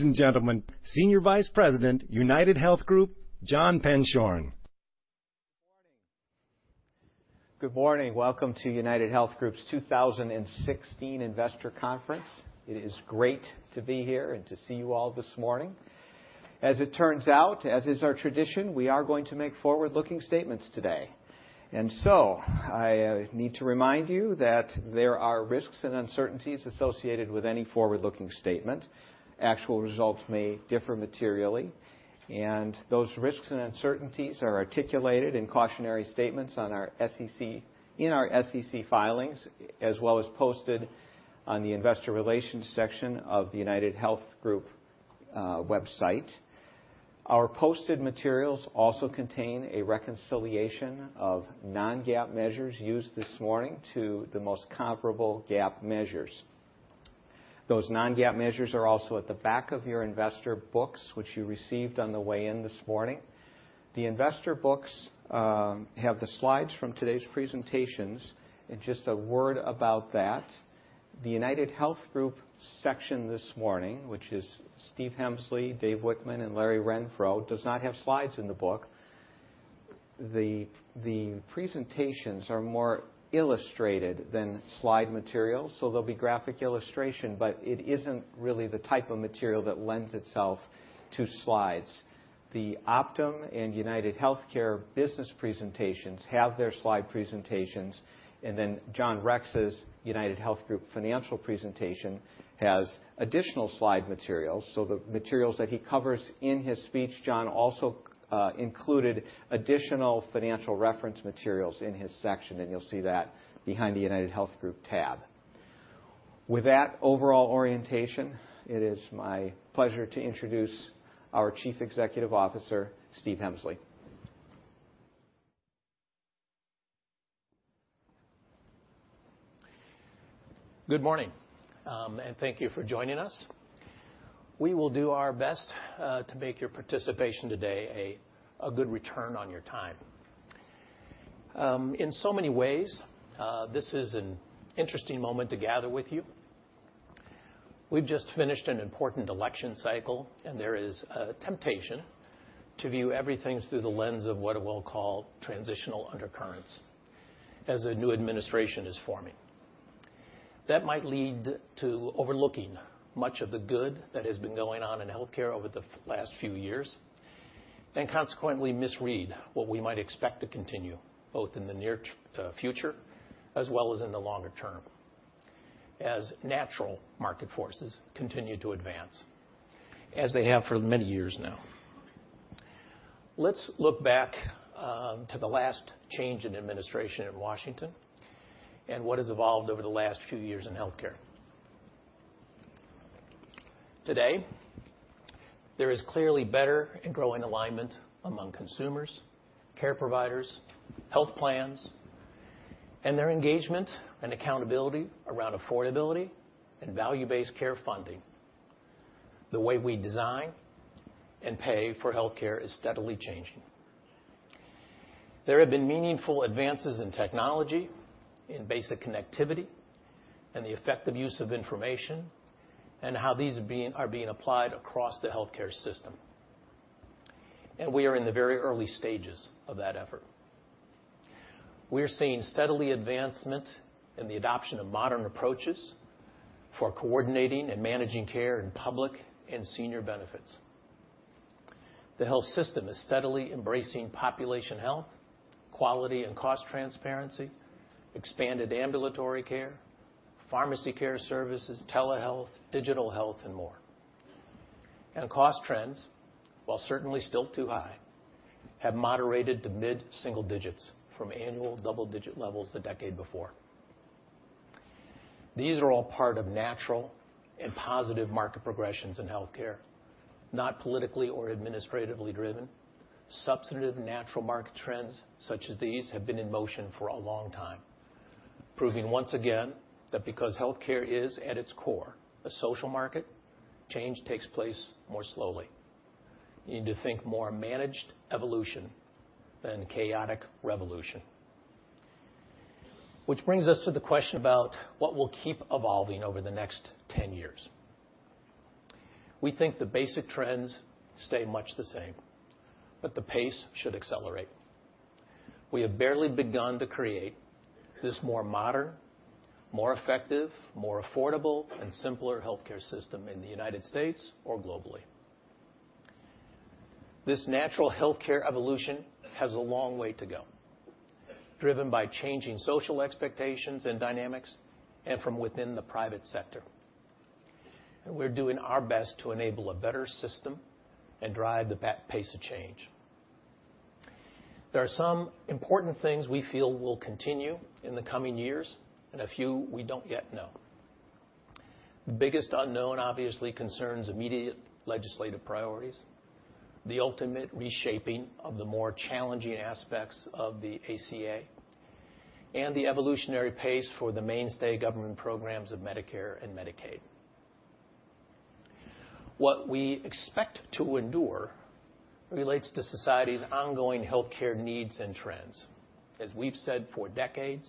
Ladies and gentlemen, Senior Vice President, UnitedHealth Group, John Penshorn. Good morning. Welcome to UnitedHealth Group's 2016 Investor Conference. It is great to be here and to see you all this morning. As it turns out, as is our tradition, we are going to make forward-looking statements today. I need to remind you that there are risks and uncertainties associated with any forward-looking statement. Actual results may differ materially, and those risks and uncertainties are articulated in cautionary statements in our SEC filings, as well as posted on the investor relations section of the UnitedHealth Group website. Our posted materials also contain a reconciliation of non-GAAP measures used this morning to the most comparable GAAP measures. Those non-GAAP measures are also at the back of your investor books, which you received on the way in this morning. The investor books have the slides from today's presentations. Just a word about that, the UnitedHealth Group section this morning, which is Stephen Hemsley, Dave Wichmann, and Larry Renfro, does not have slides in the book. The presentations are more illustrated than slide materials, so there will be graphic illustration. It isn't really the type of material that lends itself to slides. The Optum and UnitedHealthcare business presentations have their slide presentations, and then John Rex's UnitedHealth Group financial presentation has additional slide materials. The materials that he covers in his speech, John also included additional financial reference materials in his section, and you'll see that behind the UnitedHealth Group tab. With that overall orientation, it is my pleasure to introduce our Chief Executive Officer, Stephen Hemsley. Good morning. Thank you for joining us. We will do our best to make your participation today a good return on your time. In so many ways, this is an interesting moment to gather with you. We've just finished an important election cycle, and there is a temptation to view everything through the lens of what I will call transitional undercurrents as a new administration is forming. That might lead to overlooking much of the good that has been going on in healthcare over the last few years, and consequently misread what we might expect to continue, both in the near future as well as in the longer term, as natural market forces continue to advance, as they have for many years now. Let's look back to the last change in administration in Washington and what has evolved over the last few years in healthcare. Today, there is clearly better and growing alignment among consumers, care providers, health plans, and their engagement and accountability around affordability and value-based care funding. The way we design and pay for healthcare is steadily changing. There have been meaningful advances in technology, in basic connectivity, and the effective use of information, and how these are being applied across the healthcare system. We are in the very early stages of that effort. We are seeing steady advancement in the adoption of modern approaches for coordinating and managing care in public and senior benefits. The health system is steadily embracing population health, quality and cost transparency, expanded ambulatory care, pharmacy care services, telehealth, digital health, and more. Cost trends, while certainly still too high, have moderated to mid-single digits from annual double-digit levels the decade before. These are all part of natural and positive market progressions in healthcare, not politically or administratively driven. Substantive natural market trends such as these have been in motion for a long time, proving once again that because healthcare is at its core a social market, change takes place more slowly. You need to think more managed evolution than chaotic revolution. Which brings us to the question about what will keep evolving over the next 10 years. We think the basic trends stay much the same, but the pace should accelerate. We have barely begun to create this more modern, more effective, more affordable, and simpler healthcare system in the U.S. or globally. This natural healthcare evolution has a long way to go, driven by changing social expectations and dynamics, and from within the private sector. We're doing our best to enable a better system and drive the pace of change. There are some important things we feel will continue in the coming years, and a few we don't yet know. The biggest unknown obviously concerns immediate legislative priorities, the ultimate reshaping of the more challenging aspects of the ACA, and the evolutionary pace for the mainstay government programs of Medicare and Medicaid. What we expect to endure relates to society's ongoing healthcare needs and trends. As we've said for decades,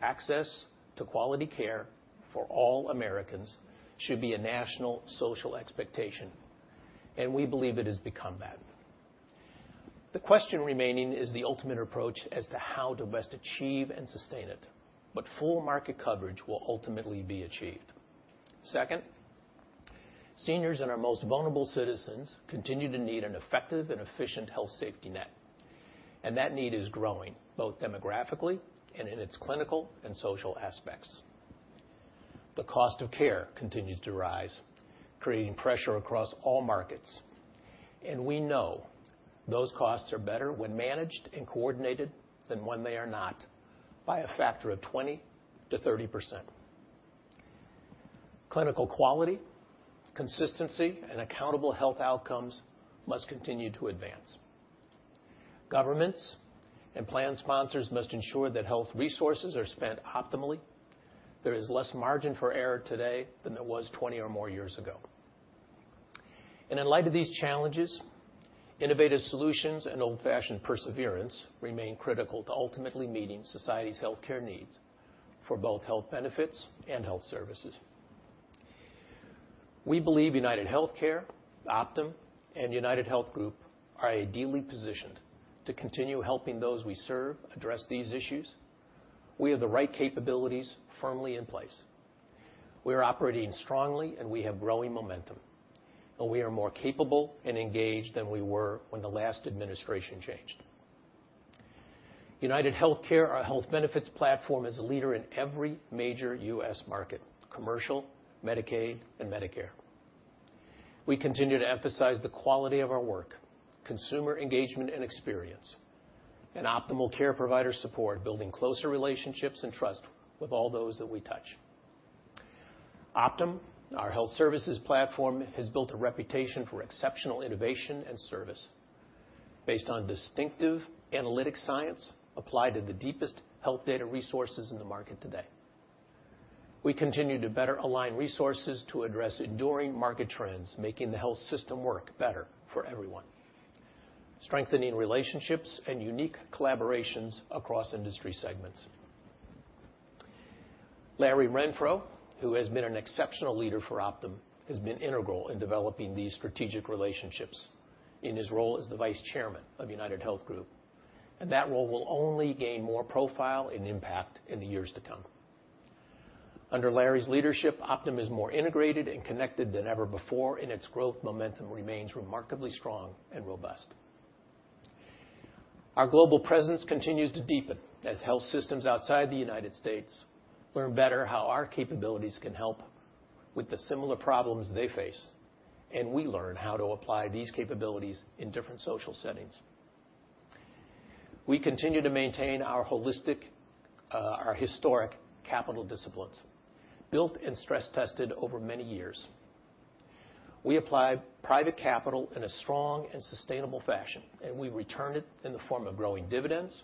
access to quality care for all Americans should be a national social expectation, and we believe it has become that. The question remaining is the ultimate approach as to how to best achieve and sustain it, but full market coverage will ultimately be achieved. Second, seniors and our most vulnerable citizens continue to need an effective and efficient health safety net, and that need is growing both demographically and in its clinical and social aspects. The cost of care continues to rise, creating pressure across all markets, and we know those costs are better when managed and coordinated than when they are not, by a factor of 20%-30%. Clinical quality, consistency, and accountable health outcomes must continue to advance. Governments and plan sponsors must ensure that health resources are spent optimally. There is less margin for error today than there was 20 or more years ago. In light of these challenges, innovative solutions and old-fashioned perseverance remain critical to ultimately meeting society's healthcare needs for both health benefits and health services. We believe UnitedHealthcare, Optum, and UnitedHealth Group are ideally positioned to continue helping those we serve address these issues. We have the right capabilities firmly in place. We are operating strongly, and we have growing momentum. We are more capable and engaged than we were when the last administration changed. UnitedHealthcare, our health benefits platform, is a leader in every major U.S. market: commercial, Medicaid, and Medicare. We continue to emphasize the quality of our work, consumer engagement and experience, and optimal care provider support, building closer relationships and trust with all those that we touch. Optum, our health services platform, has built a reputation for exceptional innovation and service based on distinctive analytic science applied to the deepest health data resources in the market today. We continue to better align resources to address enduring market trends, making the health system work better for everyone, strengthening relationships and unique collaborations across industry segments. Larry Renfro, who has been an exceptional leader for Optum, has been integral in developing these strategic relationships in his role as the Vice Chairman of UnitedHealth Group, and that role will only gain more profile and impact in the years to come. Under Larry's leadership, Optum is more integrated and connected than ever before, and its growth momentum remains remarkably strong and robust. Our global presence continues to deepen as health systems outside the U.S. learn better how our capabilities can help with the similar problems they face, and we learn how to apply these capabilities in different social settings. We continue to maintain our historic capital disciplines, built and stress-tested over many years. We apply private capital in a strong and sustainable fashion, and we return it in the form of growing dividends,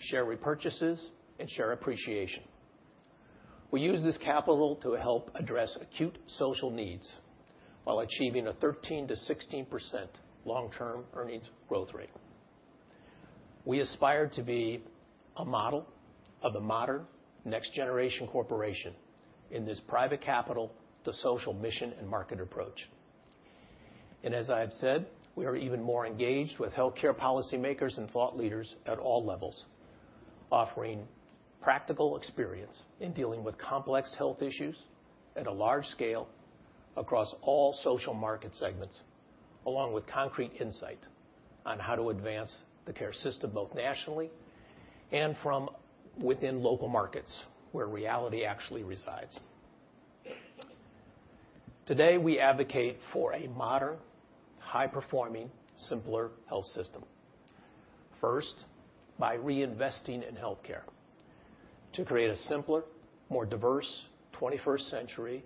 share repurchases, and share appreciation. We use this capital to help address acute social needs while achieving a 13%-16% long-term earnings growth rate. We aspire to be a model of the modern next-generation corporation in this private capital to social mission and market approach. As I have said, we are even more engaged with healthcare policymakers and thought leaders at all levels, offering practical experience in dealing with complex health issues at a large scale across all social market segments, along with concrete insight on how to advance the care system, both nationally and from within local markets where reality actually resides. Today, we advocate for a modern, high-performing, simpler health system. First, by reinvesting in healthcare to create a simpler, more diverse 21st-century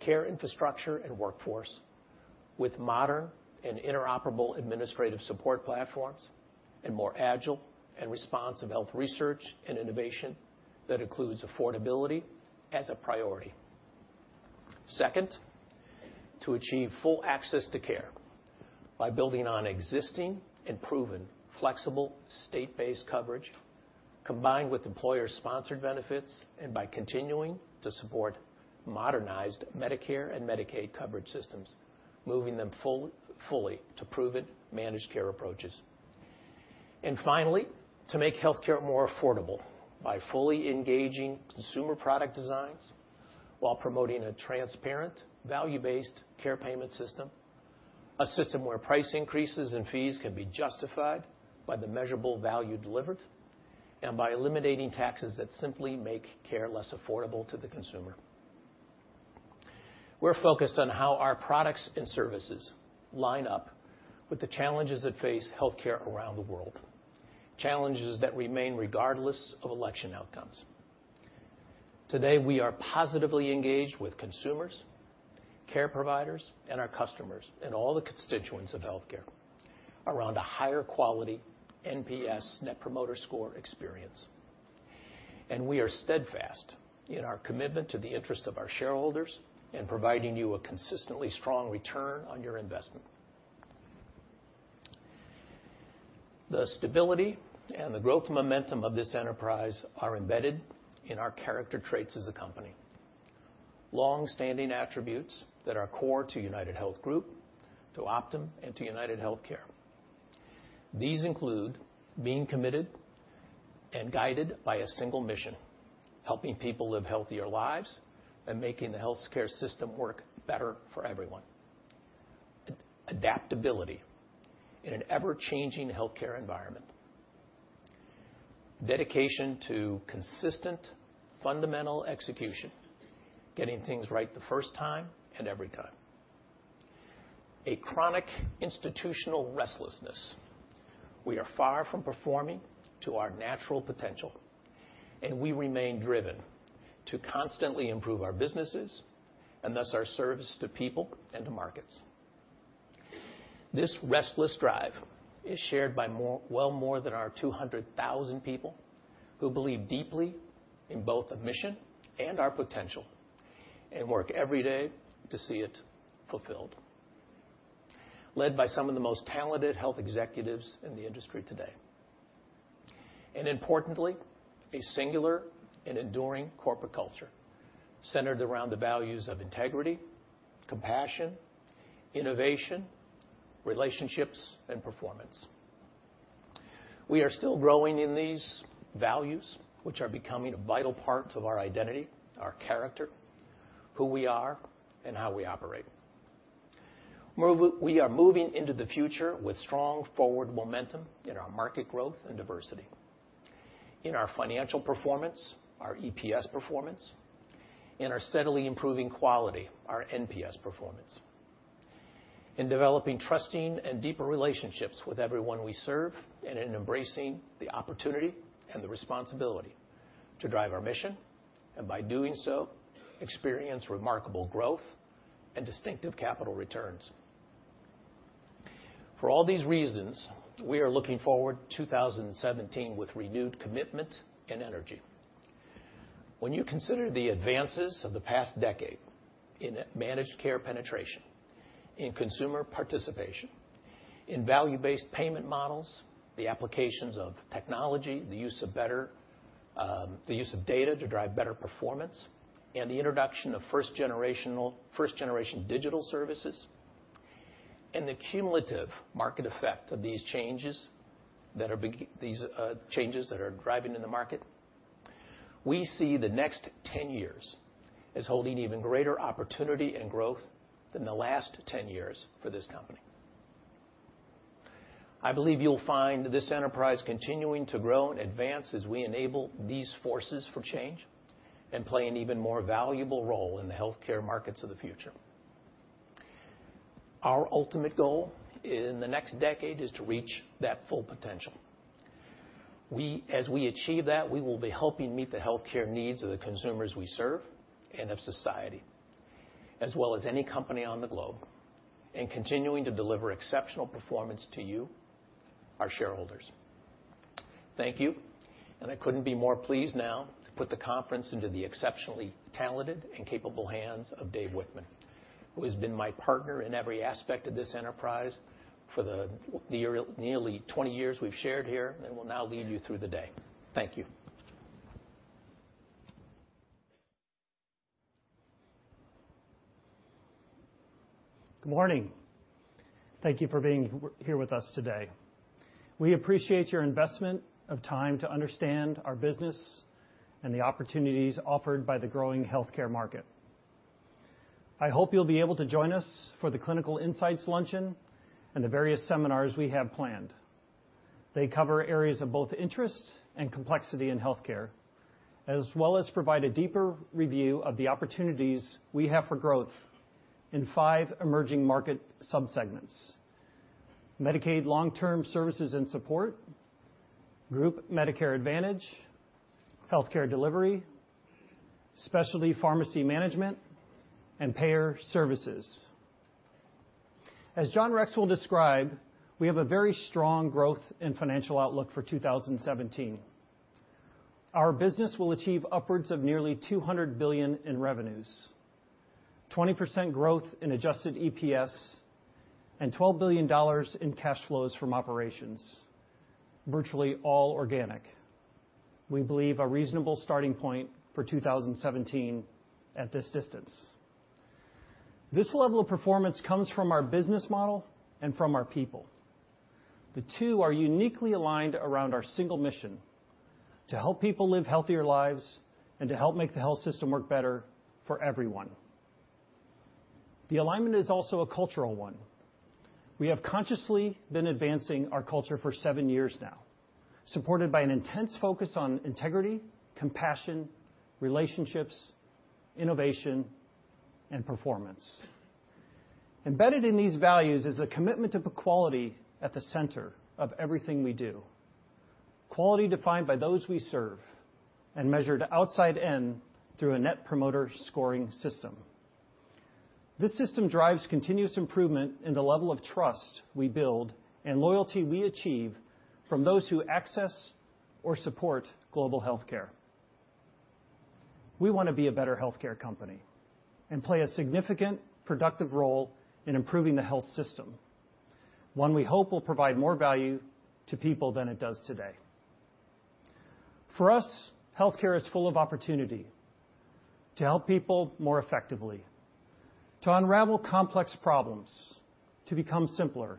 care infrastructure and workforce with modern and interoperable administrative support platforms and more agile and responsive health research and innovation that includes affordability as a priority. Second, to achieve full access to care by building on existing and proven flexible state-based coverage, combined with employer-sponsored benefits, and by continuing to support modernized Medicare and Medicaid coverage systems, moving them fully to proven managed care approaches. Finally, to make healthcare more affordable by fully engaging consumer product designs while promoting a transparent, value-based care payment system, a system where price increases and fees can be justified by the measurable value delivered, and by eliminating taxes that simply make care less affordable to the consumer. We're focused on how our products and services line up with the challenges that face healthcare around the world, challenges that remain regardless of election outcomes. Today, we are positively engaged with consumers, care providers, and our customers and all the constituents of healthcare around a higher quality NPS, Net Promoter Score, experience. We are steadfast in our commitment to the interest of our shareholders and providing you a consistently strong return on your investment. The stability and the growth momentum of this enterprise are embedded in our character traits as a company, longstanding attributes that are core to UnitedHealth Group, to Optum, and to UnitedHealthcare. These include being committed and guided by a single mission, helping people live healthier lives and making the healthcare system work better for everyone. Adaptability in an ever-changing healthcare environment. Dedication to consistent, fundamental execution, getting things right the first time and every time. A chronic institutional restlessness. We are far from performing to our natural potential, and we remain driven to constantly improve our businesses, and thus our service to people and to markets. This restless drive is shared by well more than our 200,000 people who believe deeply in both the mission and our potential, and work every day to see it fulfilled, led by some of the most talented health executives in the industry today. Importantly, a singular and enduring corporate culture centered around the values of integrity, compassion, innovation, relationships, and performance. We are still growing in these values, which are becoming a vital part of our identity, our character, who we are, and how we operate. We are moving into the future with strong forward momentum in our market growth and diversity. In our financial performance, our EPS performance, in our steadily improving quality, our NPS performance. In developing trusting and deeper relationships with everyone we serve, and in embracing the opportunity and the responsibility to drive our mission, and by doing so, experience remarkable growth and distinctive capital returns. For all these reasons, we are looking forward to 2017 with renewed commitment and energy. When you consider the advances of the past decade in managed care penetration, in consumer participation, in value-based payment models, the applications of technology, the use of data to drive better performance, and the introduction of first-generation digital services, and the cumulative market effect of these changes that are driving in the market, we see the next 10 years as holding even greater opportunity and growth than the last 10 years for this company. I believe you'll find this enterprise continuing to grow and advance as we enable these forces for change and play an even more valuable role in the healthcare markets of the future. Our ultimate goal in the next decade is to reach that full potential. As we achieve that, we will be helping meet the healthcare needs of the consumers we serve and of society, as well as any company on the globe, and continuing to deliver exceptional performance to you, our shareholders. Thank you, and I couldn't be more pleased now to put the conference into the exceptionally talented and capable hands of Dave Wichmann, who has been my partner in every aspect of this enterprise for the nearly 20 years we've shared here, and will now lead you through the day. Thank you. Good morning. Thank you for being here with us today. We appreciate your investment of time to understand our business and the opportunities offered by the growing healthcare market. I hope you'll be able to join us for the Clinical Insights luncheon and the various seminars we have planned. They cover areas of both interest and complexity in healthcare, as well as provide a deeper review of the opportunities we have for growth in 5 emerging market subsegments: Medicaid long-term services and support, group Medicare Advantage, healthcare delivery, specialty pharmacy management, and payer services. As John Rex will describe, we have a very strong growth and financial outlook for 2017. Our business will achieve upwards of nearly $200 billion in revenues, 20% growth in adjusted EPS, and $12 billion in cash flows from operations, virtually all organic. We believe a reasonable starting point for 2017 at this distance. This level of performance comes from our business model and from our people. The two are uniquely aligned around our single mission: to help people live healthier lives and to help make the health system work better for everyone. The alignment is also a cultural one. We have consciously been advancing our culture for seven years now, supported by an intense focus on integrity, compassion, relationships, innovation, and performance. Embedded in these values is a commitment to quality at the center of everything we do, quality defined by those we serve and measured outside in through a Net Promoter scoring system. This system drives continuous improvement in the level of trust we build and loyalty we achieve from those who access or support global healthcare. We want to be a better healthcare company and play a significant, productive role in improving the health system, one we hope will provide more value to people than it does today. For us, healthcare is full of opportunity to help people more effectively, to unravel complex problems, to become simpler,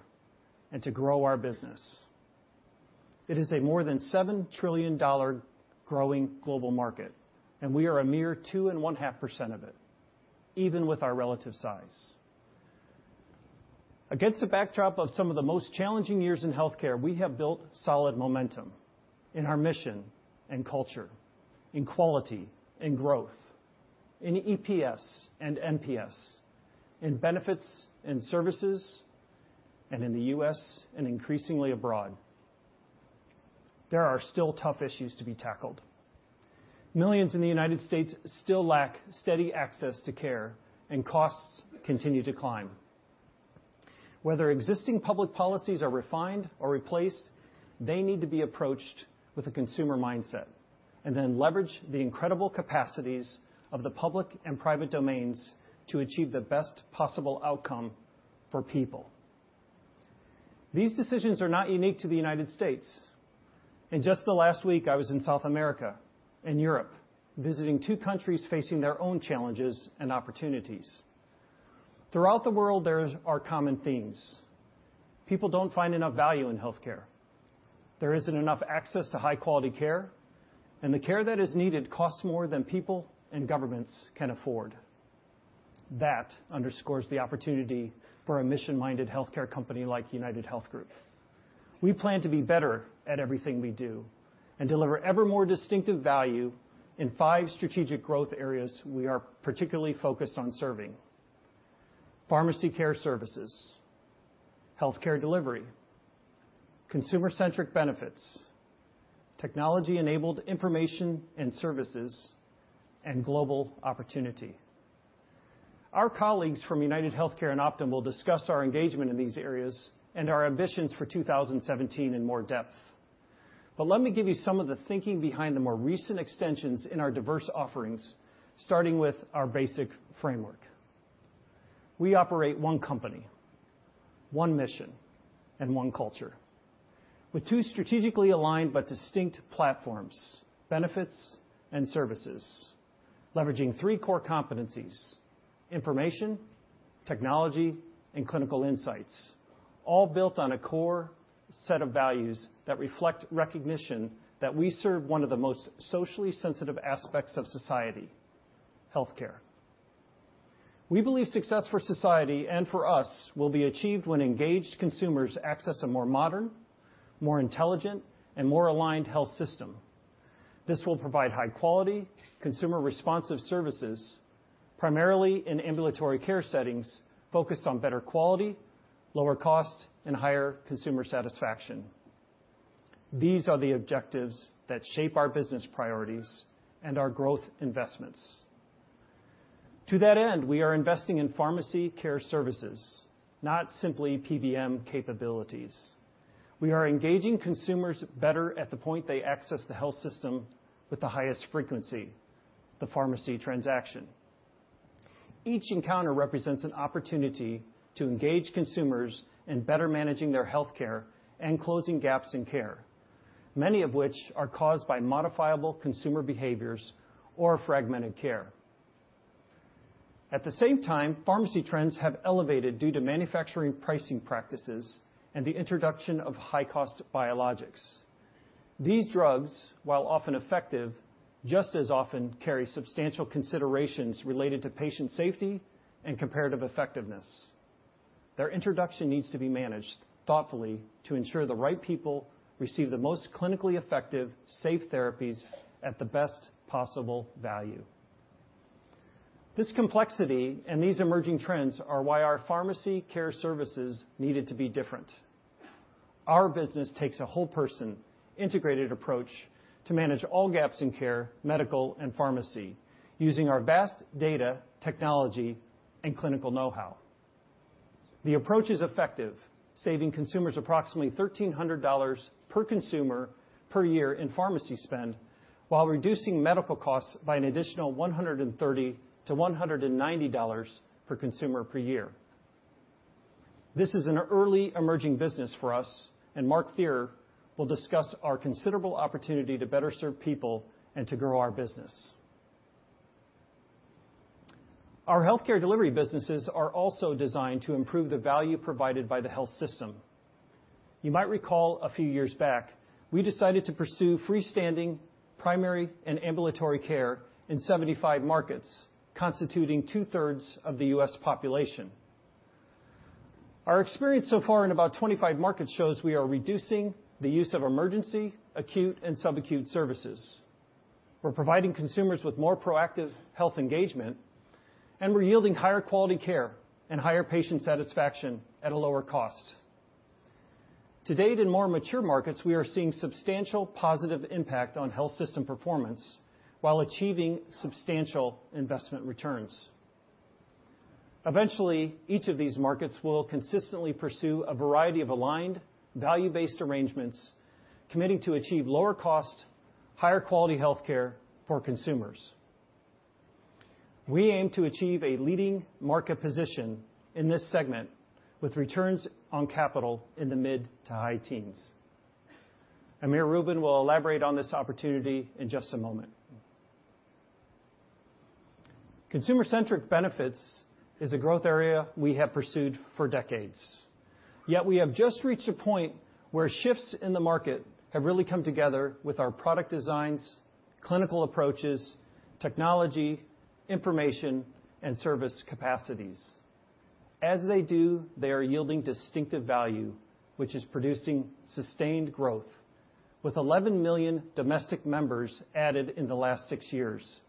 and to grow our business. It is a more than $7 trillion growing global market, and we are a mere two and one-half % of it, even with our relative size. Against the backdrop of some of the most challenging years in healthcare, we have built solid momentum in our mission and culture, in quality, in growth, in EPS and NPS, in benefits and services, and in the U.S. and increasingly abroad. There are still tough issues to be tackled. Millions in the United States still lack steady access to care, and costs continue to climb. Whether existing public policies are refined or replaced, they need to be approached with a consumer mindset and then leverage the incredible capacities of the public and private domains to achieve the best possible outcome for people. These decisions are not unique to the United States. In just the last week, I was in South America and Europe, visiting two countries facing their own challenges and opportunities. Throughout the world, there are common themes. People don't find enough value in healthcare. There isn't enough access to high-quality care, and the care that is needed costs more than people and governments can afford. That underscores the opportunity for a mission-minded healthcare company like UnitedHealth Group. We plan to be better at everything we do and deliver ever more distinctive value in five strategic growth areas we are particularly focused on serving: pharmacy care services, healthcare delivery, consumer-centric benefits, technology-enabled information and services, and global opportunity. Our colleagues from UnitedHealthcare and Optum will discuss our engagement in these areas and our ambitions for 2017 in more depth. Let me give you some of the thinking behind the more recent extensions in our diverse offerings, starting with our basic framework. We operate one company, one mission, and one culture with two strategically aligned but distinct platforms, benefits, and services, leveraging three core competencies, information, technology, and clinical insights, all built on a core set of values that reflect recognition that we serve one of the most socially sensitive aspects of society, healthcare. We believe success for society and for us will be achieved when engaged consumers access a more modern, more intelligent, and more aligned health system. This will provide high-quality, consumer-responsive services primarily in ambulatory care settings focused on better quality, lower cost, and higher consumer satisfaction. These are the objectives that shape our business priorities and our growth investments. To that end, we are investing in pharmacy care services, not simply PBM capabilities. We are engaging consumers better at the point they access the health system with the highest frequency, the pharmacy transaction. Each encounter represents an opportunity to engage consumers in better managing their healthcare and closing gaps in care, many of which are caused by modifiable consumer behaviors or fragmented care. At the same time, pharmacy trends have elevated due to manufacturing pricing practices and the introduction of high-cost biologics. These drugs, while often effective, just as often carry substantial considerations related to patient safety and comparative effectiveness. Their introduction needs to be managed thoughtfully to ensure the right people receive the most clinically effective, safe therapies at the best possible value. This complexity and these emerging trends are why our pharmacy care services needed to be different. Our business takes a whole-person, integrated approach to manage all gaps in care, medical, and pharmacy using our vast data, technology, and clinical know-how. The approach is effective, saving consumers approximately $1,300 per consumer per year in pharmacy spend while reducing medical costs by an additional $130-$190 per consumer per year. This is an early emerging business for us, and Mark Thierer will discuss our considerable opportunity to better serve people and to grow our business. Our healthcare delivery businesses are also designed to improve the value provided by the health system. You might recall a few years back, we decided to pursue freestanding primary and ambulatory care in 75 markets, constituting two-thirds of the U.S. population. Our experience so far in about 25 markets shows we are reducing the use of emergency, acute, and subacute services. We're providing consumers with more proactive health engagement, and we're yielding higher quality care and higher patient satisfaction at a lower cost. To date, in more mature markets, we are seeing substantial positive impact on health system performance while achieving substantial investment returns. Eventually, each of these markets will consistently pursue a variety of aligned value-based arrangements, committing to achieve lower cost, higher quality healthcare for consumers. We aim to achieve a leading market position in this segment with returns on capital in the mid to high teens. Amir Rubin will elaborate on this opportunity in just a moment. Consumer-centric benefits is a growth area we have pursued for decades, yet we have just reached a point where shifts in the market have really come together with our product designs, clinical approaches, technology, information, and service capacities. As they do, they are yielding distinctive value, which is producing sustained growth with 11 million domestic members added in the last six years,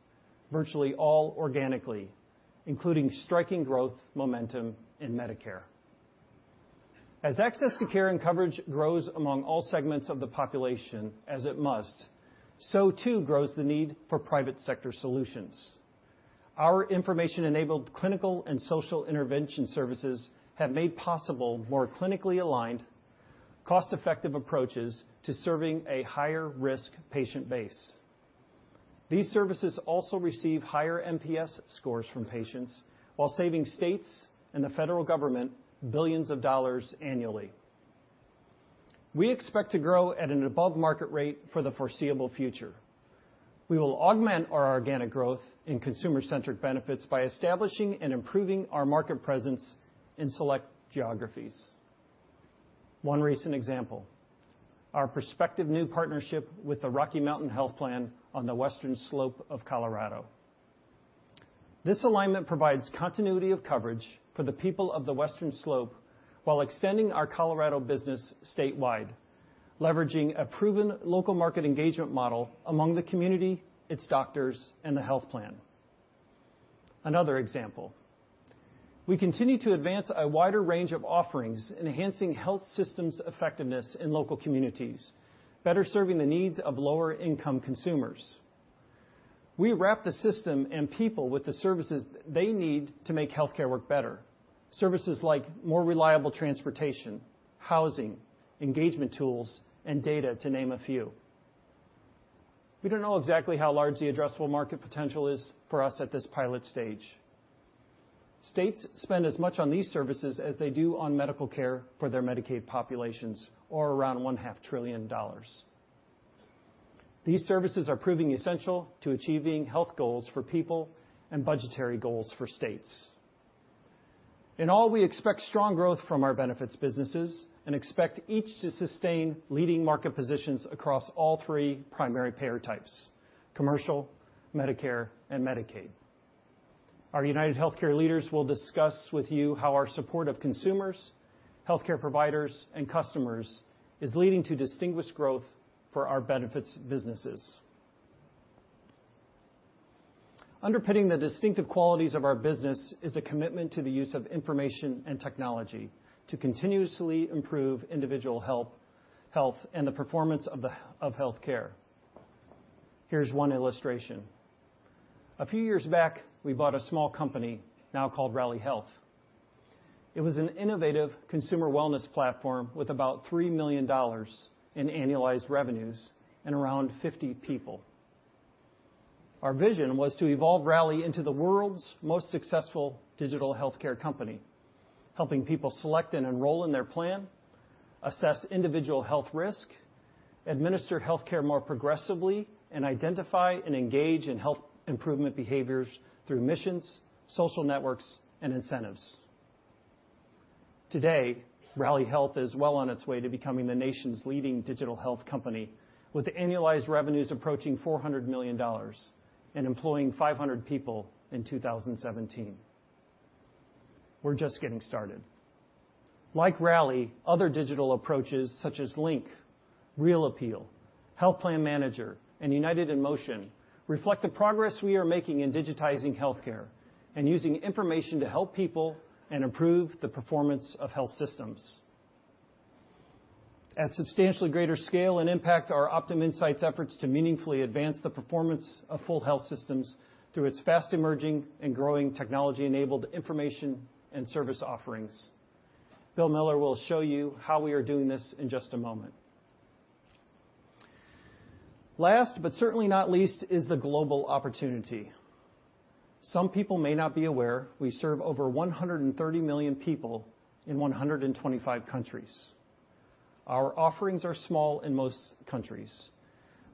virtually all organically, including striking growth momentum in Medicare. As access to care and coverage grows among all segments of the population, as it must, so too grows the need for private sector solutions. Our information-enabled clinical and social intervention services have made possible more clinically aligned cost-effective approaches to serving a higher risk patient base. These services also receive higher NPS scores from patients while saving states and the federal government $billions annually. We expect to grow at an above market rate for the foreseeable future. We will augment our organic growth in consumer-centric benefits by establishing and improving our market presence in select geographies. One recent example, our prospective new partnership with the Rocky Mountain Health Plan on the Western Slope of Colorado. This alignment provides continuity of coverage for the people of the Western Slope while extending our Colorado business statewide, leveraging a proven local market engagement model among the community, its doctors, and the health plan. Another example, we continue to advance a wider range of offerings, enhancing health systems effectiveness in local communities, better serving the needs of lower income consumers. We wrap the system and people with the services they need to make healthcare work better. Services like more reliable transportation, housing, engagement tools, and data, to name a few. We don't know exactly how large the addressable market potential is for us at this pilot stage. States spend as much on these services as they do on medical care for their Medicaid populations, or around one-half trillion dollars. These services are proving essential to achieving health goals for people and budgetary goals for states. In all, we expect strong growth from our benefits businesses and expect each to sustain leading market positions across all three primary payer types: commercial, Medicare, and Medicaid. Our UnitedHealthcare leaders will discuss with you how our support of consumers, healthcare providers, and customers is leading to distinguished growth for our benefits businesses. Underpinning the distinctive qualities of our business is a commitment to the use of information and technology to continuously improve individual health and the performance of healthcare. Here's one illustration. A few years back, we bought a small company now called Rally Health. It was an innovative consumer wellness platform with about $3 million in annualized revenues and around 50 people. Our vision was to evolve Rally into the world's most successful digital healthcare company, helping people select and enroll in their plan, assess individual health risk, administer healthcare more progressively, and identify and engage in health improvement behaviors through missions, social networks, and incentives. Today, Rally Health is well on its way to becoming the nation's leading digital health company with annualized revenues approaching $400 million and employing 500 people in 2017. Like Rally, other digital approaches such as Lynx, Real Appeal, Health Plan Manager, and UnitedHealthcare Motion reflect the progress we are making in digitizing healthcare and using information to help people and improve the performance of health systems. At substantially greater scale and impact are Optum Insight's efforts to meaningfully advance the performance of full health systems through its fast emerging and growing technology-enabled information and service offerings. Bill Miller will show you how we are doing this in just a moment. Last but certainly not least is the global opportunity. Some people may not be aware we serve over 130 million people in 125 countries. Our offerings are small in most countries,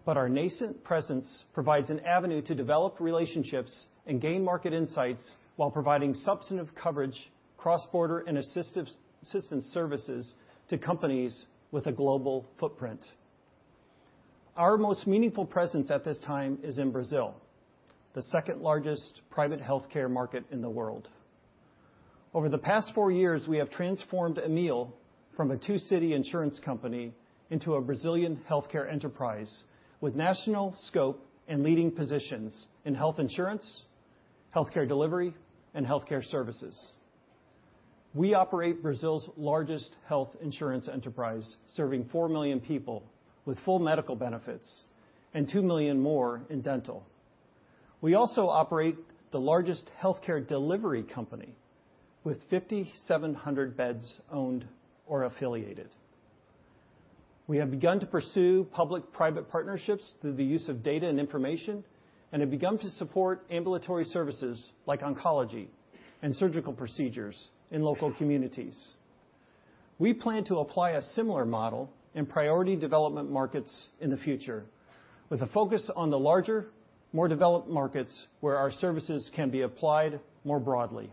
but our nascent presence provides an avenue to develop relationships and gain market insights while providing substantive coverage, cross-border, and assistance services to companies with a global footprint. Our most meaningful presence at this time is in Brazil, the second-largest private healthcare market in the world. Over the past four years, we have transformed Amil from a two-city insurance company into a Brazilian healthcare enterprise with national scope and leading positions in health insurance, healthcare delivery, and healthcare services. We operate Brazil's largest health insurance enterprise, serving 4 million people with full medical benefits and 2 million more in dental. We also operate the largest healthcare delivery company with 5,700 beds owned or affiliated. We have begun to pursue public-private partnerships through the use of data and information and have begun to support ambulatory services like oncology and surgical procedures in local communities. We plan to apply a similar model in priority development markets in the future with a focus on the larger, more developed markets where our services can be applied more broadly.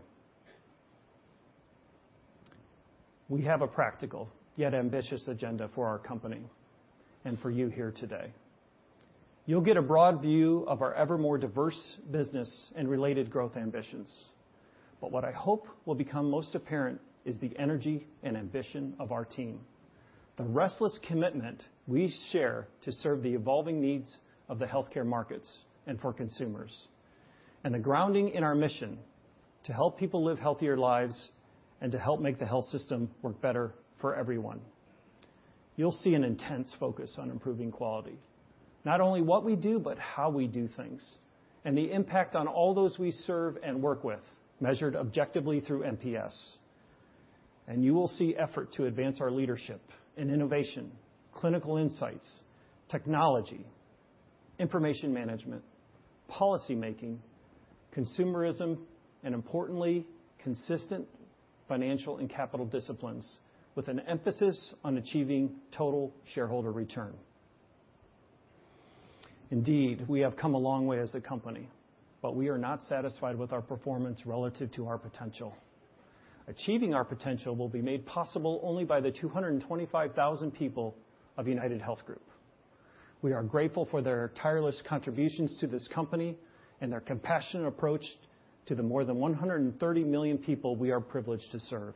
We have a practical, yet ambitious agenda for our company and for you here today. You'll get a broad view of our evermore diverse business and related growth ambitions. What I hope will become most apparent is the energy and ambition of our team, the restless commitment we share to serve the evolving needs of the healthcare markets and for consumers, and the grounding in our mission to help people live healthier lives and to help make the health system work better for everyone. You'll see an intense focus on improving quality. Not only what we do, but how we do things, and the impact on all those we serve and work with, measured objectively through NPS. You will see effort to advance our leadership in innovation, clinical insights, technology, information management, policymaking, consumerism, and importantly, consistent financial and capital disciplines with an emphasis on achieving total shareholder return. Indeed, we have come a long way as a company, but we are not satisfied with our performance relative to our potential. Achieving our potential will be made possible only by the 225,000 people of UnitedHealth Group. We are grateful for their tireless contributions to this company and their compassionate approach to the more than 130 million people we are privileged to serve.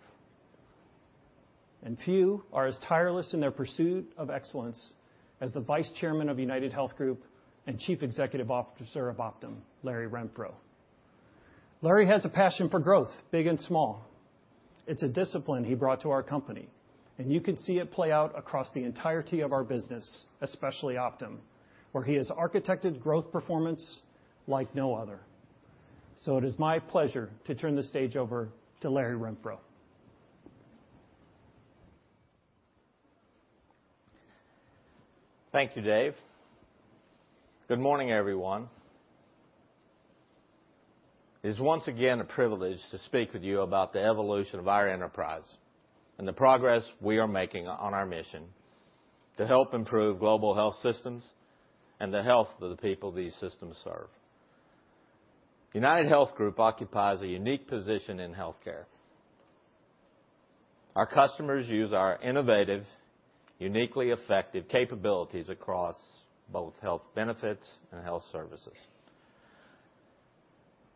Few are as tireless in their pursuit of excellence as the Vice Chairman of UnitedHealth Group and Chief Executive Officer of Optum, Larry Renfro. Larry has a passion for growth, big and small. It's a discipline he brought to our company, and you can see it play out across the entirety of our business, especially Optum, where he has architected growth performance like no other. It is my pleasure to turn the stage over to Larry Renfro. Thank you, Dave. Good morning, everyone. It is once again a privilege to speak with you about the evolution of our enterprise and the progress we are making on our mission to help improve global health systems and the health of the people these systems serve. UnitedHealth Group occupies a unique position in healthcare. Our customers use our innovative, uniquely effective capabilities across both health benefits and health services.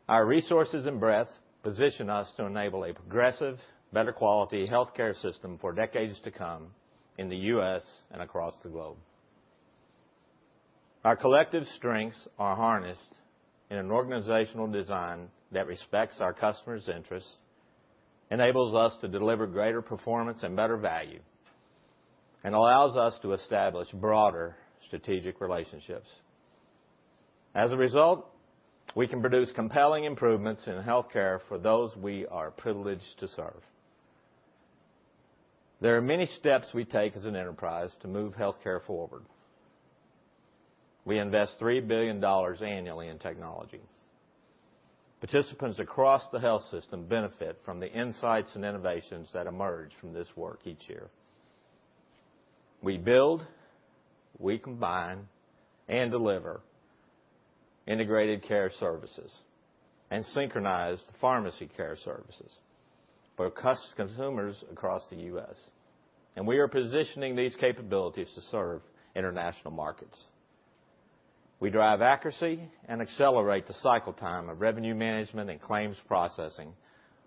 Our resources and breadth position us to enable a progressive, better quality healthcare system for decades to come in the U.S. and across the globe. Our collective strengths are harnessed in an organizational design that respects our customers' interests, enables us to deliver greater performance and better value, and allows us to establish broader strategic relationships. As a result, we can produce compelling improvements in healthcare for those we are privileged to serve. There are many steps we take as an enterprise to move healthcare forward. We invest $3 billion annually in technology. Participants across the health system benefit from the insights and innovations that emerge from this work each year. We build, we combine, and deliver integrated care services and synchronized pharmacy care services for consumers across the U.S. We are positioning these capabilities to serve international markets. We drive accuracy and accelerate the cycle time of revenue management and claims processing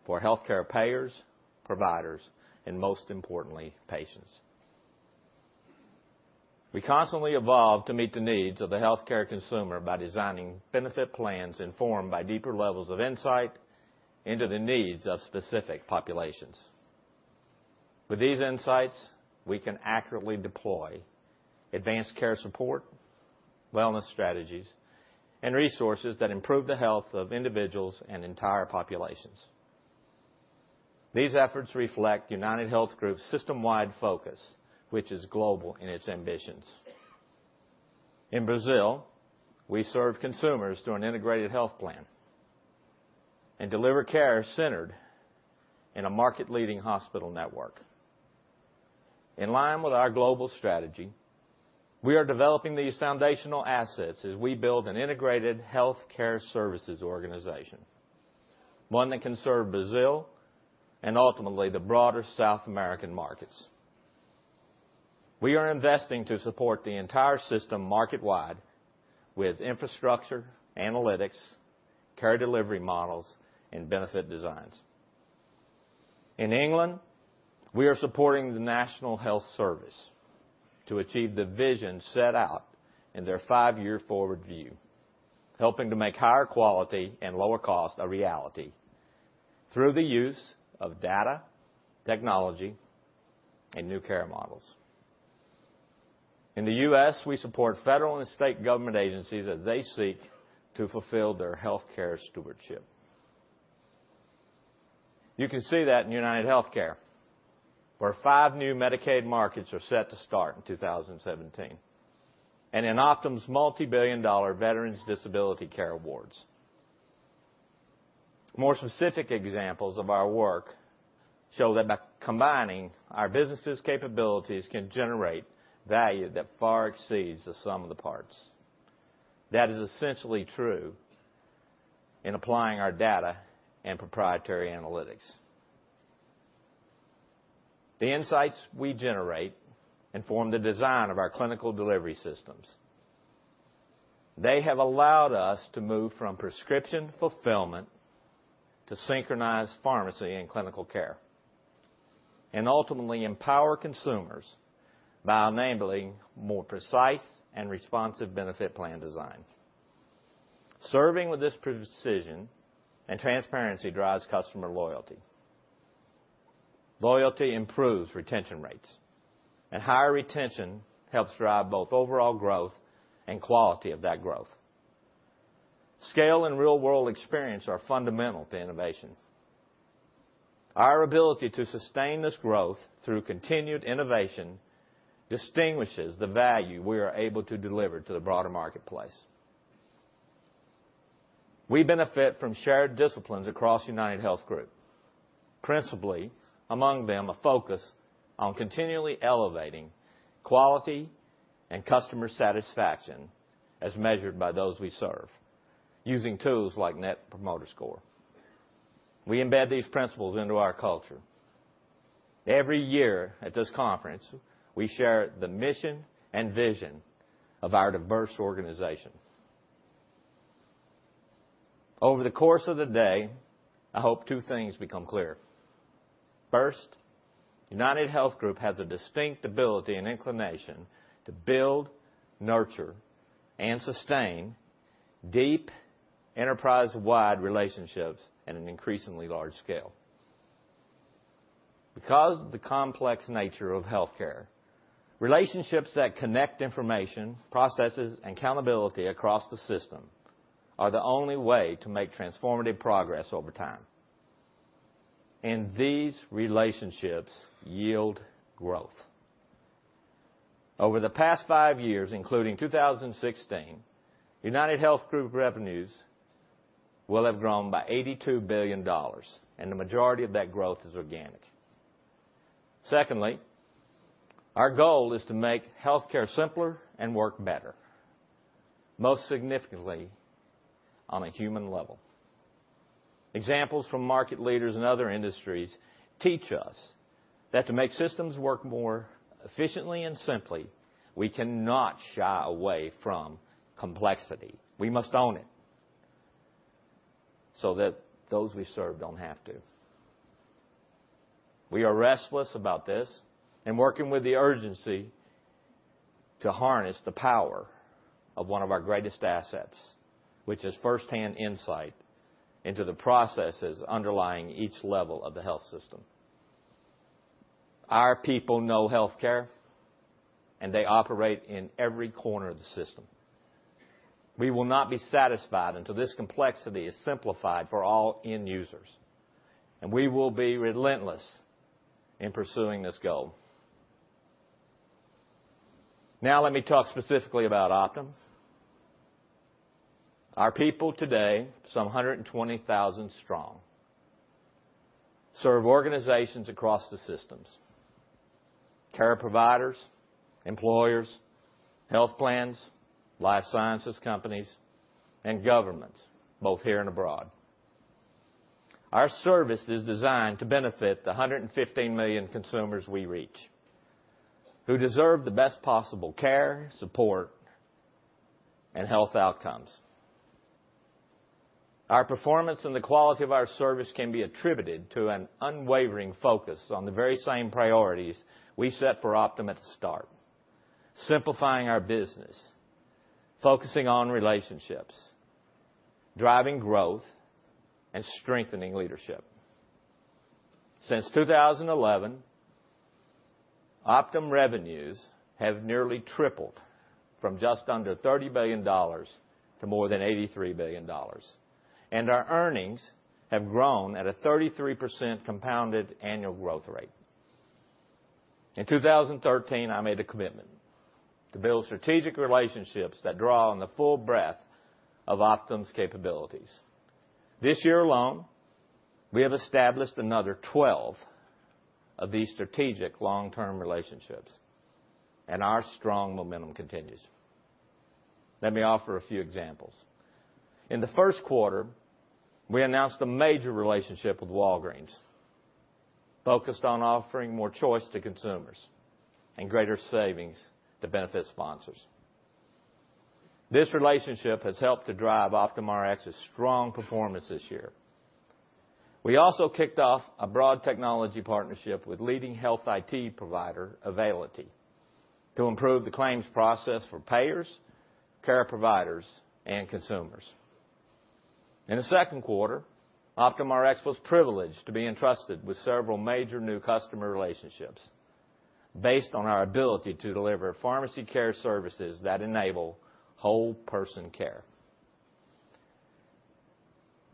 for healthcare payers, providers, and most importantly, patients. We constantly evolve to meet the needs of the healthcare consumer by designing benefit plans informed by deeper levels of insight into the needs of specific populations. With these insights, we can accurately deploy advanced care support, wellness strategies, and resources that improve the health of individuals and entire populations. These efforts reflect UnitedHealth Group's system-wide focus, which is global in its ambitions. In Brazil, we serve consumers through an integrated health plan and deliver care centered in a market-leading hospital network. In line with our global strategy, we are developing these foundational assets as we build an integrated healthcare services organization, one that can serve Brazil and ultimately the broader South American markets. We are investing to support the entire system market-wide with infrastructure, analytics, care delivery models, and benefit designs. In England, we are supporting the National Health Service to achieve the vision set out in their Five Year Forward View, helping to make higher quality and lower cost a reality through the use of data, technology, and new care models. In the U.S., we support federal and state government agencies as they seek to fulfill their healthcare stewardship. You can see that in UnitedHealthcare, where five new Medicaid markets are set to start in 2017, and in Optum's multi-billion-dollar Veterans disability care awards. More specific examples of our work show that by combining our businesses' capabilities can generate value that far exceeds the sum of the parts. That is essentially true in applying our data and proprietary analytics. The insights we generate inform the design of our clinical delivery systems. They have allowed us to move from prescription fulfillment to synchronized pharmacy and clinical care, and ultimately empower consumers by enabling more precise and responsive benefit plan design. Serving with this precision and transparency drives customer loyalty. Loyalty improves retention rates, and higher retention helps drive both overall growth and quality of that growth. Scale and real-world experience are fundamental to innovation. Our ability to sustain this growth through continued innovation distinguishes the value we are able to deliver to the broader marketplace. We benefit from shared disciplines across UnitedHealth Group, principally among them a focus on continually elevating quality and customer satisfaction as measured by those we serve, using tools like Net Promoter Score. We embed these principles into our culture. Every year at this conference, we share the mission and vision of our diverse organization. Over the course of the day, I hope two things become clear. UnitedHealth Group has a distinct ability and inclination to build, nurture, and sustain deep, enterprise-wide relationships at an increasingly large scale. Because of the complex nature of healthcare, relationships that connect information, processes, and accountability across the system are the only way to make transformative progress over time. These relationships yield growth. Over the past five years, including 2016, UnitedHealth Group revenues will have grown by $82 billion, the majority of that growth is organic. Our goal is to make healthcare simpler and work better, most significantly on a human level. Examples from market leaders in other industries teach us that to make systems work more efficiently and simply, we cannot shy away from complexity. We must own it, so that those we serve don't have to. We are restless about this and working with the urgency to harness the power of one of our greatest assets, which is first-hand insight into the processes underlying each level of the health system. Our people know healthcare, they operate in every corner of the system. We will not be satisfied until this complexity is simplified for all end users, we will be relentless in pursuing this goal. Let me talk specifically about Optum. Our people today, some 120,000 strong, serve organizations across the systems, care providers, employers, health plans, life sciences companies, and governments, both here and abroad. Our service is designed to benefit the 115 million consumers we reach, who deserve the best possible care, support, and health outcomes. Our performance and the quality of our service can be attributed to an unwavering focus on the very same priorities we set for Optum at the start. Simplifying our business, focusing on relationships, driving growth, and strengthening leadership. Since 2011, Optum revenues have nearly tripled from just under $30 billion to more than $83 billion. Our earnings have grown at a 33% compounded annual growth rate. In 2013, I made a commitment to build strategic relationships that draw on the full breadth of Optum's capabilities. This year alone, we have established another 12 of these strategic long-term relationships, our strong momentum continues. Let me offer a few examples. In the first quarter, we announced a major relationship with Walgreens, focused on offering more choice to consumers and greater savings to benefit sponsors. This relationship has helped to drive Optum Rx's strong performance this year. We also kicked off a broad technology partnership with leading health IT provider Availity to improve the claims process for payers, care providers, and consumers. In the second quarter, Optum Rx was privileged to be entrusted with several major new customer relationships based on our ability to deliver pharmacy care services that enable whole person care.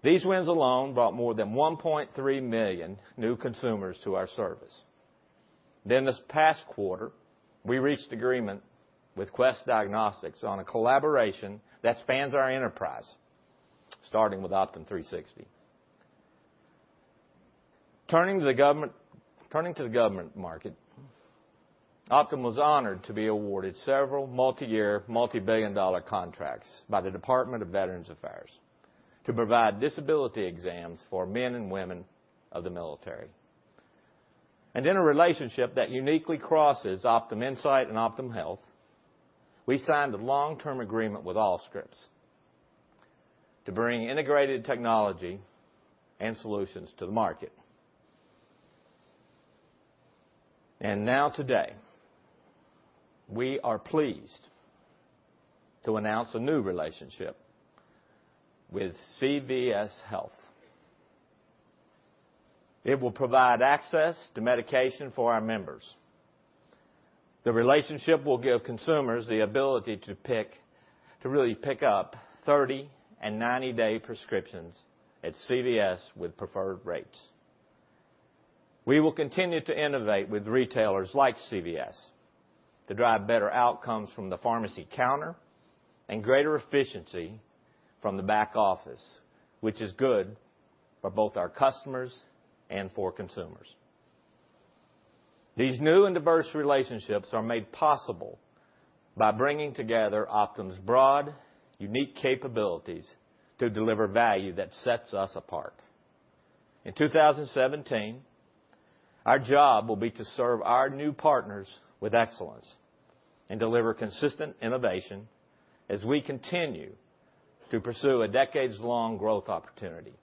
These wins alone brought more than 1.3 million new consumers to our service. This past quarter, we reached agreement with Quest Diagnostics on a collaboration that spans our enterprise, starting with Optum360. Turning to the government market, Optum was honored to be awarded several multi-year, multi-billion dollar contracts by the Department of Veterans Affairs to provide disability exams for men and women of the military. In a relationship that uniquely crosses Optum Insight and Optum Health, we signed a long-term agreement with Allscripts to bring integrated technology and solutions to the market. Today, we are pleased to announce a new relationship with CVS Health. It will provide access to medication for our members. The relationship will give consumers the ability to really pick up 30- and 90-day prescriptions at CVS with preferred rates. We will continue to innovate with retailers like CVS to drive better outcomes from the pharmacy counter and greater efficiency from the back office, which is good for both our customers and for consumers. These new and diverse relationships are made possible by bringing together Optum's broad, unique capabilities to deliver value that sets us apart. In 2017, our job will be to serve our new partners with excellence and deliver consistent innovation as we continue to pursue a decades long growth opportunity.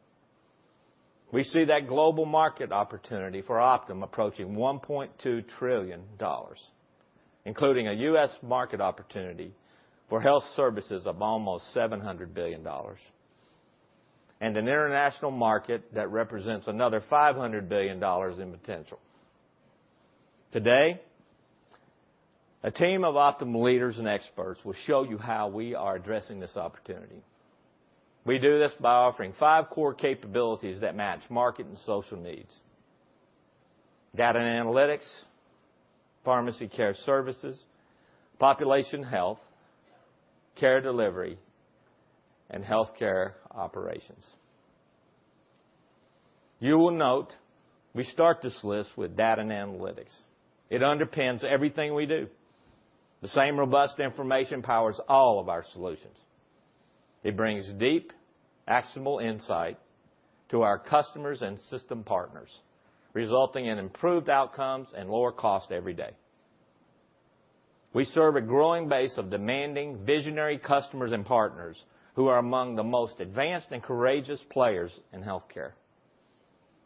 We see that global market opportunity for Optum approaching $1.2 trillion, including a U.S. market opportunity for health services of almost $700 billion, and an international market that represents another $500 billion in potential. Today, a team of Optum leaders and experts will show you how we are addressing this opportunity. We do this by offering five core capabilities that match market and social needs: data and analytics, pharmacy care services, population health, care delivery, and healthcare operations. You will note we start this list with data and analytics. It underpins everything we do. The same robust information powers all of our solutions. It brings deep, actionable insight to our customers and system partners, resulting in improved outcomes and lower cost every day. We serve a growing base of demanding, visionary customers and partners who are among the most advanced and courageous players in healthcare.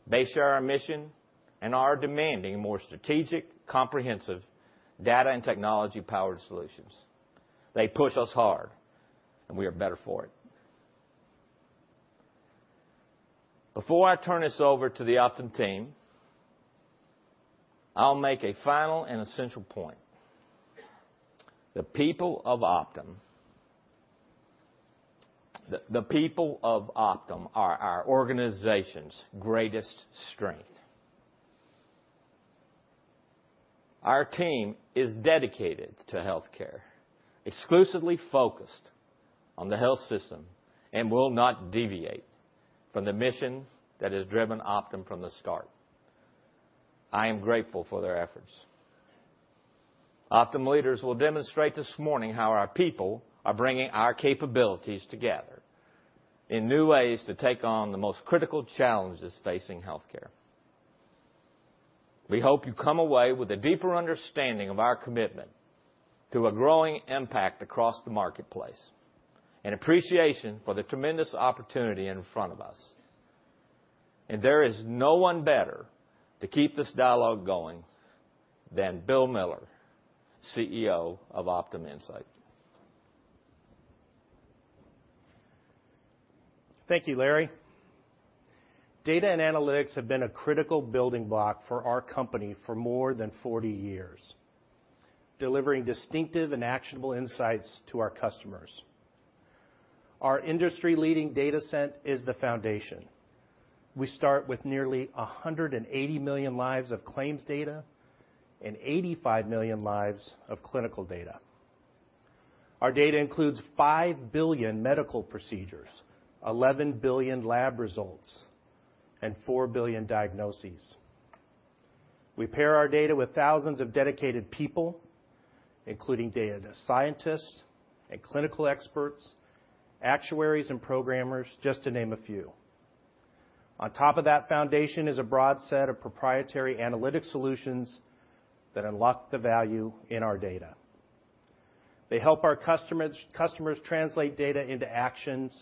They share our mission and are demanding more strategic, comprehensive data and technology-powered solutions. They push us hard. We are better for it. Before I turn this over to the Optum team, I'll make a final and essential point. The people of Optum are our organization's greatest strength. Our team is dedicated to healthcare, exclusively focused on the health system, and will not deviate from the mission that has driven Optum from the start. I am grateful for their efforts. Optum leaders will demonstrate this morning how our people are bringing our capabilities together in new ways to take on the most critical challenges facing healthcare. We hope you come away with a deeper understanding of our commitment to a growing impact across the marketplace and appreciation for the tremendous opportunity in front of us. There is no one better to keep this dialogue going than Bill Miller, CEO of Optum Insight. Thank you, Larry. Data and analytics have been a critical building block for our company for more than 40 years, delivering distinctive and actionable insights to our customers. Our industry-leading data set is the foundation. We start with nearly 180 million lives of claims data and 85 million lives of clinical data. Our data includes 5 billion medical procedures, 11 billion lab results, and 4 billion diagnoses. We pair our data with thousands of dedicated people, including data scientists and clinical experts, actuaries, and programmers, just to name a few. On top of that foundation is a broad set of proprietary analytic solutions that unlock the value in our data. They help our customers translate data into actions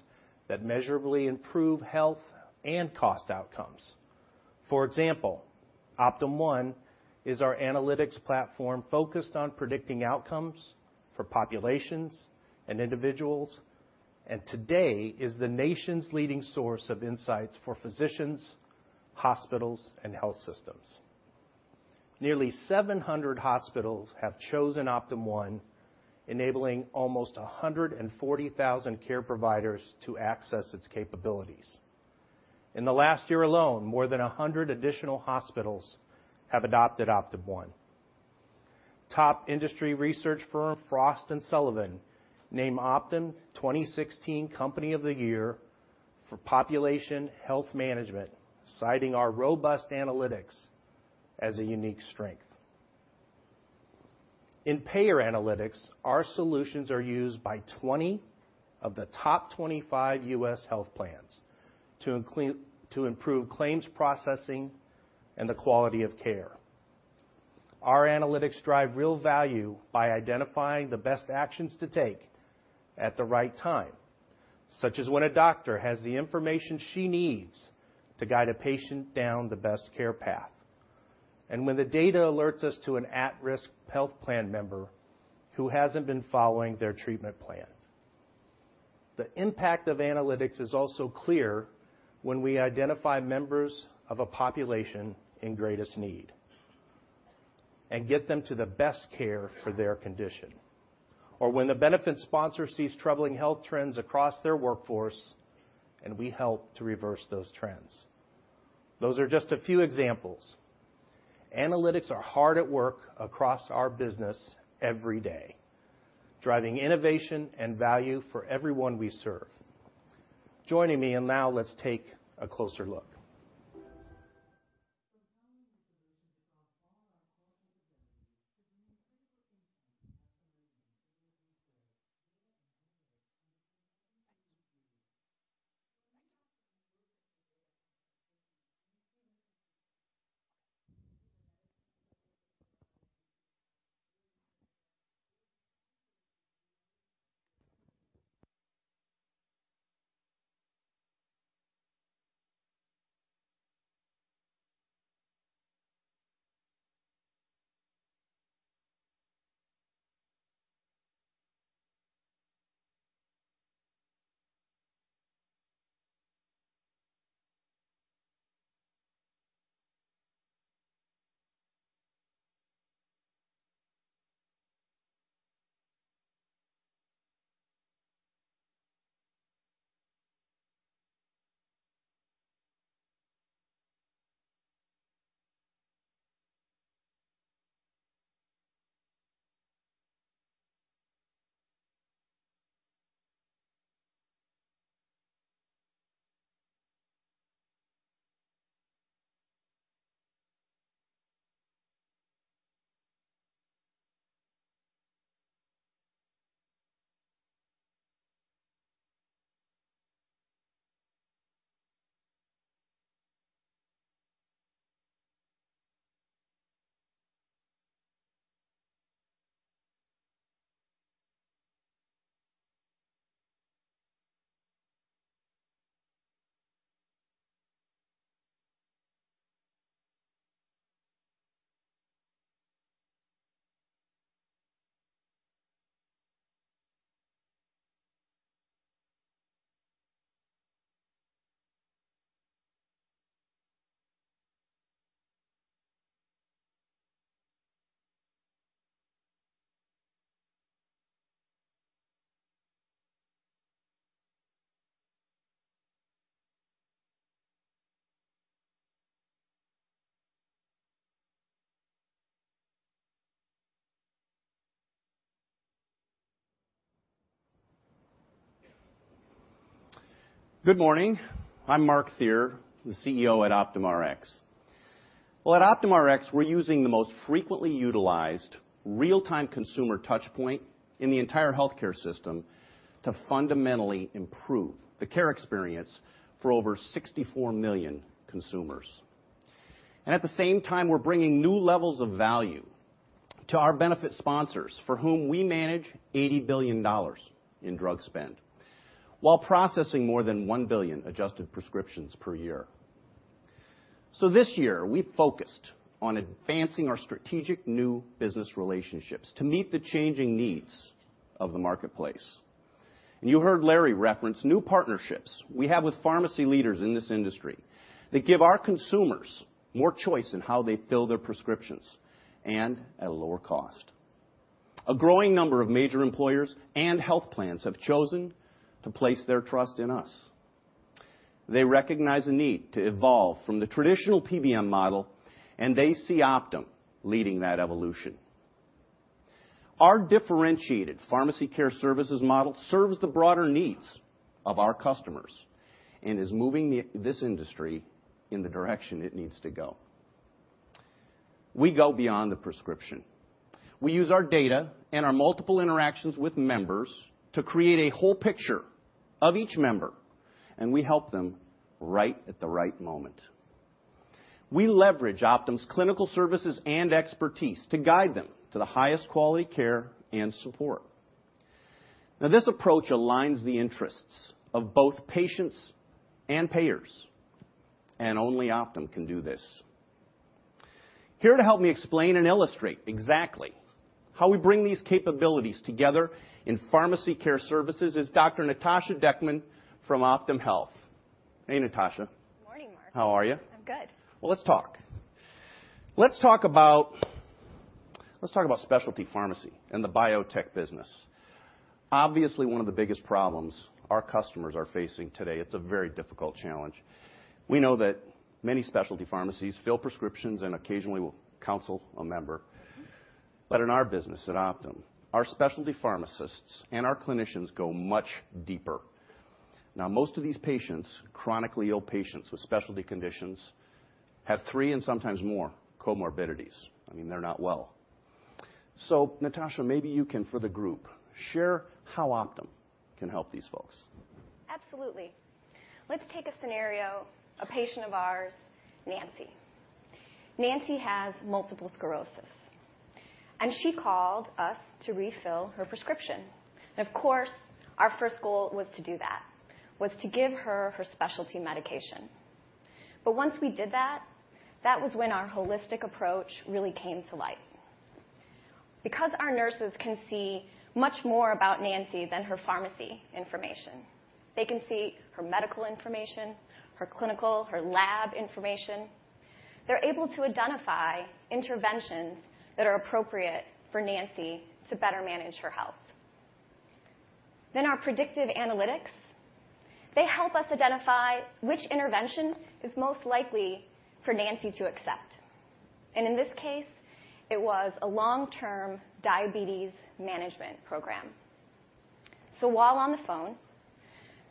that measurably improve health and cost outcomes. For example, Optum One is our analytics platform focused on predicting outcomes for populations and individuals. Today is the nation's leading source of insights for physicians, hospitals, and health systems. Nearly 700 hospitals have chosen Optum One, enabling almost 140,000 care providers to access its capabilities. In the last year alone, more than 100 additional hospitals have adopted Optum One. Top industry research firm Frost & Sullivan named Optum 2016 Company of the Year for Population Health Management, citing our robust analytics as a unique strength. In payer analytics, our solutions are used by 20 of the top 25 U.S. health plans to improve claims processing and the quality of care. Our analytics drive real value by identifying the best actions to take at the right time, such as when a doctor has the information she needs to guide a patient down the best care path. When the data alerts us to an at-risk health plan member who hasn't been following their treatment plan. The impact of analytics is also clear when we identify members of a population in greatest need and get them to the best care for their condition. When the benefit sponsor sees troubling health trends across their workforce, we help to reverse those trends. Those are just a few examples. Analytics are hard at work across our business every day, driving innovation and value for everyone we serve. Joining me. Now let's take a closer look. Compelling new solutions across all our core capabilities to bring critical insights at the rhythm of individual care, data and analytics, and the compelling patient experience. Let me now ask you to look at the data from our 2016 consumer intelligence series. We hear directly from more than 100,000 consumers, including those with chronic conditions. We hear what matters most to them, and we hear it loud and clear. Good morning. I'm Mark Thierer, the CEO at Optum Rx. Well, at Optum Rx, we're using the most frequently utilized real-time consumer touch point in the entire healthcare system to fundamentally improve the care experience for over 64 million consumers. At the same time, we're bringing new levels of value to our benefit sponsors, for whom we manage $80 billion in drug spend while processing more than 1 billion adjusted prescriptions per year. This year, we focused on advancing our strategic new business relationships to meet the changing needs of the marketplace. You heard Larry reference new partnerships we have with pharmacy leaders in this industry that give our consumers more choice in how they fill their prescriptions and at a lower cost. A growing number of major employers and health plans have chosen to place their trust in us. They recognize a need to evolve from the traditional PBM model. They see Optum leading that evolution. Our differentiated pharmacy care services model serves the broader needs of our customers and is moving this industry in the direction it needs to go. We go beyond the prescription. We use our data and our multiple interactions with members to create a whole picture of each member. We help them right at the right moment. We leverage Optum's clinical services and expertise to guide them to the highest quality care and support. This approach aligns the interests of both patients and payers. Only Optum can do this. Here to help me explain and illustrate exactly how we bring these capabilities together in pharmacy care services is Dr. Natasha Deckmann from Optum Health. Hey, Natasha. Good morning, Mark. How are you? I'm good. Let's talk. Let's talk about specialty pharmacy and the biotech business. Obviously, one of the biggest problems our customers are facing today, it's a very difficult challenge. We know that many specialty pharmacies fill prescriptions and occasionally will counsel a member. In our business at Optum, our specialty pharmacists and our clinicians go much deeper. Now, most of these patients, chronically ill patients with specialty conditions, have three and sometimes more comorbidities. They're not well. Natasha, maybe you can, for the group, share how Optum can help these folks. Absolutely. Let's take a scenario, a patient of ours, Nancy. Nancy has multiple sclerosis, and she called us to refill her prescription, and of course, our first goal was to do that, was to give her her specialty medication. Once we did that was when our holistic approach really came to light. Our nurses can see much more about Nancy than her pharmacy information. They can see her medical information, her clinical, her lab information. They are able to identify interventions that are appropriate for Nancy to better manage her health. Our predictive analytics, they help us identify which intervention is most likely for Nancy to accept. In this case, it was a long-term diabetes management program. While on the phone,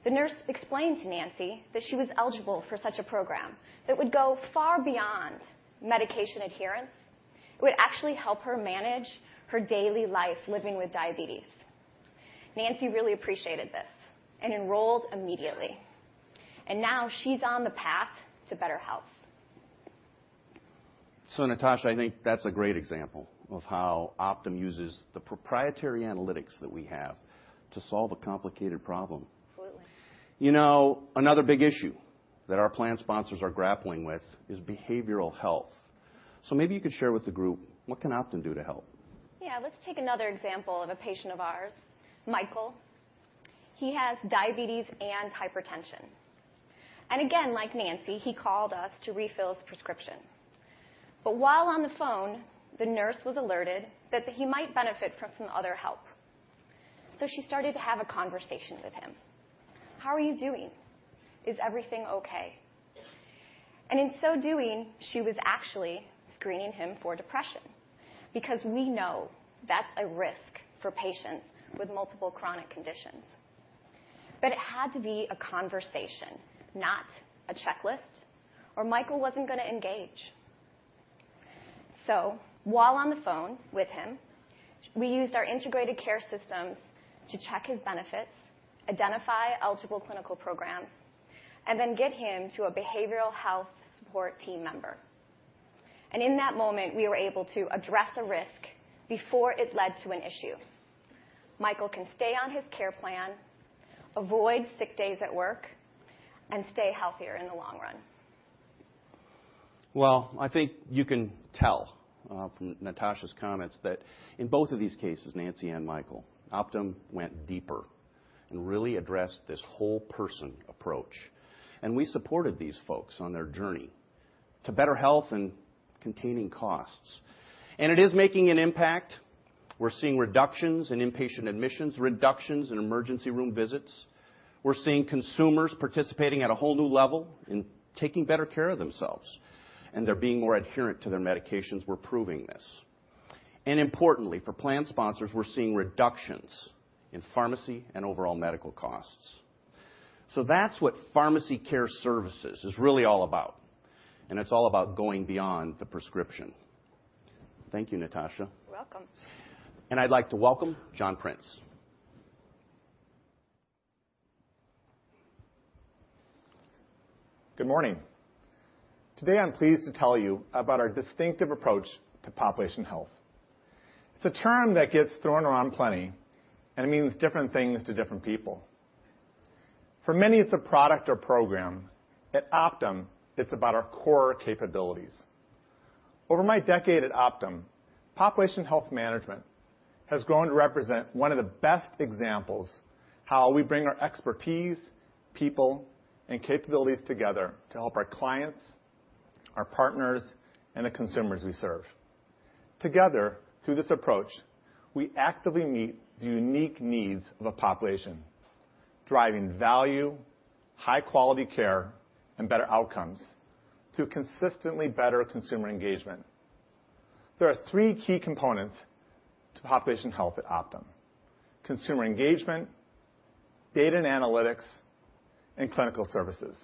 the nurse explained to Nancy that she was eligible for such a program that would go far beyond medication adherence. It would actually help her manage her daily life living with diabetes. Nancy really appreciated this and enrolled immediately, and now she's on the path to better health. Natasha, I think that's a great example of how Optum uses the proprietary analytics that we have to solve a complicated problem. Absolutely. Another big issue that our plan sponsors are grappling with is behavioral health. Maybe you could share with the group, what can Optum do to help? Let's take another example of a patient of ours, Michael. He has diabetes and hypertension. Again, like Nancy, he called us to refill his prescription. While on the phone, the nurse was alerted that he might benefit from some other help. She started to have a conversation with him. "How are you doing? Is everything okay?" In so doing, she was actually screening him for depression because we know that's a risk for patients with multiple chronic conditions. It had to be a conversation, not a checklist, or Michael wasn't going to engage. While on the phone with him, we used our integrated care systems to check his benefits, identify eligible clinical programs, and then get him to a behavioral health support team member. In that moment, we were able to address a risk before it led to an issue. Michael can stay on his care plan, avoid sick days at work, and stay healthier in the long run. Well, I think you can tell from Natasha's comments that in both of these cases, Nancy and Michael, Optum went deeper and really addressed this whole-person approach, and we supported these folks on their journey to better health and containing costs, and it is making an impact. We're seeing reductions in inpatient admissions, reductions in emergency room visits. We're seeing consumers participating at a whole new level and taking better care of themselves, and they're being more adherent to their medications. We're proving this. Importantly, for plan sponsors, we're seeing reductions in pharmacy and overall medical costs. That's what pharmacy care services is really all about, and it's all about going beyond the prescription. Thank you, Natasha. You're welcome. I'd like to welcome John Prince. Good morning. Today, I'm pleased to tell you about our distinctive approach to population health. It's a term that gets thrown around plenty, and it means different things to different people. For many, it's a product or program. At Optum, it's about our core capabilities. Over my decade at Optum, population health management has grown to represent one of the best examples how we bring our expertise, people, and capabilities together to help our clients, our partners, and the consumers we serve. Together, through this approach, we actively meet the unique needs of a population, driving value, high-quality care, and better outcomes through consistently better consumer engagement. There are three key components to population health at Optum: Consumer engagement, Data and analytics, and clinical services.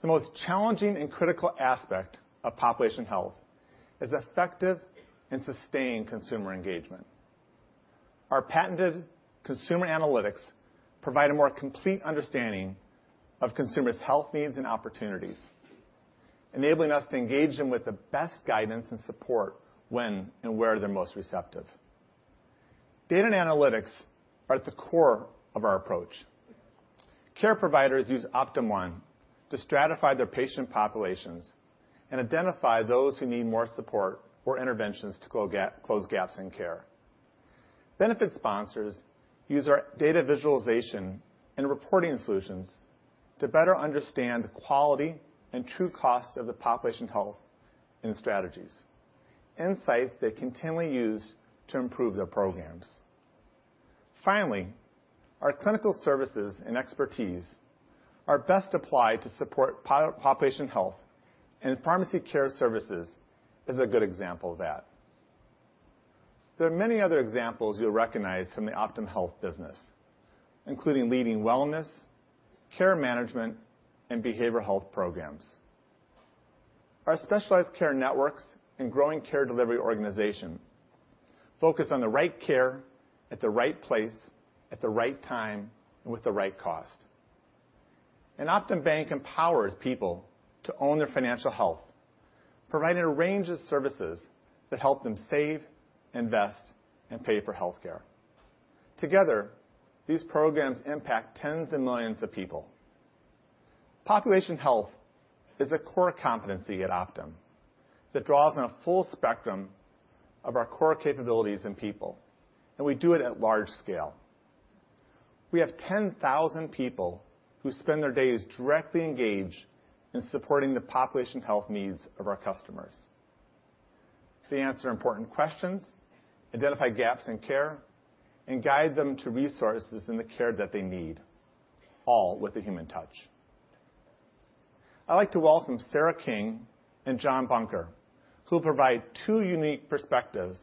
The most challenging and critical aspect of population health is effective and sustained consumer engagement. Our patented consumer analytics provide a more complete understanding of consumers' health needs and opportunities, enabling us to engage them with the best guidance and support when and where they're most receptive. Data and analytics are at the core of our approach. Care providers use Optum One to stratify their patient populations and identify those who need more support or interventions to close gaps in care. Benefit sponsors use our data visualization and reporting solutions to better understand the quality and true cost of the population health and strategies, insights they continually use to improve their programs. Finally, our clinical services and expertise are best applied to support population health, and pharmacy care services is a good example of that. There are many other examples you'll recognize from the Optum Health business, including leading wellness, care management, and behavioral health programs. Our specialized care networks and growing care delivery organization focus on the right care at the right place at the right time and with the right cost. Optum Bank empowers people to own their financial health, providing a range of services that help them save, invest, and pay for healthcare. Together, these programs impact tens of millions of people. Population health is a core competency at Optum that draws on a full spectrum of our core capabilities and people, and we do it at large scale. We have 10,000 people who spend their days directly engaged in supporting the population health needs of our customers. They answer important questions, identify gaps in care, and guide them to resources in the care that they need, all with a human touch. I'd like to welcome Sarah King and Jon Bunker, who will provide two unique perspectives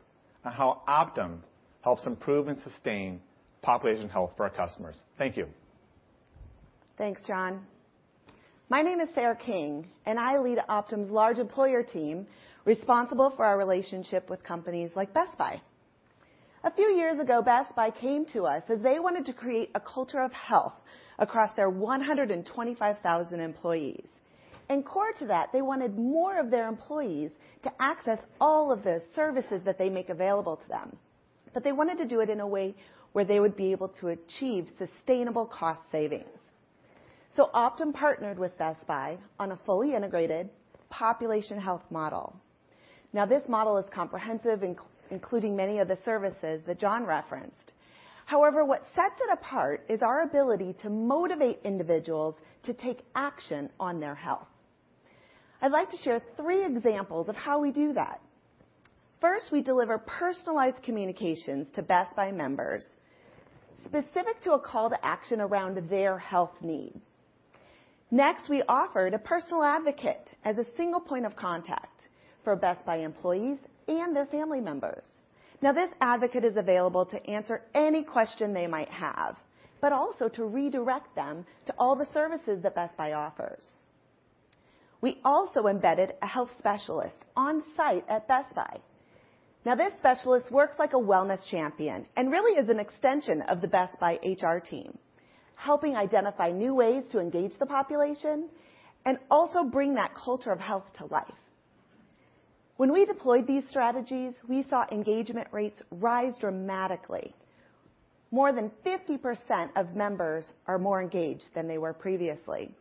on how Optum helps improve and sustain population health for our customers. Thank you. Thanks, Jon. My name is Sarah King, and I lead Optum's large employer team responsible for our relationship with companies like Best Buy. A few years ago, Best Buy came to us as they wanted to create a culture of health across their 125,000 employees. Core to that, they wanted more of their employees to access all of the services that they make available to them. They wanted to do it in a way where they would be able to achieve sustainable cost savings. Optum partnered with Best Buy on a fully integrated population health model. Now, this model is comprehensive, including many of the services that Jon referenced. However, what sets it apart is our ability to motivate individuals to take action on their health. I'd like to share three examples of how we do that. First, we deliver personalized communications to Best Buy members specific to a call to action around their health needs. Next, we offered a personal advocate as a single point of contact for Best Buy employees and their family members. Now, this advocate is available to answer any question they might have, but also to redirect them to all the services that Best Buy offers. We also embedded a health specialist on-site at Best Buy. Now, this specialist works like a wellness champion and really is an extension of the Best Buy HR team, helping identify new ways to engage the population and also bring that culture of health to life. When we deployed these strategies, we saw engagement rates rise dramatically. More than 50% of members are more engaged than they were previously.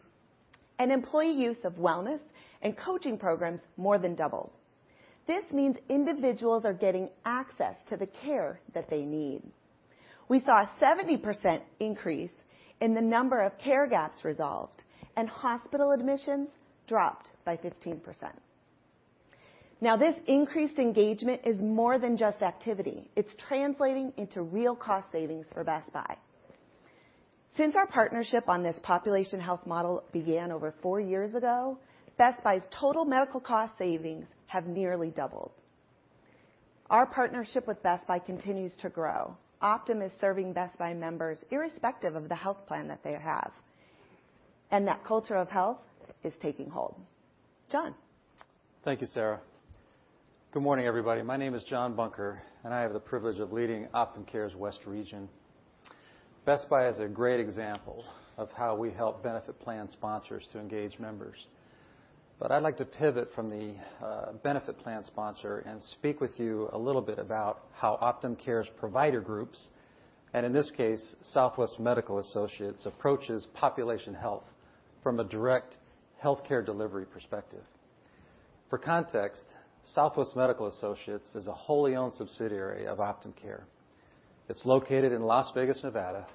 Employee use of wellness and coaching programs more than doubled. This means individuals are getting access to the care that they need. We saw a 70% increase in the number of care gaps resolved, and hospital admissions dropped by 15%. Now, this increased engagement is more than just activity. It's translating into real cost savings for Best Buy. Since our partnership on this population health model began over four years ago, Best Buy's total medical cost savings have nearly doubled. Our partnership with Best Buy continues to grow. Optum is serving Best Buy members irrespective of the health plan that they have. That culture of health is taking hold. Jon. Thank you, Sarah. Good morning, everybody. My name is Jon Bunker, and I have the privilege of leading Optum Care's West Region. Best Buy is a great example of how we help benefit plan sponsors to engage members. I'd like to pivot from the benefit plan sponsor and speak with you a little bit about how Optum Care's provider groups, and in this case, Southwest Medical Associates, approaches population health from a direct healthcare delivery perspective. For context, Southwest Medical Associates is a wholly owned subsidiary of Optum Care. It is located in Las Vegas, Nevada,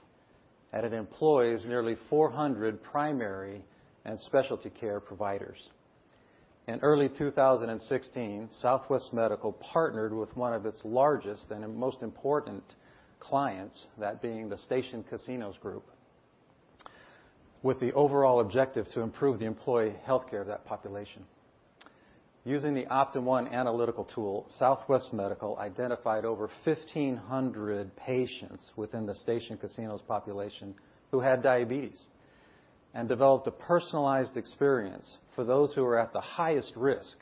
and it employs nearly 400 primary and specialty care providers. In early 2016, Southwest Medical partnered with one of its largest and most important clients, that being the Station Casinos Group With the overall objective to improve the employee healthcare of that population. Using the Optum One analytical tool, Southwest Medical identified over 1,500 patients within the Station Casinos' population who had diabetes, and developed a personalized experience for those who were at the highest risk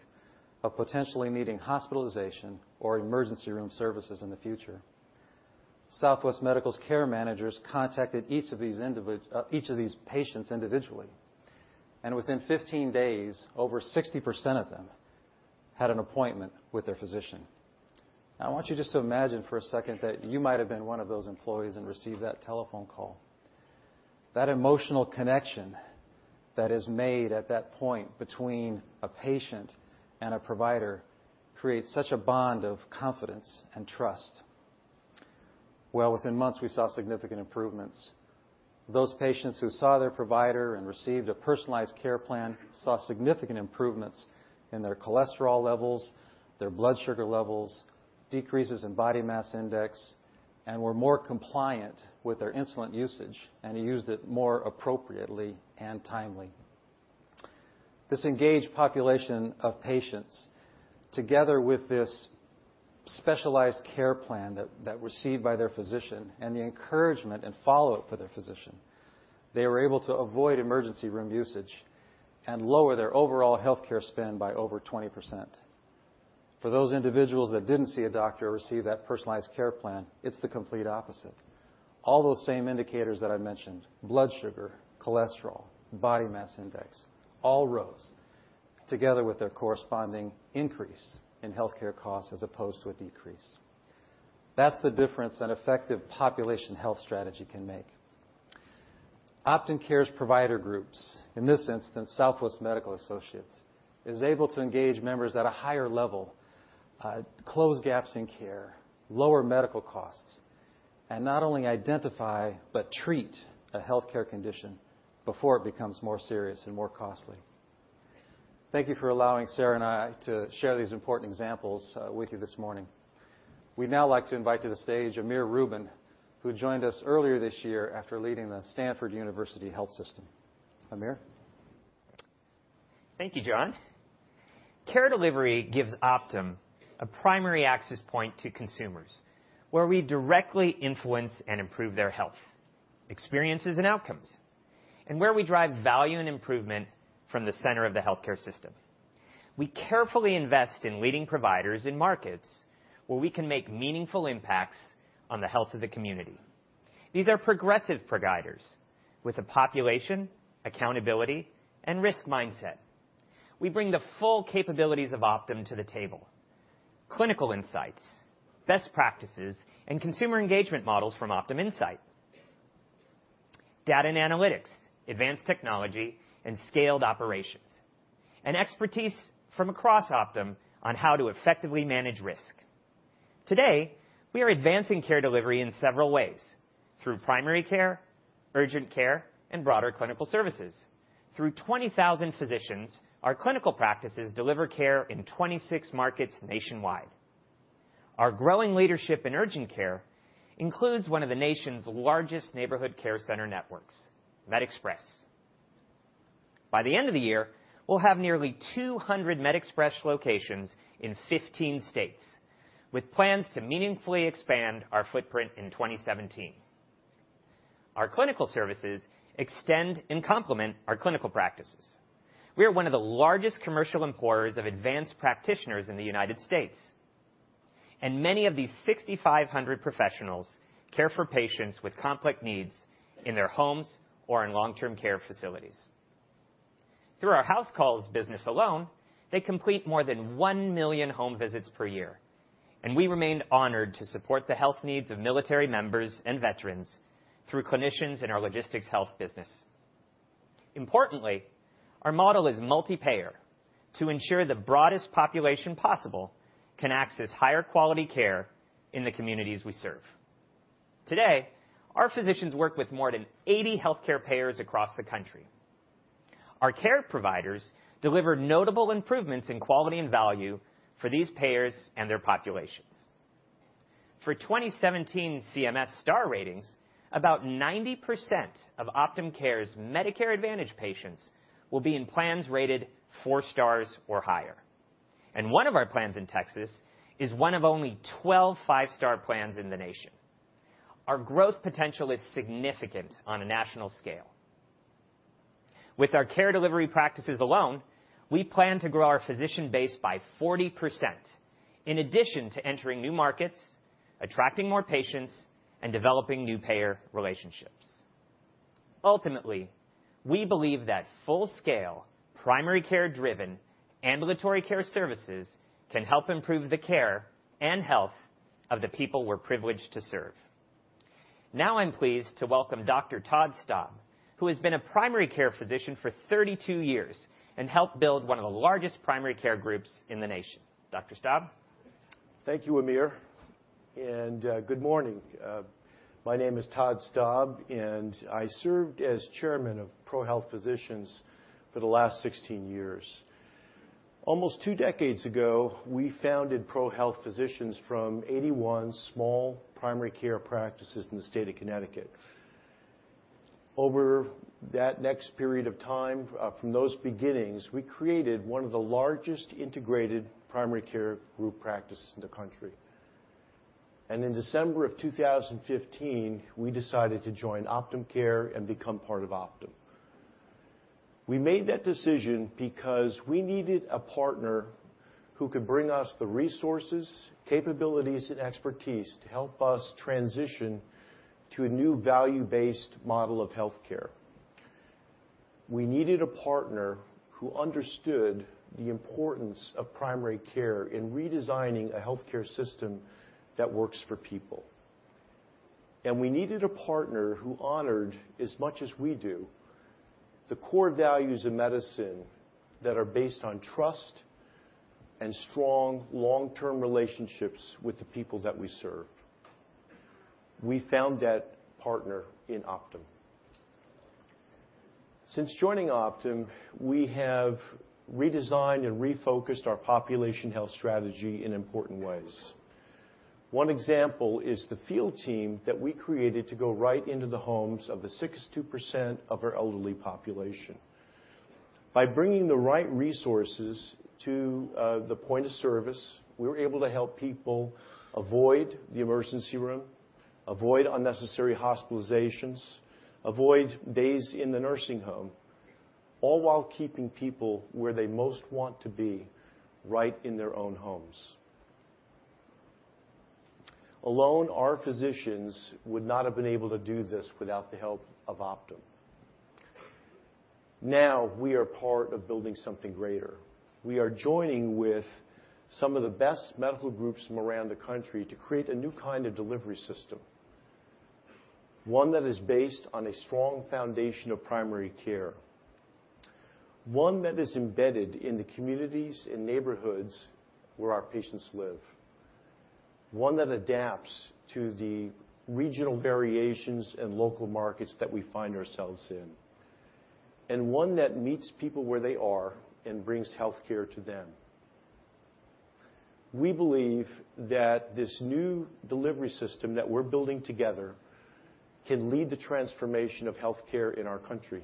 of potentially needing hospitalization or emergency room services in the future. Southwest Medical's care managers contacted each of these patients individually, and within 15 days, over 60% of them had an appointment with their physician. Now, I want you just to imagine for a second that you might have been one of those employees and received that telephone call. That emotional connection that is made at that point between a patient and a provider creates such a bond of confidence and trust. Well, within months, we saw significant improvements. Those patients who saw their provider and received a personalized care plan saw significant improvements in their cholesterol levels, their blood sugar levels, decreases in body mass index, and were more compliant with their insulin usage and used it more appropriately and timely. This engaged population of patients, together with this specialized care plan that received by their physician and the encouragement and follow-up for their physician, they were able to avoid emergency room usage and lower their overall healthcare spend by over 20%. For those individuals that didn't see a doctor or receive that personalized care plan, it is the complete opposite. All those same indicators that I mentioned, blood sugar, cholesterol, body mass index, all rose together with their corresponding increase in healthcare costs as opposed to a decrease. That's the difference an effective population health strategy can make. Optum Care's provider groups, in this instance, Southwest Medical Associates, is able to engage members at a higher level, close gaps in care, lower medical costs, and not only identify but treat a healthcare condition before it becomes more serious and more costly. Thank you for allowing Sarah and I to share these important examples with you this morning. We'd now like to invite to the stage Amir Rubin, who joined us earlier this year after leading the Stanford University Health System. Amir? Thank you, John. Care delivery gives Optum a primary access point to consumers where we directly influence and improve their health experiences and outcomes and where we drive value and improvement from the center of the healthcare system. We carefully invest in leading providers in markets where we can make meaningful impacts on the health of the community. These are progressive providers with a population, accountability, and risk mindset. We bring the full capabilities of Optum to the table, clinical insights, best practices, and consumer engagement models from Optum Insight. Data and analytics, advanced technology, and scaled operations and expertise from across Optum on how to effectively manage risk. Today, we are advancing care delivery in several ways through primary care, urgent care, and broader clinical services. Through 20,000 physicians, our clinical practices deliver care in 26 markets nationwide. Our growing leadership in urgent care includes one of the nation's largest neighborhood care center networks, MedExpress. By the end of the year, we'll have nearly 200 MedExpress locations in 15 states, with plans to meaningfully expand our footprint in 2017. Our clinical services extend and complement our clinical practices. We are one of the largest commercial employers of advanced practitioners in the U.S., and many of these 6,500 professionals care for patients with complex needs in their homes or in long-term care facilities. Through our HouseCalls business alone, they complete more than one million home visits per year, and we remain honored to support the health needs of military members and veterans through clinicians in our logistics health business. Importantly, our model is multi-payer to ensure the broadest population possible can access higher quality care in the communities we serve. Today, our physicians work with more than 80 healthcare payers across the country. Our care providers deliver notable improvements in quality and value for these payers and their populations. For 2017 CMS Star ratings, about 90% of Optum Care's Medicare Advantage patients will be in plans rated four stars or higher, and one of our plans in Texas is one of only 12 five-star plans in the nation. Our growth potential is significant on a national scale. With our care delivery practices alone, we plan to grow our physician base by 40%, in addition to entering new markets, attracting more patients, and developing new payer relationships. Ultimately, we believe that full-scale, primary care-driven ambulatory care services can help improve the care and health of the people we're privileged to serve. Now I'm pleased to welcome Dr. Todd Staub, who has been a primary care physician for 32 years and helped build one of the largest primary care groups in the nation. Dr. Staab? Thank you, Amir. Good morning. My name is Todd Staub, and I served as chairman of ProHealth Physicians for the last 16 years. Almost 2 decades ago, we founded ProHealth Physicians from 81 small primary care practices in the state of Connecticut. Over that next period of time, from those beginnings, we created one of the largest integrated primary care group practices in the country. In December of 2015, we decided to join Optum Care and become part of Optum. We made that decision because we needed a partner who could bring us the resources, capabilities, and expertise to help us transition to a new value-based model of healthcare. We needed a partner who understood the importance of primary care in redesigning a healthcare system that works for people. We needed a partner who honored as much as we do, the core values of medicine that are based on trust and strong long-term relationships with the people that we serve. We found that partner in Optum. Since joining Optum, we have redesigned and refocused our population health strategy in important ways. One example is the field team that we created to go right into the homes of the 62% of our elderly population. By bringing the right resources to the point of service, we were able to help people avoid the emergency room, avoid unnecessary hospitalizations, avoid days in the nursing home, all while keeping people where they most want to be, right in their own homes. Alone, our physicians would not have been able to do this without the help of Optum. Now, we are part of building something greater. We are joining with some of the best medical groups from around the country to create a new kind of delivery system, one that is based on a strong foundation of primary care, one that is embedded in the communities and neighborhoods where our patients live, one that adapts to the regional variations and local markets that we find ourselves in, and one that meets people where they are and brings healthcare to them. We believe that this new delivery system that we're building together can lead the transformation of healthcare in our country.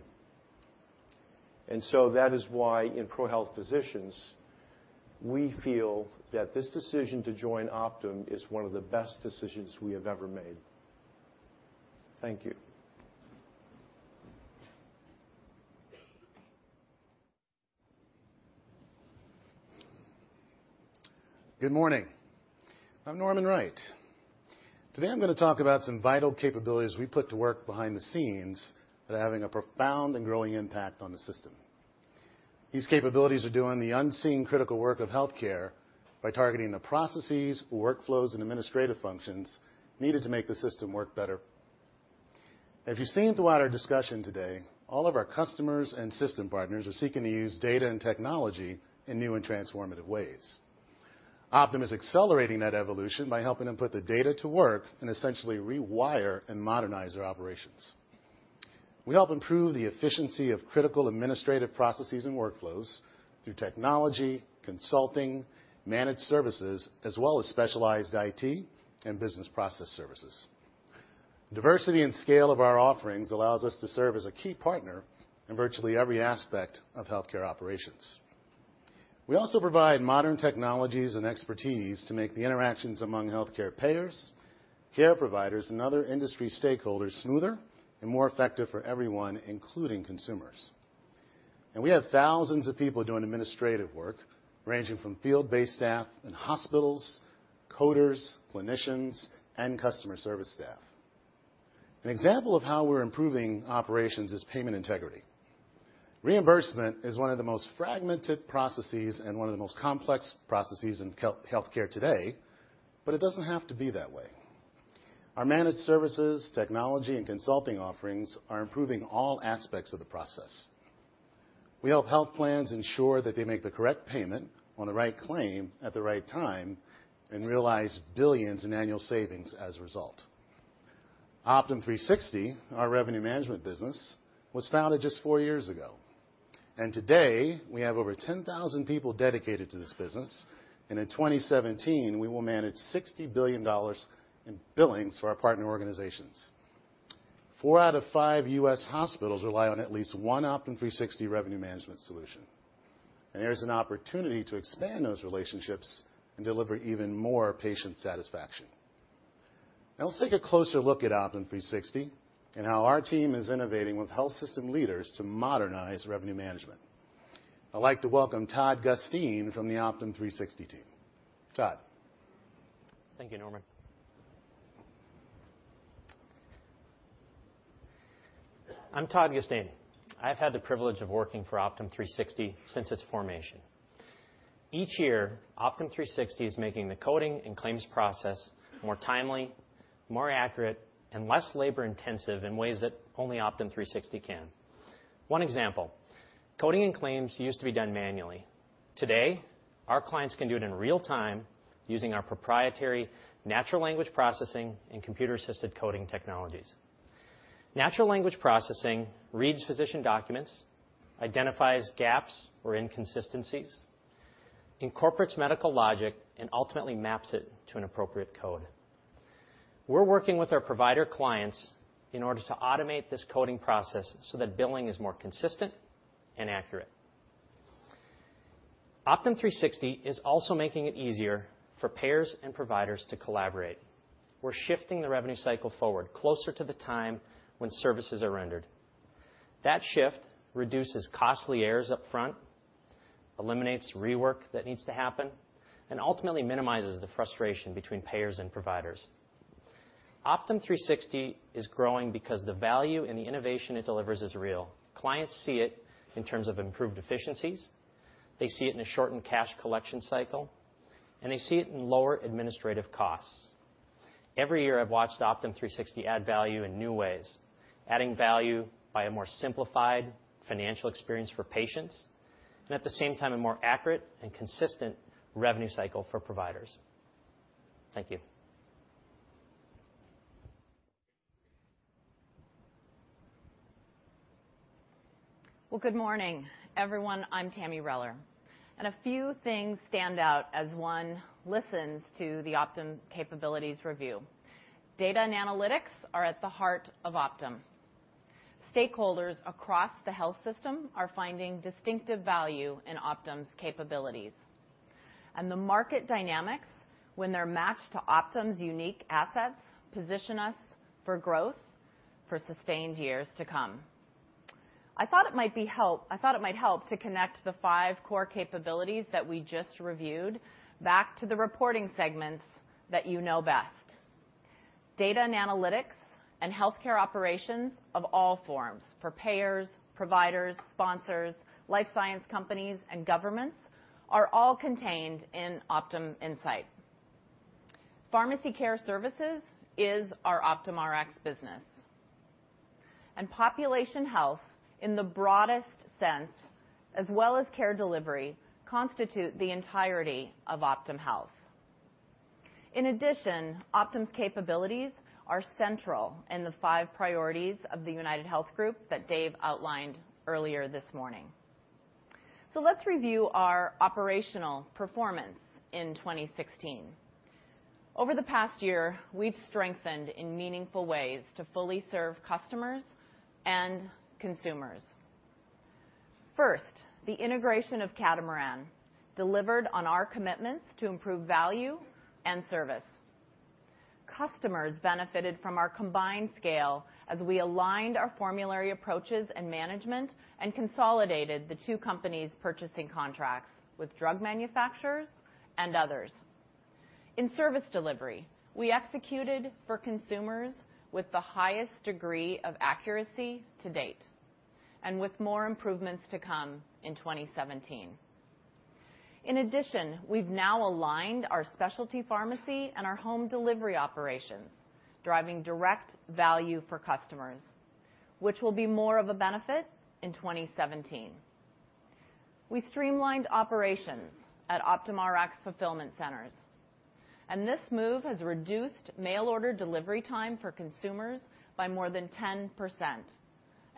So that is why in ProHealth Physicians, we feel that this decision to join Optum is one of the best decisions we have ever made. Thank you. Good morning. I'm Norman Wright. Today, I'm going to talk about some vital capabilities we put to work behind the scenes that are having a profound and growing impact on the system. These capabilities are doing the unseen critical work of healthcare by targeting the processes, workflows, and administrative functions needed to make the system work better. As you've seen throughout our discussion today, all of our customers and system partners are seeking to use data and technology in new and transformative ways. Optum is accelerating that evolution by helping them put the data to work and essentially rewire and modernize their operations. We help improve the efficiency of critical administrative processes and workflows through technology, consulting, managed services, as well as specialized IT and business process services. Diversity and scale of our offerings allows us to serve as a key partner in virtually every aspect of healthcare operations. We also provide modern technologies and expertise to make the interactions among healthcare payers, care providers, and other industry stakeholders smoother and more effective for everyone, including consumers. We have thousands of people doing administrative work, ranging from field-based staff in hospitals, coders, clinicians, and customer service staff. An example of how we're improving operations is payment integrity. Reimbursement is one of the most fragmented processes and one of the most complex processes in healthcare today, but it doesn't have to be that way. Our managed services, technology, and consulting offerings are improving all aspects of the process. We help health plans ensure that they make the correct payment on the right claim at the right time and realize $ billions in annual savings as a result. Optum360, our revenue management business, was founded just 4 years ago. Today, we have over 10,000 people dedicated to this business, and in 2017, we will manage $60 billion in billings for our partner organizations. 4 out of 5 U.S. hospitals rely on at least one Optum360 revenue management solution. There's an opportunity to expand those relationships and deliver even more patient satisfaction. Now let's take a closer look at Optum360 and how our team is innovating with health system leaders to modernize revenue management. I'd like to welcome Todd Gustin from the Optum360 team. Todd. Thank you, Norman. I'm Todd Gustin. I've had the privilege of working for Optum360 since its formation. Each year, Optum360 is making the coding and claims process more timely, more accurate, and less labor-intensive in ways that only Optum360 can. One example, coding and claims used to be done manually. Today, our clients can do it in real time using our proprietary natural language processing and computer-assisted coding technologies. Natural language processing reads physician documents, identifies gaps or inconsistencies, incorporates medical logic, and ultimately maps it to an appropriate code. We're working with our provider clients in order to automate this coding process so that billing is more consistent and accurate. Optum360 is also making it easier for payers and providers to collaborate. We're shifting the revenue cycle forward closer to the time when services are rendered. That shift reduces costly errors up front, eliminates rework that needs to happen, and ultimately minimizes the frustration between payers and providers. Optum360 is growing because the value and the innovation it delivers is real. Clients see it in terms of improved efficiencies. They see it in a shortened cash collection cycle, and they see it in lower administrative costs. Every year, I've watched Optum360 add value in new ways, adding value by a more simplified financial experience for patients, and at the same time, a more accurate and consistent revenue cycle for providers. Thank you. Well, good morning, everyone. I'm Tami Reller. A few things stand out as one listens to the Optum capabilities review. Data and analytics are at the heart of Optum. Stakeholders across the health system are finding distinctive value in Optum's capabilities. The market dynamics, when they're matched to Optum's unique assets, position us for growth for sustained years to come. I thought it might help to connect the five core capabilities that we just reviewed back to the reporting segments that you know best. Data and analytics and healthcare operations of all forms, for payers, providers, sponsors, life science companies, and governments, are all contained in Optum Insight. Pharmacy care services is our Optum Rx business. Population health, in the broadest sense, as well as care delivery, constitute the entirety of Optum Health. In addition, Optum's capabilities are central in the five priorities of the UnitedHealth Group that Dave outlined earlier this morning. Let's review our operational performance in 2016. Over the past year, we've strengthened in meaningful ways to fully serve customers and consumers. First, the integration of Catamaran delivered on our commitments to improve value and service. Customers benefited from our combined scale as we aligned our formulary approaches and management and consolidated the two companies' purchasing contracts with drug manufacturers and others. In service delivery, we executed for consumers with the highest degree of accuracy to date, and with more improvements to come in 2017. In addition, we've now aligned our specialty pharmacy and our home delivery operations, driving direct value for customers, which will be more of a benefit in 2017. We streamlined operations at Optum Rx fulfillment centers. This move has reduced mail order delivery time for consumers by more than 10%,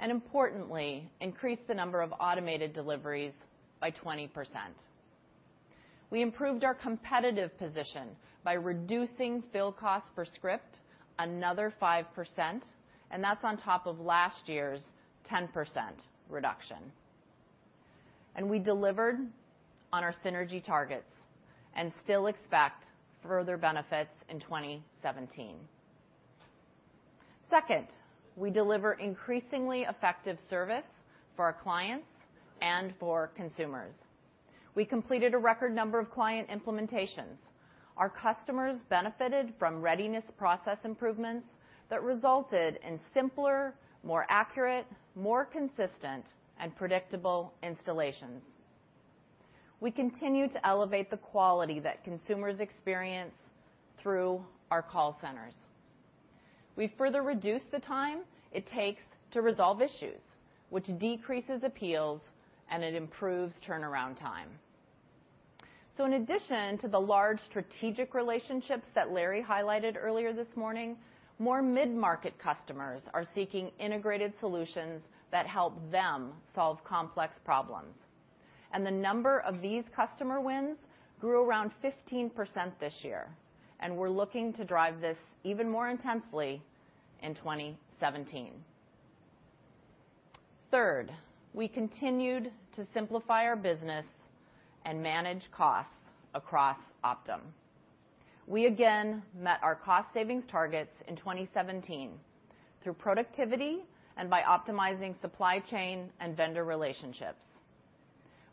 importantly, increased the number of automated deliveries by 20%. We improved our competitive position by reducing fill cost per script another 5%, that's on top of last year's 10% reduction. We delivered on our synergy targets and still expect further benefits in 2017. Second, we deliver increasingly effective service for our clients and for consumers. We completed a record number of client implementations. Our customers benefited from readiness process improvements that resulted in simpler, more accurate, more consistent, and predictable installations. We continue to elevate the quality that consumers experience through our call centers. We've further reduced the time it takes to resolve issues, which decreases appeals, and it improves turnaround time. In addition to the large strategic relationships that Larry highlighted earlier this morning, more mid-market customers are seeking integrated solutions that help them solve complex problems. The number of these customer wins grew around 15% this year, we're looking to drive this even more intensely in 2017. Third, we continued to simplify our business and manage costs across Optum. We again met our cost savings targets in 2017 through productivity and by optimizing supply chain and vendor relationships.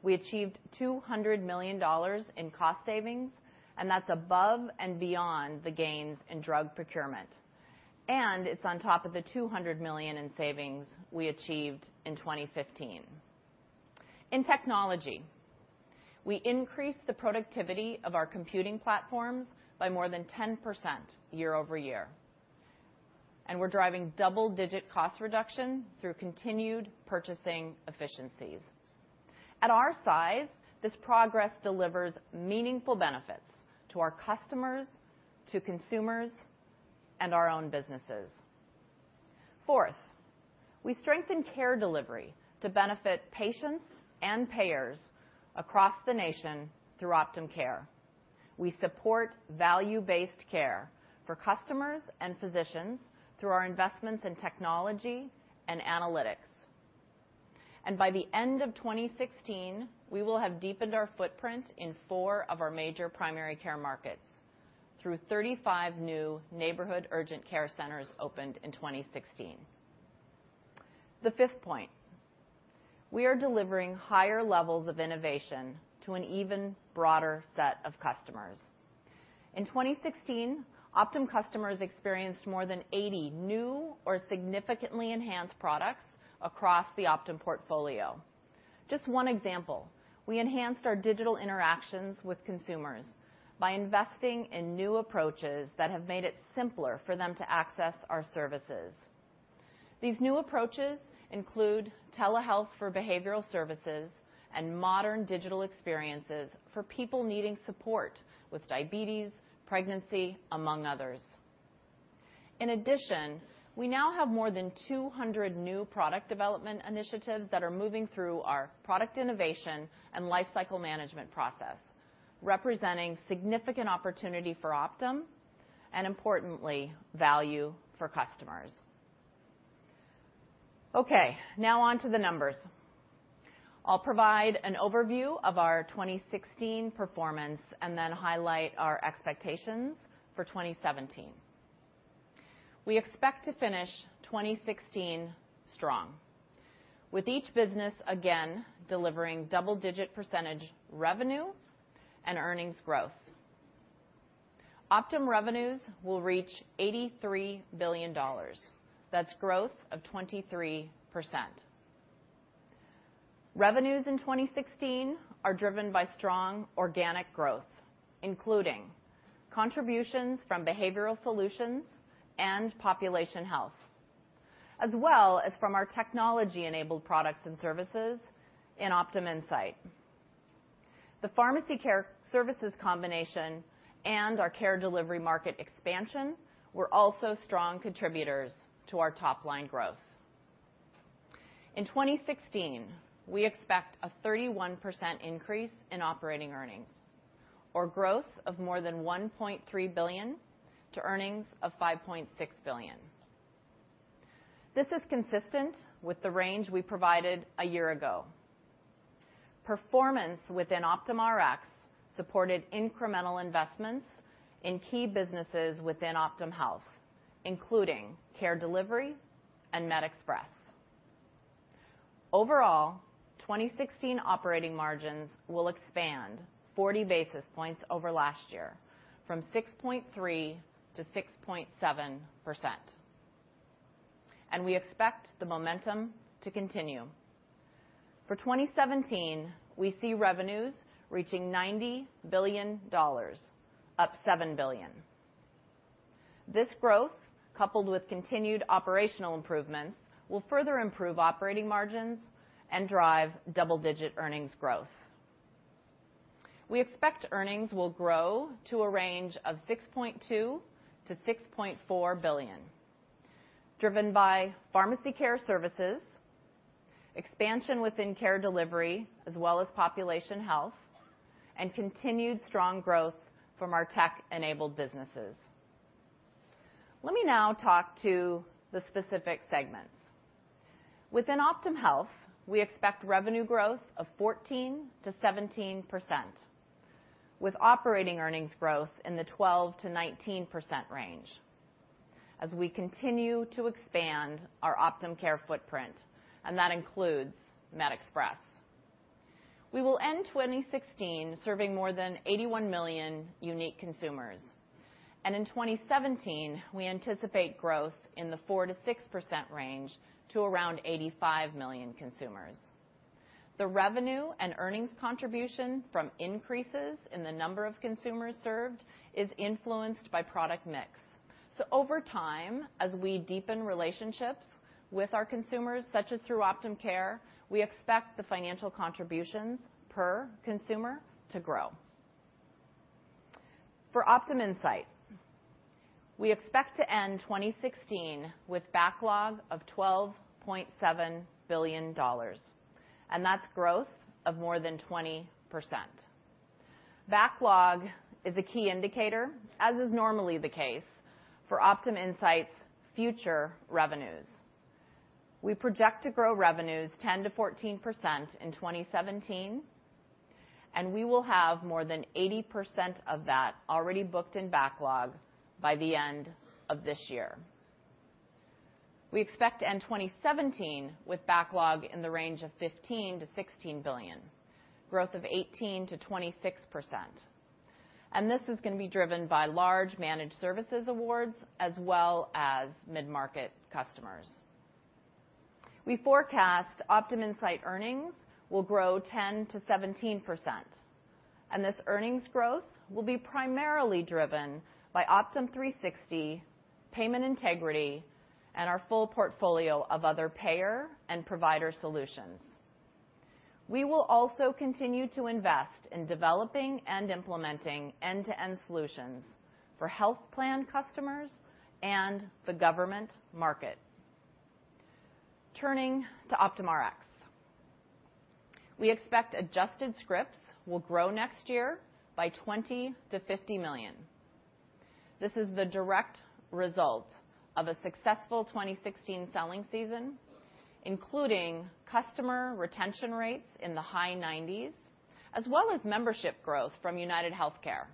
We achieved $200 million in cost savings, that's above and beyond the gains in drug procurement. It's on top of the $200 million in savings we achieved in 2015. In technology, we increased the productivity of our computing platforms by more than 10% year over year. We're driving double-digit cost reduction through continued purchasing efficiencies. At our size, this progress delivers meaningful benefits to our customers, to consumers, and our own businesses. Fourth, we strengthen care delivery to benefit patients and payers across the nation through Optum Care. We support value-based care for customers and physicians through our investments in technology and analytics. By the end of 2016, we will have deepened our footprint in four of our major primary care markets through 35 new neighborhood urgent care centers opened in 2016. The fifth point, we are delivering higher levels of innovation to an even broader set of customers. In 2016, Optum customers experienced more than 80 new or significantly enhanced products across the Optum portfolio. Just one example, we enhanced our digital interactions with consumers by investing in new approaches that have made it simpler for them to access our services. These new approaches include telehealth for behavioral services and modern digital experiences for people needing support with diabetes, pregnancy, among others. In addition, we now have more than 200 new product development initiatives that are moving through our product innovation and lifecycle management process, representing significant opportunity for Optum, and importantly, value for customers. Okay, now on to the numbers. I will provide an overview of our 2016 performance and then highlight our expectations for 2017. We expect to finish 2016 strong, with each business again delivering double-digit percentage revenue and earnings growth. Optum revenues will reach $83 billion. That is growth of 23%. Revenues in 2016 are driven by strong organic growth, including contributions from behavioral solutions and population health, as well as from our technology-enabled products and services in Optum Insight. The pharmacy care services combination and our care delivery market expansion were also strong contributors to our top-line growth. In 2016, we expect a 31% increase in operating earnings or growth of more than $1.3 billion to earnings of $5.6 billion. This is consistent with the range we provided a year ago. Performance within Optum Rx supported incremental investments in key businesses within Optum Health, including care delivery and MedExpress. Overall, 2016 operating margins will expand 40 basis points over last year from 6.3% to 6.7%. We expect the momentum to continue. For 2017, we see revenues reaching $90 billion, up $7 billion. This growth, coupled with continued operational improvements, will further improve operating margins and drive double-digit earnings growth. We expect earnings will grow to a range of $6.2 billion-$6.4 billion, driven by pharmacy care services, expansion within care delivery, as well as population health, and continued strong growth from our tech-enabled businesses. Let me now talk to the specific segments. Within Optum Health, we expect revenue growth of 14%-17%, with operating earnings growth in the 12%-19% range as we continue to expand our Optum Care footprint, and that includes MedExpress. We will end 2016 serving more than 81 million unique consumers. In 2017, we anticipate growth in the 4%-6% range to around 85 million consumers. The revenue and earnings contribution from increases in the number of consumers served is influenced by product mix. Over time, as we deepen relationships with our consumers, such as through Optum Care, we expect the financial contributions per consumer to grow. For Optum Insight, we expect to end 2016 with backlog of $12.7 billion, and that is growth of more than 20%. Backlog is a key indicator, as is normally the case for Optum Insight’s future revenues. We project to grow revenues 10%-14% in 2017, and we will have more than 80% of that already booked in backlog by the end of this year. We expect to end 2017 with backlog in the range of $15 billion-$16 billion, growth of 18%-26%, and this is going to be driven by large managed services awards as well as mid-market customers. We forecast Optum Insight earnings will grow 10%-17%. This earnings growth will be primarily driven by Optum360, payment integrity, and our full portfolio of other payer and provider solutions. We will also continue to invest in developing and implementing end-to-end solutions for health plan customers and the government market. Turning to Optum Rx. We expect adjusted scripts will grow next year by 20 million-50 million. This is the direct result of a successful 2016 selling season, including customer retention rates in the high 90s, as well as membership growth from UnitedHealthcare.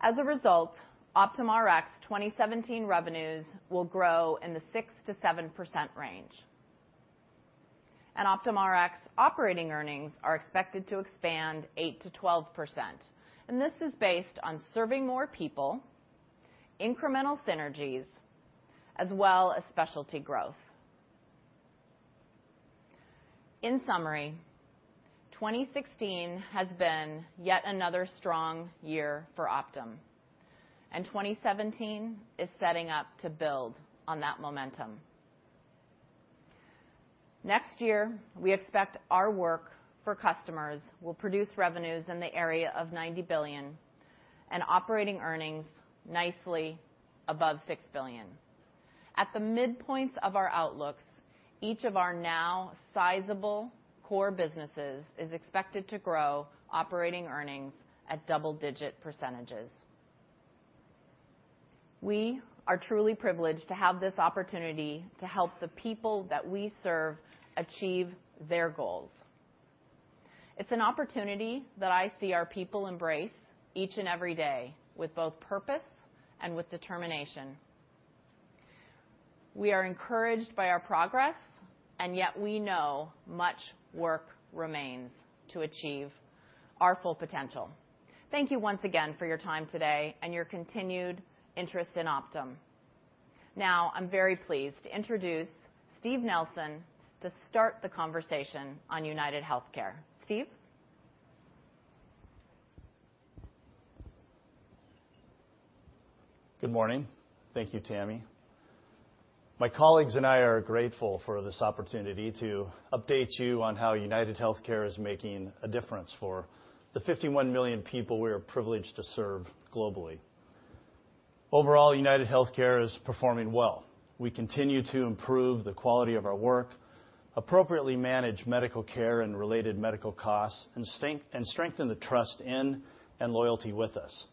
As a result, Optum Rx 2017 revenues will grow in the 6%-7% range. Optum Rx operating earnings are expected to expand 8%-12%, and this is based on serving more people, incremental synergies, as well as specialty growth. In summary, 2016 has been yet another strong year for Optum, and 2017 is setting up to build on that momentum. Next year, we expect our work for customers will produce revenues in the area of $90 billion and operating earnings nicely above $6 billion. At the midpoints of our outlooks, each of our now sizable core businesses is expected to grow operating earnings at double-digit percentages. We are truly privileged to have this opportunity to help the people that we serve achieve their goals. It's an opportunity that I see our people embrace each and every day with both purpose and with determination. We are encouraged by our progress, and yet we know much work remains to achieve our full potential. Thank you once again for your time today and your continued interest in Optum. Now, I'm very pleased to introduce Steve Nelson to start the conversation on UnitedHealthcare. Steve? Good morning. Thank you, Tami. My colleagues and I are grateful for this opportunity to update you on how UnitedHealthcare is making a difference for the 51 million people we are privileged to serve globally. Overall, UnitedHealthcare is performing well. We continue to improve the quality of our work, appropriately manage medical care and related medical costs, and strengthen the trust in and loyalty with us.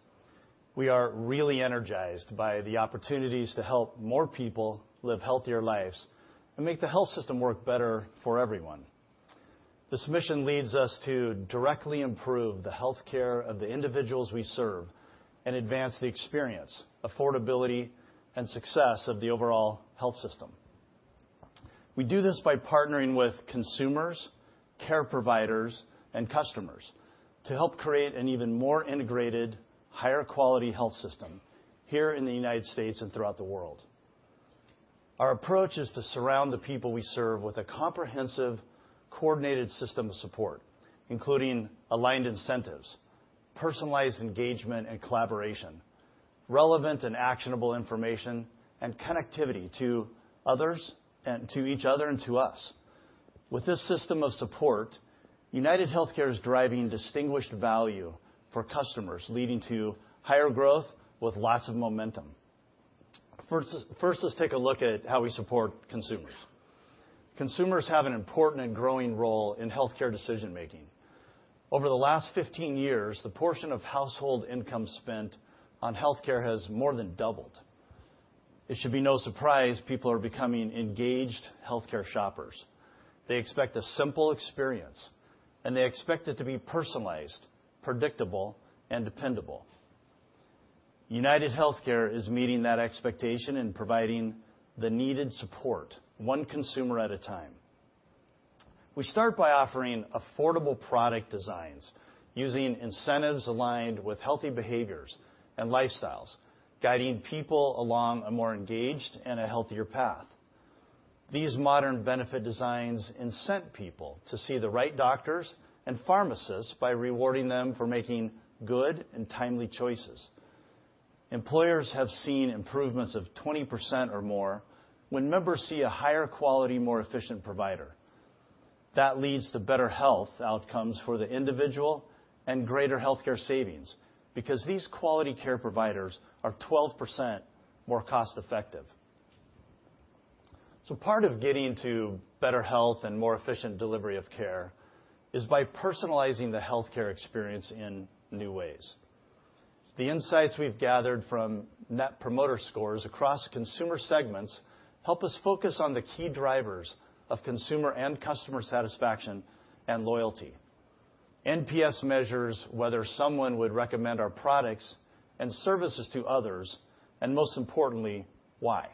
We are really energized by the opportunities to help more people live healthier lives and make the health system work better for everyone. This mission leads us to directly improve the healthcare of the individuals we serve and advance the experience, affordability, and success of the overall health system. We do this by partnering with consumers, care providers, and customers to help create an even more integrated, higher quality health system here in the U.S. and throughout the world. Our approach is to surround the people we serve with a comprehensive, coordinated system of support, including aligned incentives, personalized engagement and collaboration, relevant and actionable information, and connectivity to each other and to us. With this system of support, UnitedHealthcare is driving distinguished value for customers, leading to higher growth with lots of momentum. First, let's take a look at how we support consumers. Consumers have an important and growing role in healthcare decision-making. Over the last 15 years, the portion of household income spent on healthcare has more than doubled. It should be no surprise people are becoming engaged healthcare shoppers. They expect a simple experience, and they expect it to be personalized, predictable, and dependable. UnitedHealthcare is meeting that expectation and providing the needed support one consumer at a time. We start by offering affordable product designs using incentives aligned with healthy behaviors and lifestyles, guiding people along a more engaged and a healthier path. These modern benefit designs incent people to see the right doctors and pharmacists by rewarding them for making good and timely choices. Employers have seen improvements of 20% or more when members see a higher quality, more efficient provider. That leads to better health outcomes for the individual and greater healthcare savings because these quality care providers are 12% more cost-effective. Part of getting to better health and more efficient delivery of care is by personalizing the healthcare experience in new ways. The insights we've gathered from Net Promoter Scores across consumer segments help us focus on the key drivers of consumer and customer satisfaction and loyalty. NPS measures whether someone would recommend our products and services to others, and most importantly, why.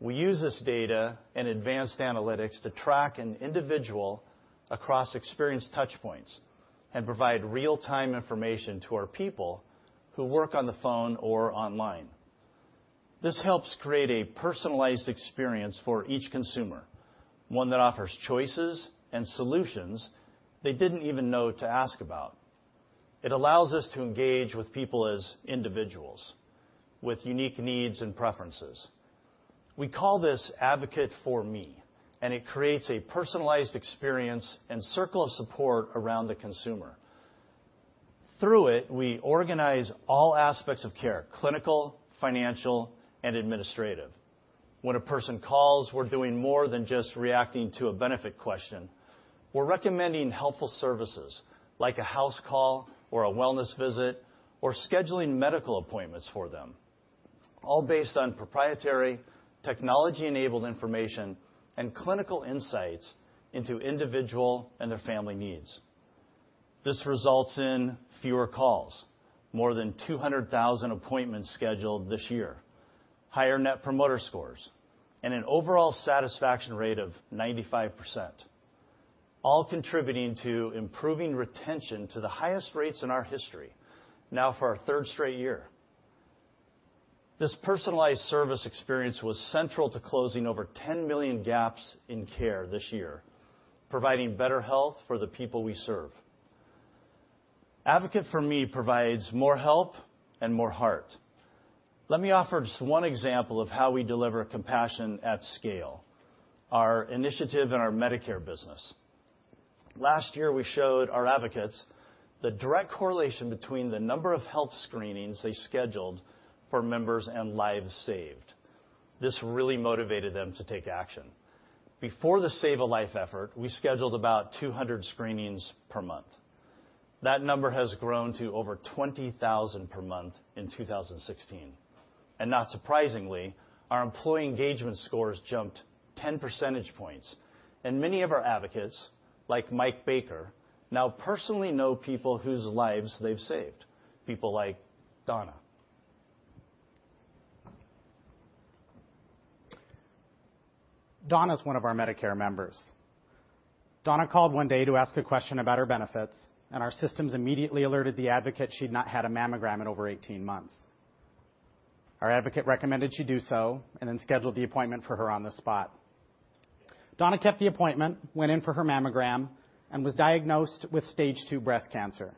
We use this data and advanced analytics to track an individual across experience touchpoints and provide real-time information to our people who work on the phone or online. This helps create a personalized experience for each consumer, one that offers choices and solutions they didn't even know to ask about. It allows us to engage with people as individuals with unique needs and preferences. We call this Advocate4Me, and it creates a personalized experience and circle of support around the consumer. Through it, we organize all aspects of care, clinical, financial, and administrative. When a person calls, we're doing more than just reacting to a benefit question. We're recommending helpful services like a house call or a wellness visit or scheduling medical appointments for them, all based on proprietary technology-enabled information and clinical insights into individual and their family needs. This results in fewer calls. More than 200,000 appointments scheduled this year. Higher Net Promoter Scores and an overall satisfaction rate of 95%, all contributing to improving retention to the highest rates in our history now for our third straight year. This personalized service experience was central to closing over 10 million gaps in care this year, providing better health for the people we serve. Advocate4Me provides more help and more heart. Let me offer just one example of how we deliver compassion at scale, our initiative in our Medicare business. Last year, we showed our advocates the direct correlation between the number of health screenings they scheduled for members and lives saved. This really motivated them to take action. Before the Save a Life effort, we scheduled about 200 screenings per month. That number has grown to over 20,000 per month in 2016. Not surprisingly, our employee engagement scores jumped 10 percentage points and many of our advocates, like Mike Baker, now personally know people whose lives they've saved, people like Donna. Donna is one of our Medicare members. Donna called one day to ask a question about her benefits, and our systems immediately alerted the advocate she'd not had a mammogram in over 18 months. Our advocate recommended she do so and then scheduled the appointment for her on the spot. Donna kept the appointment, went in for her mammogram, and was diagnosed with stage 2 breast cancer.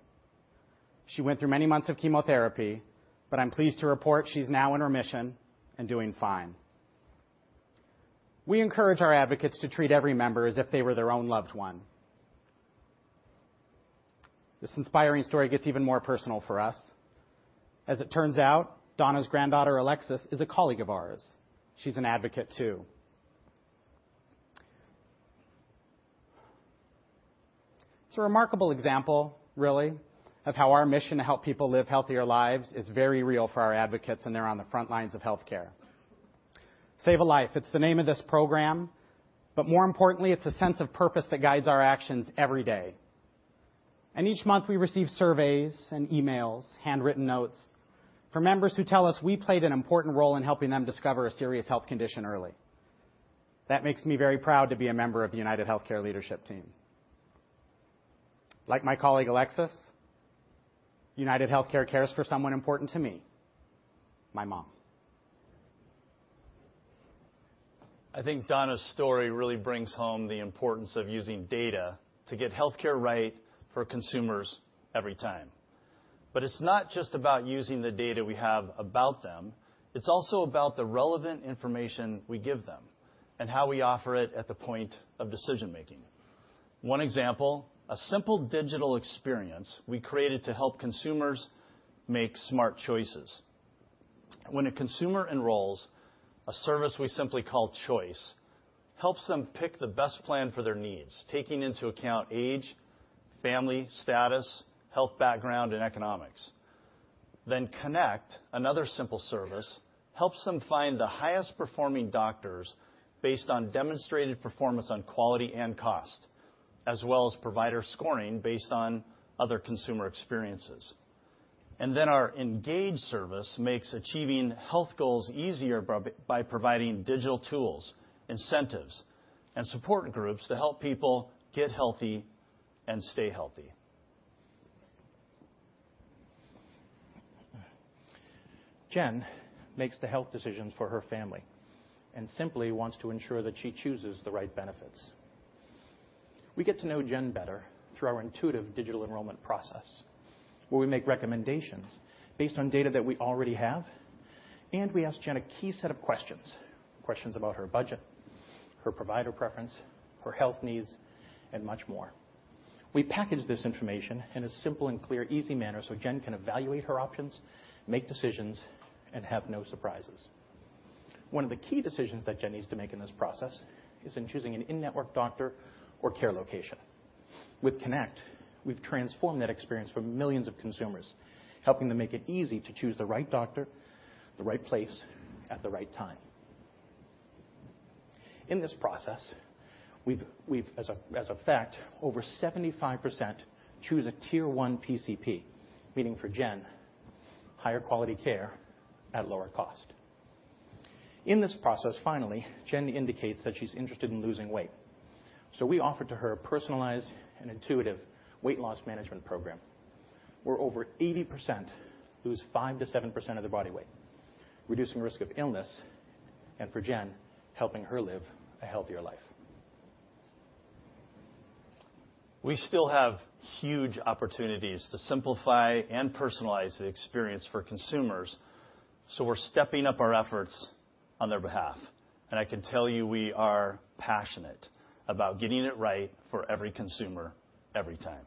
She went through many months of chemotherapy, but I'm pleased to report she's now in remission and doing fine. We encourage our advocates to treat every member as if they were their own loved one. This inspiring story gets even more personal for us. As it turns out, Donna's granddaughter, Alexis, is a colleague of ours. She's an advocate too. It's a remarkable example, really, of how our mission to help people live healthier lives is very real for our advocates and they're on the front lines of healthcare. Save a Life, it's the name of this program, but more importantly, it's a sense of purpose that guides our actions every day. And each month we receive surveys and emails, handwritten notes from members who tell us we played an important role in helping them discover a serious health condition early. That makes me very proud to be a member of the UnitedHealthcare leadership team. Like my colleague Alexis, UnitedHealthcare cares for someone important to me, my mom. I think Donna's story really brings home the importance of using data to get healthcare right for consumers every time. But it's not just about using the data we have about them, it's also about the relevant information we give them and how we offer it at the point of decision-making. One example, a simple digital experience we created to help consumers make smart choices. When a consumer enrolls, a service we simply call Choice helps them pick the best plan for their needs, taking into account age, family status, health background, and economics. Then Connect, another simple service, helps them find the highest performing doctors based on demonstrated performance on quality and cost, as well as provider scoring based on other consumer experiences. Our Engage service makes achieving health goals easier by providing digital tools, incentives, and support groups to help people get healthy and stay healthy. Jen makes the health decisions for her family and simply wants to ensure that she chooses the right benefits. We get to know Jen better through our intuitive digital enrollment process, where we make recommendations based on data that we already have, and we ask Jen a key set of questions about her budget, her provider preference, her health needs, and much more. We package this information in a simple and clear, easy manner so Jen can evaluate her options, make decisions, and have no surprises. One of the key decisions that Jen needs to make in this process is in choosing an in-network doctor or care location. With Connect, we've transformed that experience for millions of consumers, helping to make it easy to choose the right doctor, the right place at the right time. In this process, we've as a fact, over 75% choose a tier 1 PCP, meaning for Jen, higher quality care at lower cost. In this process, finally, Jen indicates that she's interested in losing weight. We offered to her a personalized and intuitive weight loss management program where over 80% lose 5%-7% of their body weight, reducing risk of illness, and for Jen, helping her live a healthier life. We still have huge opportunities to simplify and personalize the experience for consumers, so we're stepping up our efforts on their behalf, and I can tell you we are passionate about getting it right for every consumer, every time.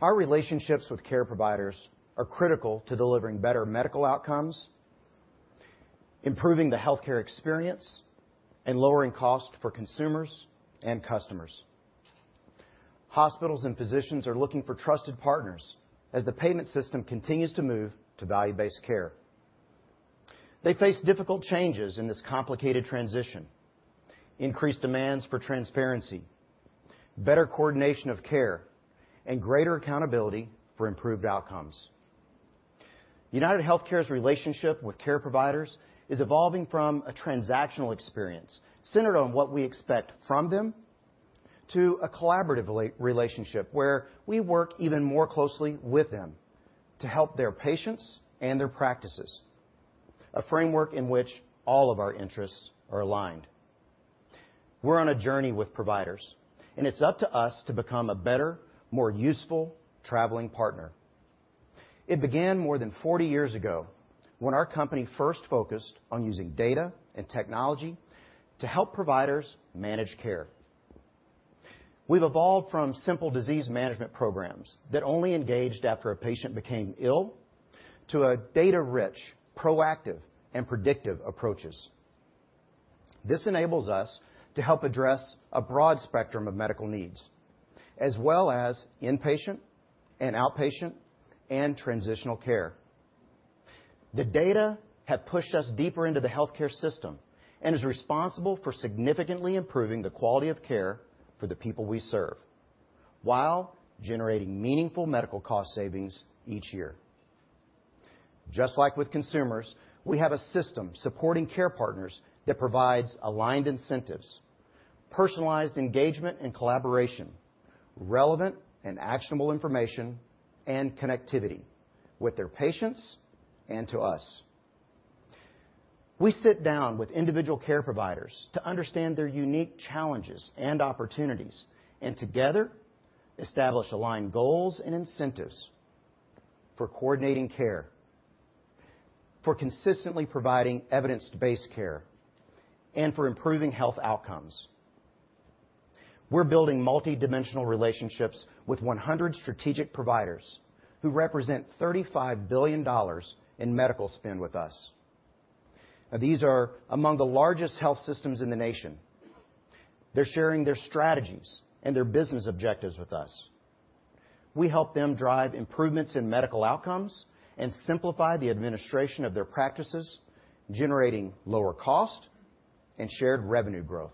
Our relationships with care providers are critical to delivering better medical outcomes, improving the healthcare experience, and lowering cost for consumers and customers. Hospitals and physicians are looking for trusted partners as the payment system continues to move to value-based care. They face difficult changes in this complicated transition, increased demands for transparency, better coordination of care, and greater accountability for improved outcomes. UnitedHealthcare's relationship with care providers is evolving from a transactional experience centered on what we expect from them, to a collaborative relationship where we work even more closely with them to help their patients and their practices. A framework in which all of our interests are aligned. We're on a journey with providers, and it's up to us to become a better, more useful traveling partner. It began more than 40 years ago when our company first focused on using data and technology to help providers manage care. We've evolved from simple disease management programs that only engaged after a patient became ill, to a data-rich, proactive, and predictive approaches. This enables us to help address a broad spectrum of medical needs, as well as inpatient and outpatient and transitional care. The data have pushed us deeper into the healthcare system and is responsible for significantly improving the quality of care for the people we serve while generating meaningful medical cost savings each year. Just like with consumers, we have a system supporting care partners that provides aligned incentives, personalized engagement and collaboration, relevant and actionable information, and connectivity with their patients and to us. We sit down with individual care providers to understand their unique challenges and opportunities, and together establish aligned goals and incentives for coordinating care, for consistently providing evidence-based care, and for improving health outcomes. We're building multidimensional relationships with 100 strategic providers who represent $35 billion in medical spend with us. These are among the largest health systems in the nation. They're sharing their strategies and their business objectives with us. We help them drive improvements in medical outcomes and simplify the administration of their practices, generating lower cost and shared revenue growth.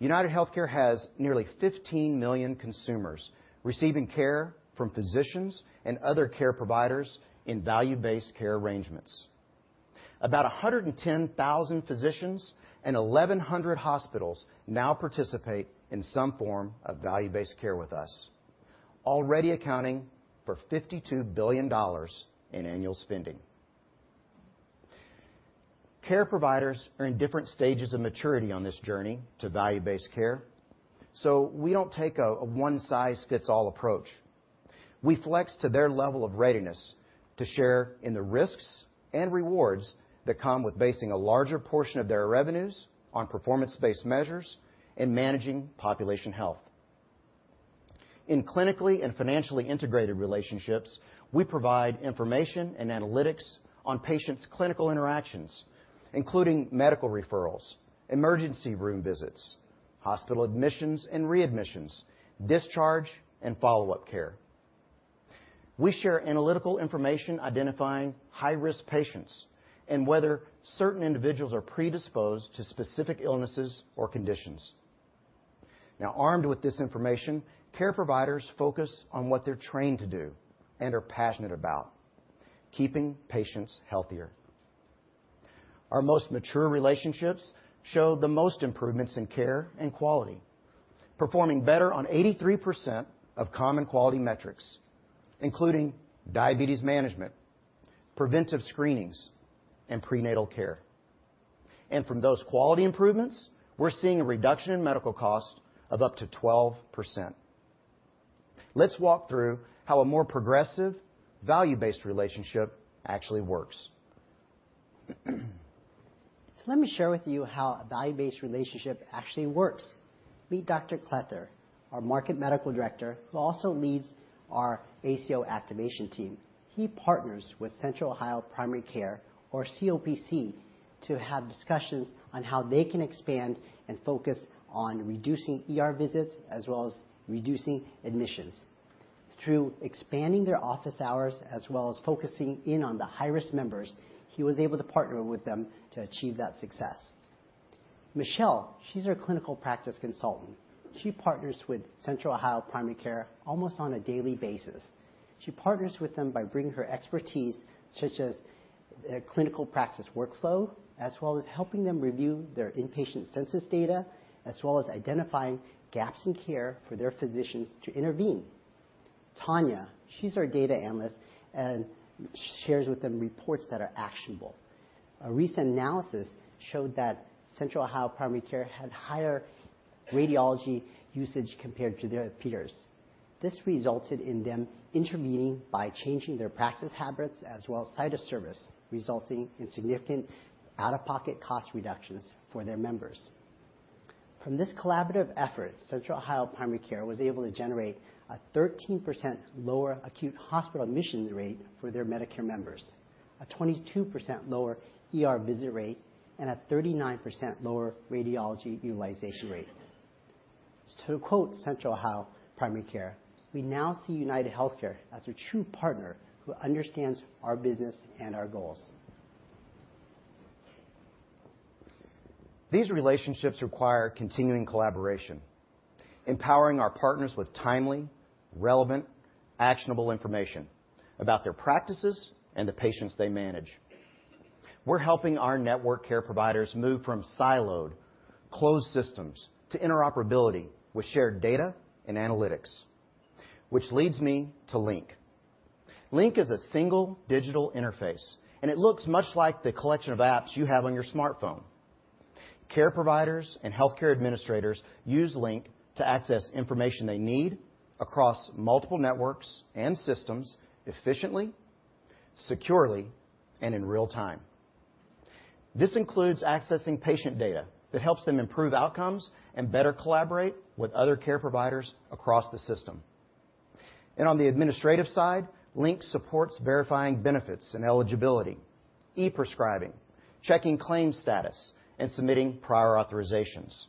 UnitedHealthcare has nearly 15 million consumers receiving care from physicians and other care providers in value-based care arrangements. About 110,000 physicians and 1,100 hospitals now participate in some form of value-based care with us, already accounting for $52 billion in annual spending. Care providers are in different stages of maturity on this journey to value-based care, we don't take a one-size-fits-all approach. We flex to their level of readiness to share in the risks and rewards that come with basing a larger portion of their revenues on performance-based measures and managing population health. In clinically and financially integrated relationships, we provide information and analytics on patients' clinical interactions, including medical referrals, emergency room visits, hospital admissions and readmissions, discharge, and follow-up care. We share analytical information identifying high-risk patients and whether certain individuals are predisposed to specific illnesses or conditions. Armed with this information, care providers focus on what they're trained to do and are passionate about, keeping patients healthier. Our most mature relationships show the most improvements in care and quality, performing better on 83% of common quality metrics, including diabetes management, preventive screenings, and prenatal care. From those quality improvements, we're seeing a reduction in medical cost of up to 12%. Let's walk through how a more progressive value-based relationship actually works. Let me share with you how a value-based relationship actually works. Meet Dr. Kleather, our market medical director, who also leads our ACO activation team. He partners with Central Ohio Primary Care, or COPC, to have discussions on how they can expand and focus on reducing ER visits, as well as reducing admissions. Through expanding their office hours, as well as focusing in on the high-risk members, he was able to partner with them to achieve that success. Michelle, she's our clinical practice consultant. She partners with Central Ohio Primary Care almost on a daily basis. She partners with them by bringing her expertise, such as their clinical practice workflow, as well as helping them review their inpatient census data, as well as identifying gaps in care for their physicians to intervene. Tanya, she's our data analyst and shares with them reports that are actionable. A recent analysis showed that Central Ohio Primary Care had higher radiology usage compared to their peers. This resulted in them intervening by changing their practice habits as well as site of service, resulting in significant out-of-pocket cost reductions for their members. From this collaborative effort, Central Ohio Primary Care was able to generate a 13% lower acute hospital admissions rate for their Medicare members, a 22% lower ER visit rate, and a 39% lower radiology utilization rate. To quote Central Ohio Primary Care, "We now see UnitedHealthcare as a true partner who understands our business and our goals. These relationships require continuing collaboration, empowering our partners with timely, relevant, actionable information about their practices and the patients they manage. We're helping our network care providers move from siloed closed systems to interoperability with shared data and analytics. Link is a single digital interface, it looks much like the collection of apps you have on your smartphone. Care providers and healthcare administrators use Link to access information they need across multiple networks and systems efficiently, securely, and in real time. This includes accessing patient data that helps them improve outcomes and better collaborate with other care providers across the system. On the administrative side, Link supports verifying benefits and eligibility, e-prescribing, checking claims status, and submitting prior authorizations.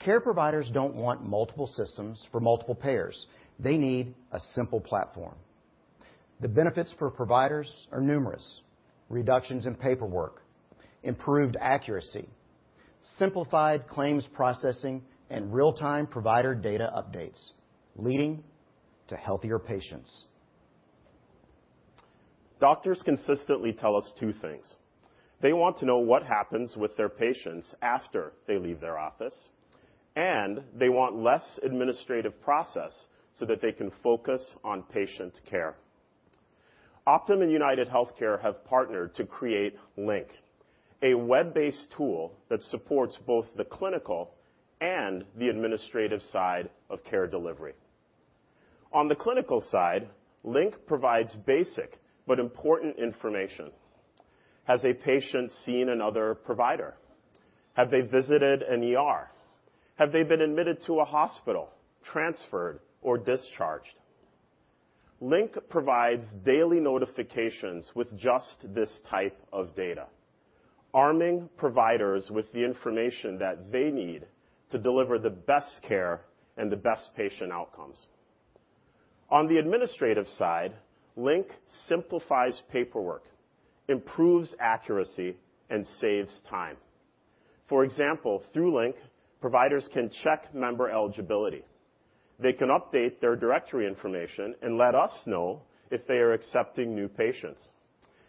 Care providers don't want multiple systems for multiple payers. They need a simple platform. The benefits for providers are numerous: reductions in paperwork, improved accuracy, simplified claims processing, and real-time provider data updates, leading to healthier patients. Doctors consistently tell us two things. They want to know what happens with their patients after they leave their office, and they want less administrative process so that they can focus on patient care. Optum and UnitedHealthcare have partnered to create Link, a web-based tool that supports both the clinical and the administrative side of care delivery. On the clinical side, Link provides basic but important information. Has a patient seen another provider? Have they visited an ER? Have they been admitted to a hospital, transferred, or discharged? Link provides daily notifications with just this type of data, arming providers with the information that they need to deliver the best care and the best patient outcomes. On the administrative side, Link simplifies paperwork, improves accuracy, and saves time. For example, through Link, providers can check member eligibility. They can update their directory information and let us know if they are accepting new patients.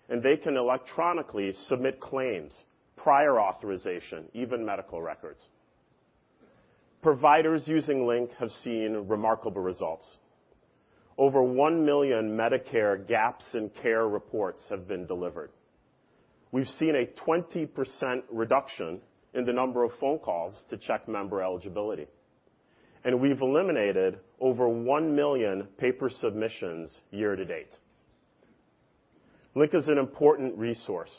They can electronically submit claims, prior authorization, even medical records. Providers using Link have seen remarkable results. Over 1 million Medicare gaps in care reports have been delivered. We've seen a 20% reduction in the number of phone calls to check member eligibility. We've eliminated over 1 million paper submissions year to date. Link is an important resource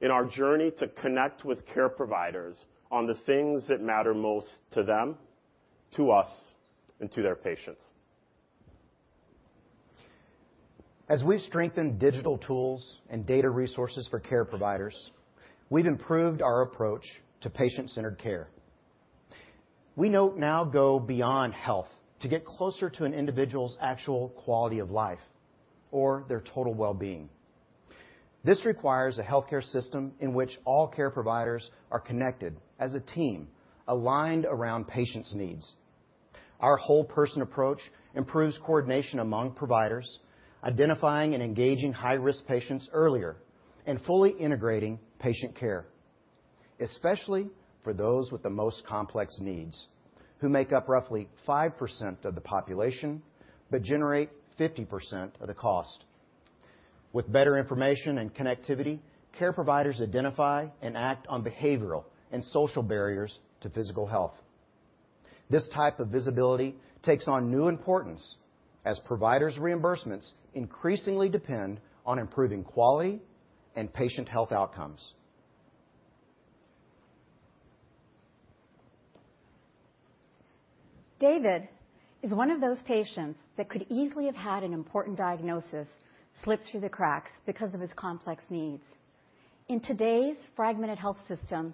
in our journey to connect with care providers on the things that matter most to them, to us, and to their patients. As we've strengthened digital tools and data resources for care providers, we've improved our approach to patient-centered care. We now go beyond health to get closer to an individual's actual quality of life or their total wellbeing. This requires a healthcare system in which all care providers are connected as a team, aligned around patients' needs. Our whole-person approach improves coordination among providers, identifying and engaging high-risk patients earlier, and fully integrating patient care, especially for those with the most complex needs, who make up roughly 5% of the population but generate 50% of the cost. With better information and connectivity, care providers identify and act on behavioral and social barriers to physical health. This type of visibility takes on new importance as providers' reimbursements increasingly depend on improving quality and patient health outcomes. David is one of those patients that could easily have had an important diagnosis slip through the cracks because of his complex needs. In today's fragmented health system,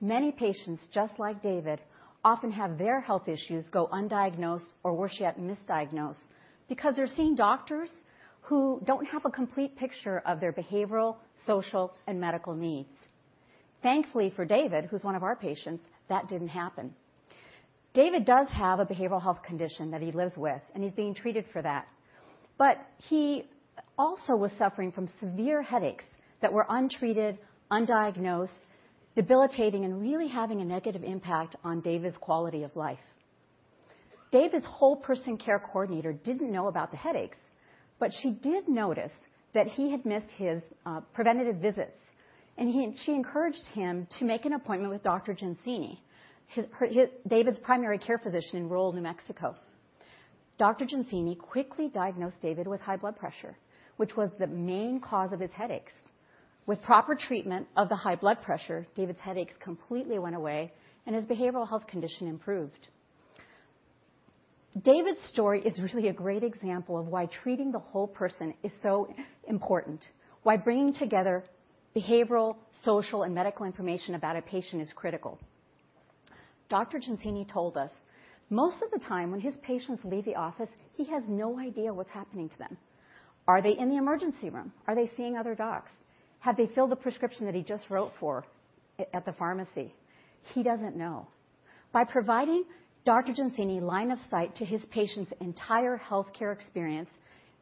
many patients just like David often have their health issues go undiagnosed or, worse yet, misdiagnosed because they're seeing doctors who don't have a complete picture of their behavioral, social, and medical needs. Thankfully for David, who's one of our patients, that didn't happen. David does have a behavioral health condition that he lives with, and he's being treated for that. But he also was suffering from severe headaches that were untreated, undiagnosed, debilitating, and really having a negative impact on David's quality of life. David's whole-person care coordinator didn't know about the headaches, but she did notice that he had missed his preventative visits, and she encouraged him to make an appointment with Dr. Gensini, David's primary care physician in rural New Mexico. Dr. Gensini quickly diagnosed David with high blood pressure, which was the main cause of his headaches. With proper treatment of the high blood pressure, David's headaches completely went away, and his behavioral health condition improved. David's story is really a great example of why treating the whole person is so important, why bringing together behavioral, social, and medical information about a patient is critical. Dr. Gensini told us most of the time when his patients leave the office, he has no idea what's happening to them. Are they in the emergency room? Are they seeing other docs? Have they filled the prescription that he just wrote for at the pharmacy? He doesn't know. By providing Dr. Gensini line of sight to his patients' entire healthcare experience,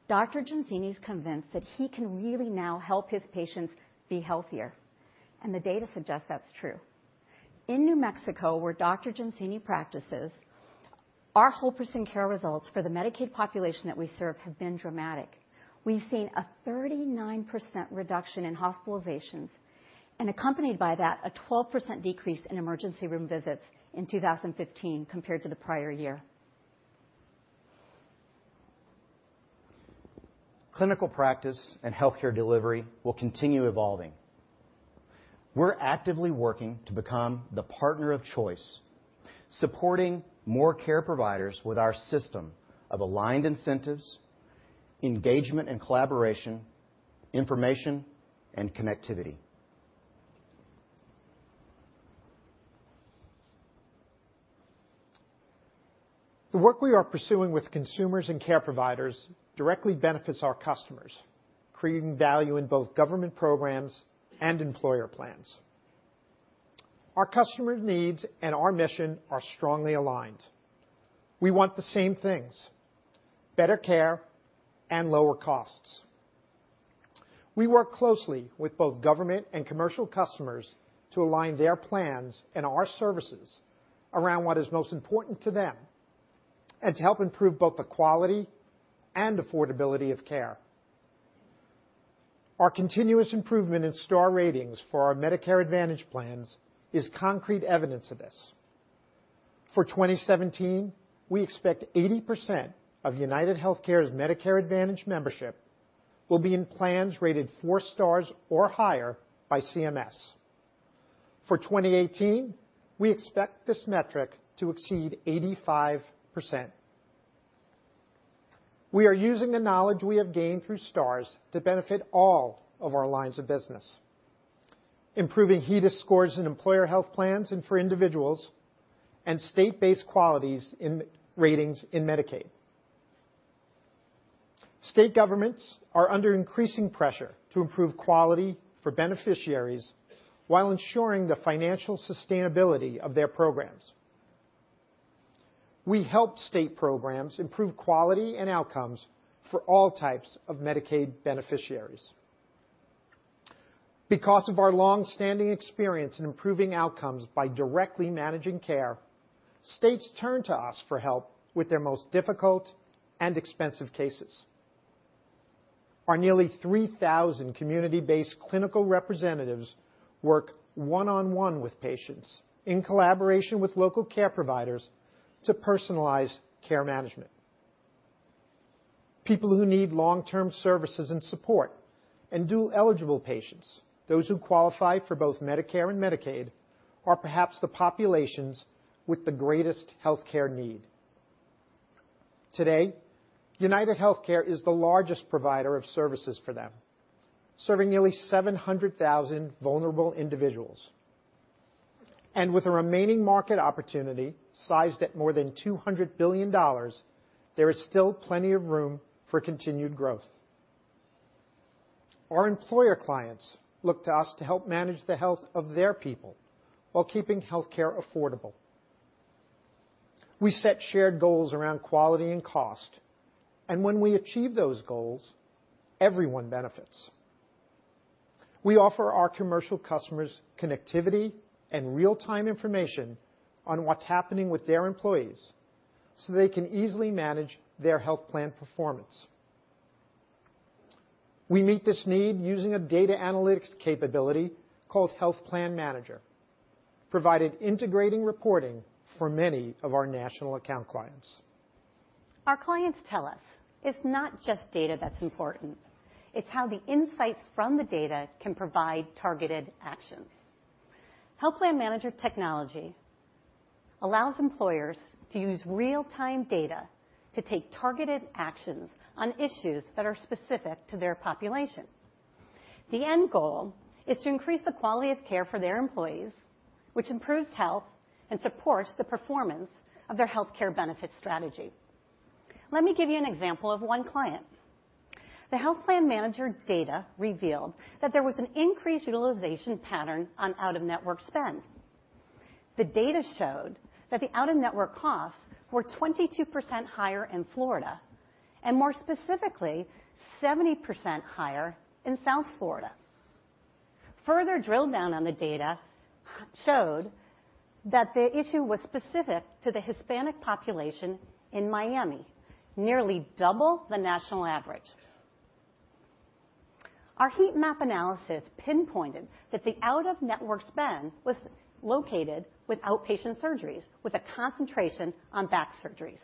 Dr. Gensini is convinced that he can really now help his patients be healthier, and the data suggests that's true. In New Mexico, where Dr. Gensini practices, our whole-person care results for the Medicaid population that we serve have been dramatic. We've seen a 39% reduction in hospitalizations and accompanied by that, a 12% decrease in emergency room visits in 2015 compared to the prior year. Clinical practice and healthcare delivery will continue evolving. We're actively working to become the partner of choice, supporting more care providers with our system of aligned incentives, engagement and collaboration, information, and connectivity. The work we are pursuing with consumers and care providers directly benefits our customers, creating value in both government programs and employer plans. Our customers' needs and our mission are strongly aligned. We want the same things, better care and lower costs. We work closely with both government and commercial customers to align their plans and our services around what is most important to them and to help improve both the quality and affordability of care. Our continuous improvement in Star Ratings for our Medicare Advantage plans is concrete evidence of this. For 2017, we expect 80% of UnitedHealthcare's Medicare Advantage membership will be in plans rated four Stars or higher by CMS. For 2018, we expect this metric to exceed 85%. We are using the knowledge we have gained through Stars to benefit all of our lines of business, improving HEDIS scores in employer health plans and for individuals, and state-based qualities in ratings in Medicaid. State governments are under increasing pressure to improve quality for beneficiaries while ensuring the financial sustainability of their programs. We help state programs improve quality and outcomes for all types of Medicaid beneficiaries. Because of our long-standing experience in improving outcomes by directly managing care, states turn to us for help with their most difficult and expensive cases. Our nearly 3,000 community-based clinical representatives work one-on-one with patients in collaboration with local care providers to personalize care management. People who need long-term services and support and dual-eligible patients, those who qualify for both Medicare and Medicaid, are perhaps the populations with the greatest healthcare need. Today, UnitedHealthcare is the largest provider of services for them, serving nearly 700,000 vulnerable individuals. With a remaining market opportunity sized at more than $200 billion, there is still plenty of room for continued growth. Our employer clients look to us to help manage the health of their people while keeping healthcare affordable. We set shared goals around quality and cost, and when we achieve those goals, everyone benefits. We offer our commercial customers connectivity and real-time information on what's happening with their employees so they can easily manage their health plan performance. We meet this need using a data analytics capability called Health Plan Manager, provided integrating reporting for many of our national account clients. Our clients tell us it's not just data that's important. It's how the insights from the data can provide targeted actions. Health Plan Manager technology allows employers to use real-time data to take targeted actions on issues that are specific to their population. The end goal is to increase the quality of care for their employees, which improves health and supports the performance of their healthcare benefit strategy. Let me give you an example of one client. The Health Plan Manager data revealed that there was an increased utilization pattern on out-of-network spend. The data showed that the out-of-network costs were 22% higher in Florida, and more specifically, 70% higher in South Florida. Further drill-down on the data showed that the issue was specific to the Hispanic population in Miami, nearly double the national average. Our heat map analysis pinpointed that the out-of-network spend was located with outpatient surgeries, with a concentration on back surgeries.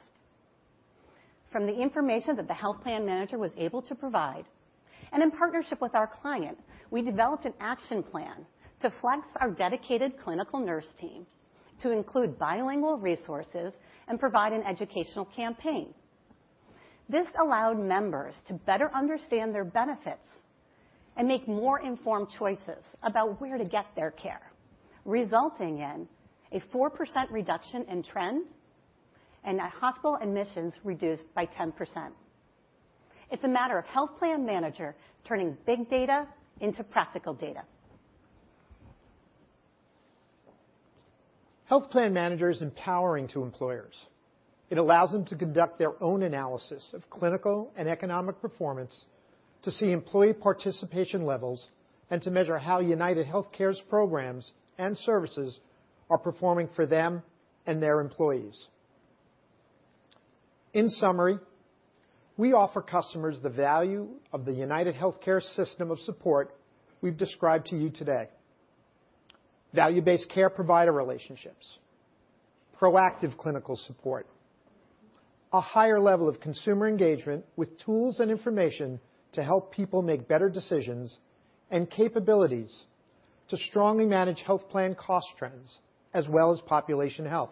From the information that the Health Plan Manager was able to provide, and in partnership with our client, we developed an action plan to flex our dedicated clinical nurse team to include bilingual resources and provide an educational campaign. This allowed members to better understand their benefits and make more informed choices about where to get their care, resulting in a 4% reduction in trends and hospital admissions reduced by 10%. It's a matter of Health Plan Manager turning big data into practical data. Health Plan Manager is empowering to employers. It allows them to conduct their own analysis of clinical and economic performance to see employee participation levels, and to measure how UnitedHealthcare's programs and services are performing for them and their employees. In summary, we offer customers the value of the UnitedHealthcare system of support we've described to you today. Value-based care provider relationships, proactive clinical support, a higher level of consumer engagement with tools and information to help people make better decisions, and capabilities to strongly manage health plan cost trends as well as population health.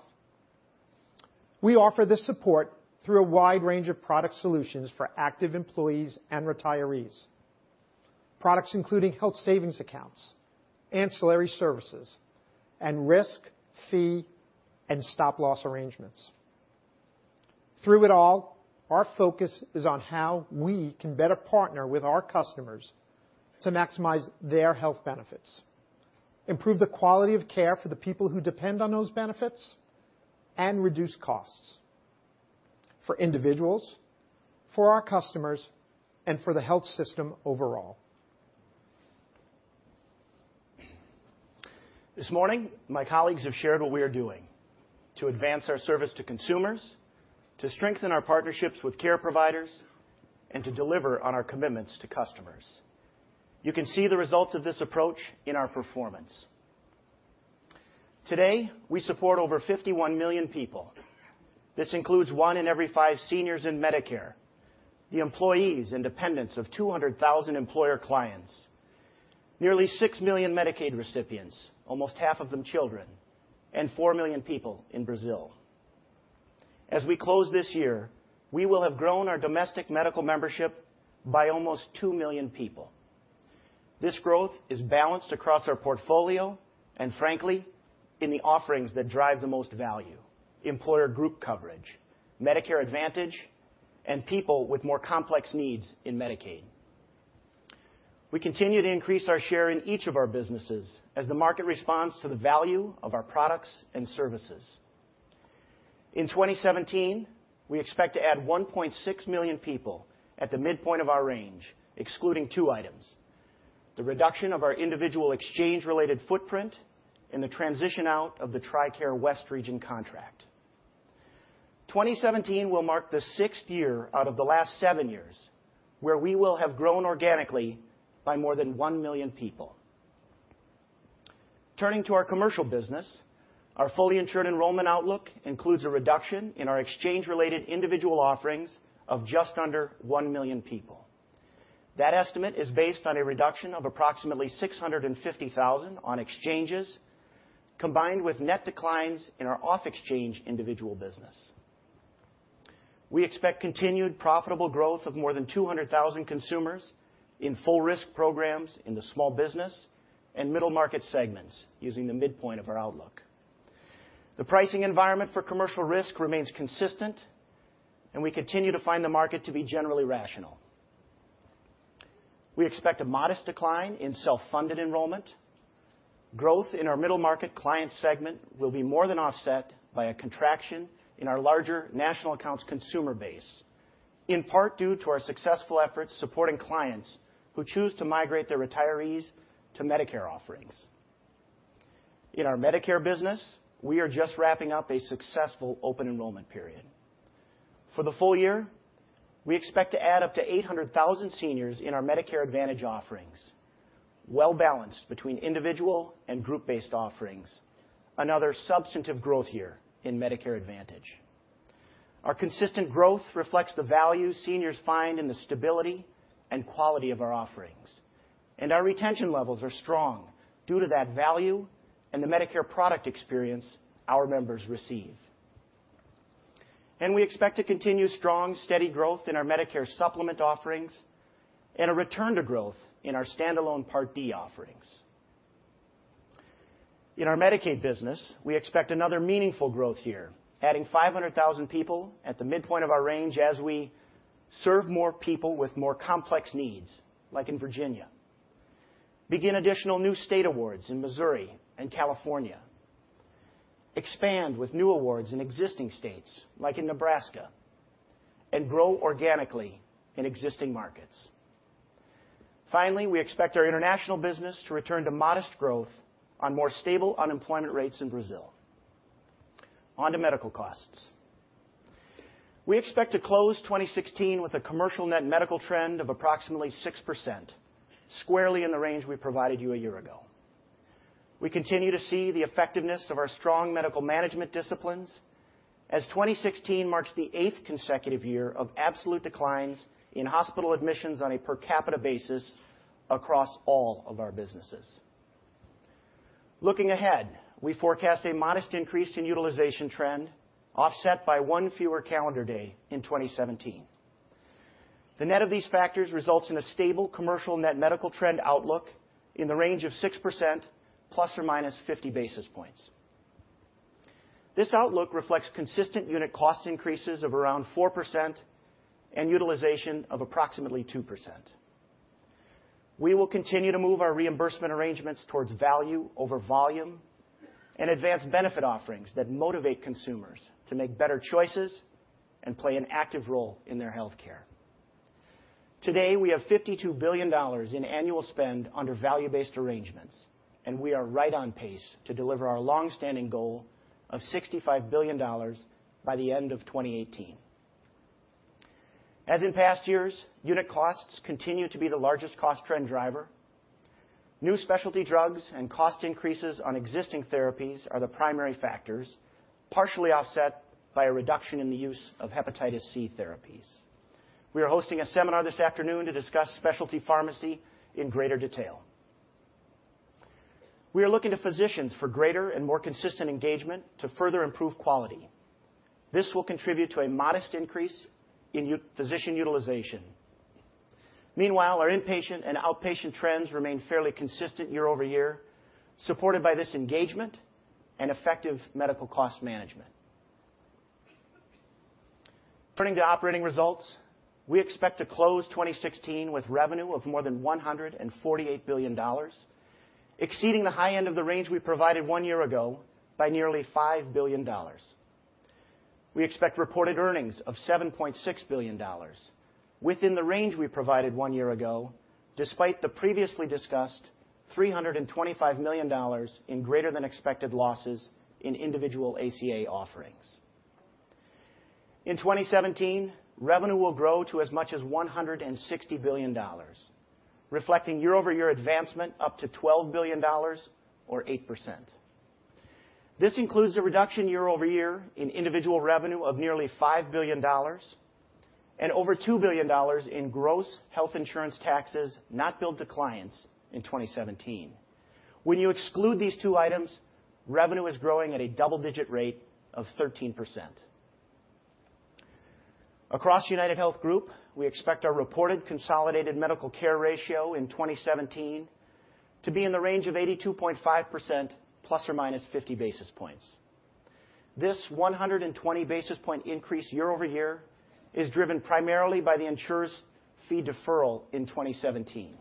We offer this support through a wide range of product solutions for active employees and retirees. Products including health savings accounts, ancillary services, and risk, fee, and stop-loss arrangements. Through it all, our focus is on how we can better partner with our customers to maximize their health benefits, improve the quality of care for the people who depend on those benefits, and reduce costs for individuals, for our customers, and for the health system overall. This morning, my colleagues have shared what we are doing to advance our service to consumers, to strengthen our partnerships with care providers, and to deliver on our commitments to customers. You can see the results of this approach in our performance. Today, we support over 51 million people. This includes one in every five seniors in Medicare, the employees and dependents of 200,000 employer clients, nearly six million Medicaid recipients, almost half of them children, and four million people in Brazil. As we close this year, we will have grown our domestic medical membership by almost two million people. This growth is balanced across our portfolio and frankly, in the offerings that drive the most value, employer group coverage, Medicare Advantage, and people with more complex needs in Medicaid. We continue to increase our share in each of our businesses as the market responds to the value of our products and services. In 2017, we expect to add 1.6 million people at the midpoint of our range, excluding two items: the reduction of our individual exchange-related footprint and the transition out of the TRICARE West Region contract. 2017 will mark the sixth year out of the last seven years where we will have grown organically by more than one million people. Turning to our commercial business, our fully insured enrollment outlook includes a reduction in our exchange-related individual offerings of just under one million people. That estimate is based on a reduction of approximately 650,000 on exchanges, combined with net declines in our off-exchange individual business. We expect continued profitable growth of more than 200,000 consumers in full risk programs in the small business and middle market segments using the midpoint of our outlook. The pricing environment for commercial risk remains consistent, and we continue to find the market to be generally rational. We expect a modest decline in self-funded enrollment. Growth in our middle market client segment will be more than offset by a contraction in our larger national accounts consumer base, in part due to our successful efforts supporting clients who choose to migrate their retirees to Medicare offerings. In our Medicare business, we are just wrapping up a successful open enrollment period. For the full year, we expect to add up to 800,000 seniors in our Medicare Advantage offerings, well-balanced between individual and group-based offerings. Another substantive growth year in Medicare Advantage. Our consistent growth reflects the value seniors find in the stability and quality of our offerings. Our retention levels are strong due to that value and the Medicare product experience our members receive. We expect to continue strong, steady growth in our Medicare supplement offerings and a return to growth in our standalone Part D offerings. In our Medicaid business, we expect another meaningful growth year, adding 500,000 people at the midpoint of our range as we serve more people with more complex needs, like in Virginia. Begin additional new state awards in Missouri and California. Expand with new awards in existing states, like in Nebraska. Grow organically in existing markets. Finally, we expect our international business to return to modest growth on more stable unemployment rates in Brazil. On to medical costs. We expect to close 2016 with a commercial net medical trend of approximately 6%, squarely in the range we provided you a year ago. We continue to see the effectiveness of our strong medical management disciplines as 2016 marks the eighth consecutive year of absolute declines in hospital admissions on a per capita basis across all of our businesses. Looking ahead, we forecast a modest increase in utilization trend offset by one fewer calendar day in 2017. The net of these factors results in a stable commercial net medical trend outlook in the range of 6%, plus or minus 50 basis points. This outlook reflects consistent unit cost increases of around 4% and utilization of approximately 2%. We will continue to move our reimbursement arrangements towards value over volume and advance benefit offerings that motivate consumers to make better choices and play an active role in their healthcare. Today, we have $52 billion in annual spend under value-based arrangements, and we are right on pace to deliver our longstanding goal of $65 billion by the end of 2018. As in past years, unit costs continue to be the largest cost trend driver. New specialty drugs and cost increases on existing therapies are the primary factors, partially offset by a reduction in the use of hepatitis C therapies. We are hosting a seminar this afternoon to discuss specialty pharmacy in greater detail. We are looking to physicians for greater and more consistent engagement to further improve quality. This will contribute to a modest increase in physician utilization. Meanwhile, our inpatient and outpatient trends remain fairly consistent year-over-year, supported by this engagement and effective medical cost management. Turning to operating results, we expect to close 2016 with revenue of more than $148 billion, exceeding the high end of the range we provided one year ago by nearly $5 billion. We expect reported earnings of $7.6 billion within the range we provided one year ago, despite the previously discussed $325 million in greater than expected losses in individual ACA offerings. In 2017, revenue will grow to as much as $160 billion, reflecting year-over-year advancement up to $12 billion or 8%. This includes a reduction year-over-year in individual revenue of nearly $5 billion and over $2 billion in gross health insurance taxes not billed to clients in 2017. When you exclude these two items, revenue is growing at a double-digit rate of 13%. Across UnitedHealth Group, we expect our reported consolidated medical care ratio in 2017 to be in the range of 82.5%, plus or minus 50 basis points. This 120 basis point increase year-over-year is driven primarily by the insurer's fee deferral in 2017.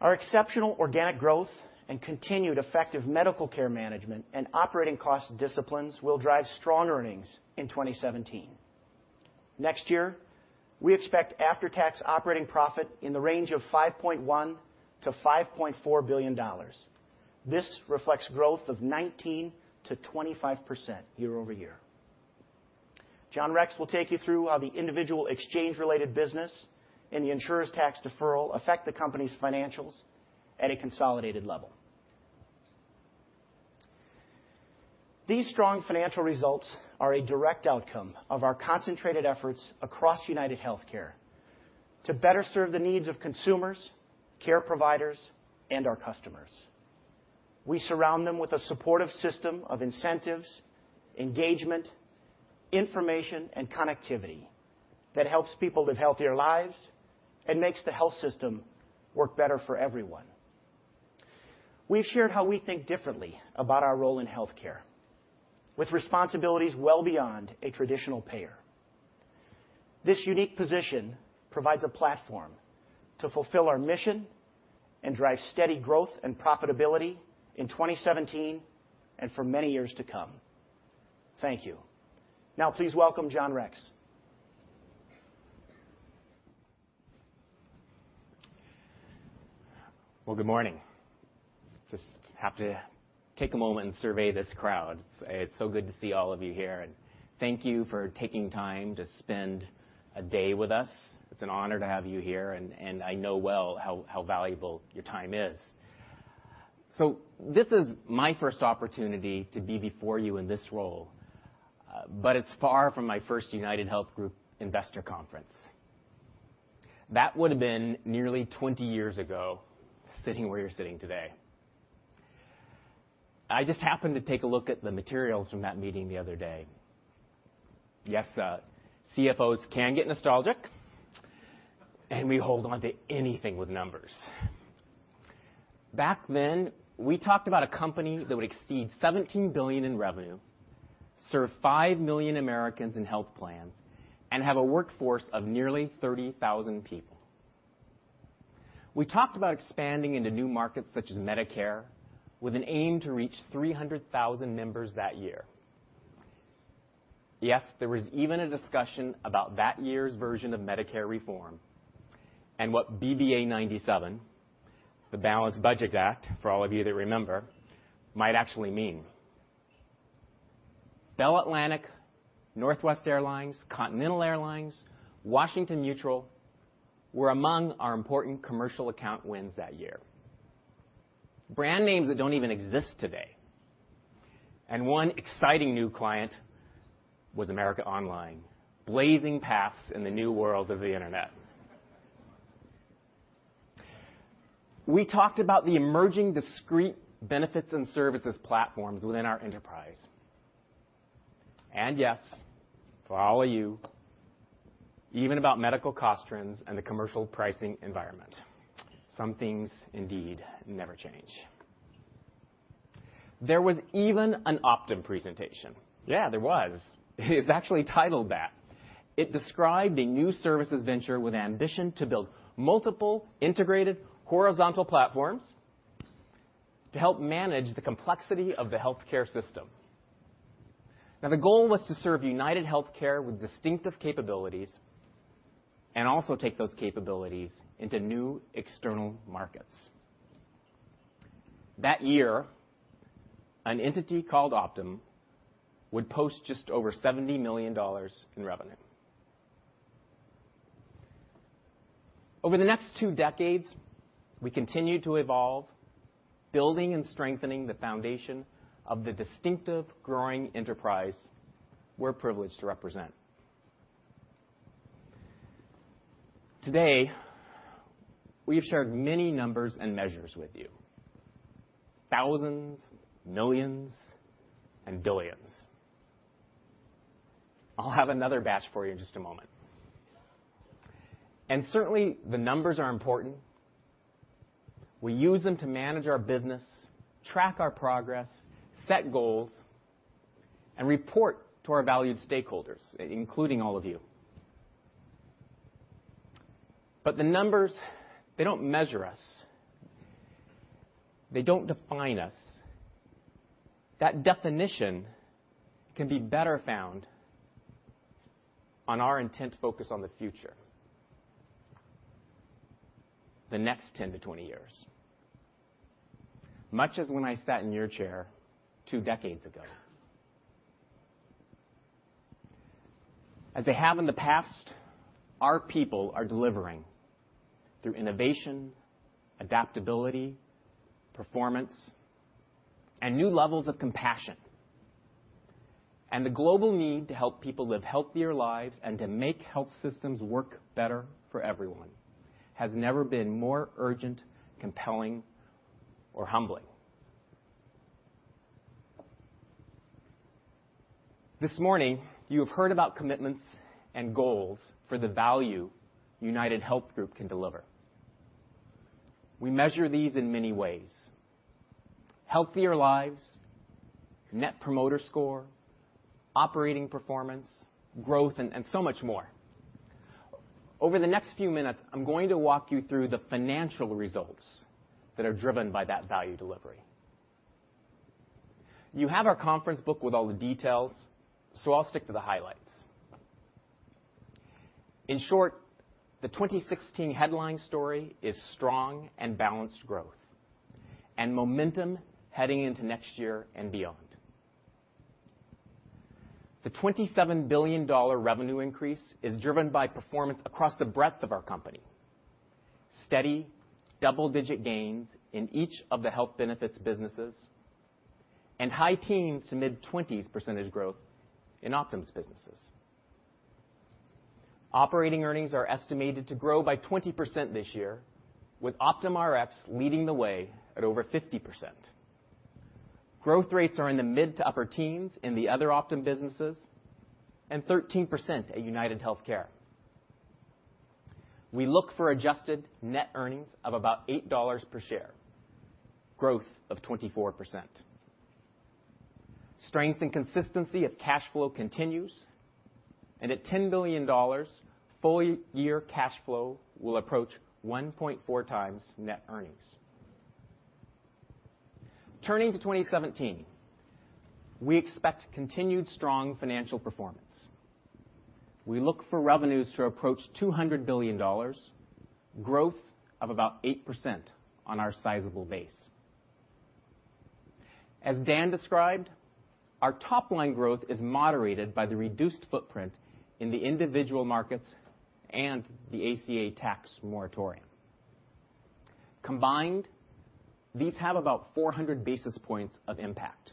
Our exceptional organic growth and continued effective medical care management and operating cost disciplines will drive strong earnings in 2017. Next year, we expect after-tax operating profit in the range of $5.1 billion-$5.4 billion. This reflects growth of 19%-25% year-over-year. John Rex will take you through how the individual exchange-related business and the insurer's tax deferral affect the company's financials at a consolidated level. These strong financial results are a direct outcome of our concentrated efforts across UnitedHealthcare to better serve the needs of consumers, care providers, and our customers. We surround them with a supportive system of incentives, engagement, information, and connectivity that helps people live healthier lives and makes the health system work better for everyone. We've shared how we think differently about our role in healthcare, with responsibilities well beyond a traditional payer. This unique position provides a platform to fulfill our mission and drive steady growth and profitability in 2017 and for many years to come. Thank you. Please welcome John Rex. Good morning. Just have to take a moment and survey this crowd. It's so good to see all of you here, and thank you for taking time to spend a day with us. It's an honor to have you here, and I know well how valuable your time is. This is my first opportunity to be before you in this role. It's far from my first UnitedHealth Group Investor Conference. That would've been nearly 20 years ago, sitting where you're sitting today. I just happened to take a look at the materials from that meeting the other day. Yes, CFOs can get nostalgic, and we hold on to anything with numbers. Back then, we talked about a company that would exceed $17 billion in revenue, serve 5 million Americans in health plans, and have a workforce of nearly 30,000 people. We talked about expanding into new markets such as Medicare with an aim to reach 300,000 members that year. Yes, there was even a discussion about that year's version of Medicare reform and what BBA 97, the Balanced Budget Act, for all of you that remember, might actually mean. Bell Atlantic, Northwest Airlines, Continental Airlines, Washington Mutual were among our important commercial account wins that year. Brand names that don't even exist today. One exciting new client was America Online, blazing paths in the new world of the internet. We talked about the emerging discrete benefits and services platforms within our enterprise. Yes, for all of you, even about medical cost trends and the commercial pricing environment. Some things indeed never change. There was even an Optum presentation. Yeah, there was. It is actually titled that. It described a new services venture with ambition to build multiple integrated horizontal platforms to help manage the complexity of the healthcare system. Now, the goal was to serve UnitedHealthcare with distinctive capabilities and also take those capabilities into new external markets. That year, an entity called Optum would post just over $70 million in revenue. Over the next two decades, we continued to evolve, building and strengthening the foundation of the distinctive, growing enterprise we're privileged to represent. Today, we have shared many numbers and measures with you. Thousands, millions, and billions. I'll have another batch for you in just a moment. Certainly, the numbers are important. We use them to manage our business, track our progress, set goals, and report to our valued stakeholders, including all of you. The numbers, they don't measure us. They don't define us. That definition can be better found on our intent to focus on the future. The next 10 to 20 years. Much as when I sat in your chair two decades ago. As they have in the past, our people are delivering through innovation, adaptability, performance, and new levels of compassion. The global need to help people live healthier lives and to make health systems work better for everyone has never been more urgent, compelling, or humbling. This morning, you have heard about commitments and goals for the value UnitedHealth Group can deliver. We measure these in many ways. Healthier lives, Net Promoter Score, operating performance, growth, and so much more. Over the next few minutes, I'm going to walk you through the financial results that are driven by that value delivery. You have our conference book with all the details, I'll stick to the highlights. In short, the 2016 headline story is strong and balanced growth and momentum heading into next year and beyond. The $27 billion revenue increase is driven by performance across the breadth of our company. Steady, double-digit gains in each of the health benefits businesses, and high teens to mid-20s % growth in Optum's businesses. Operating earnings are estimated to grow by 20% this year, with Optum Rx leading the way at over 50%. Growth rates are in the mid to upper teens in the other Optum businesses and 13% at UnitedHealthcare. We look for adjusted net earnings of about $8 per share, growth of 24%. Strength and consistency of cash flow continues, at $10 billion, full-year cash flow will approach 1.4 times net earnings. Turning to 2017, we expect continued strong financial performance. We look for revenues to approach $200 billion, growth of about 8% on our sizable base. As Dan described, our top-line growth is moderated by the reduced footprint in the individual markets and the ACA tax moratorium. Combined, these have about 400 basis points of impact.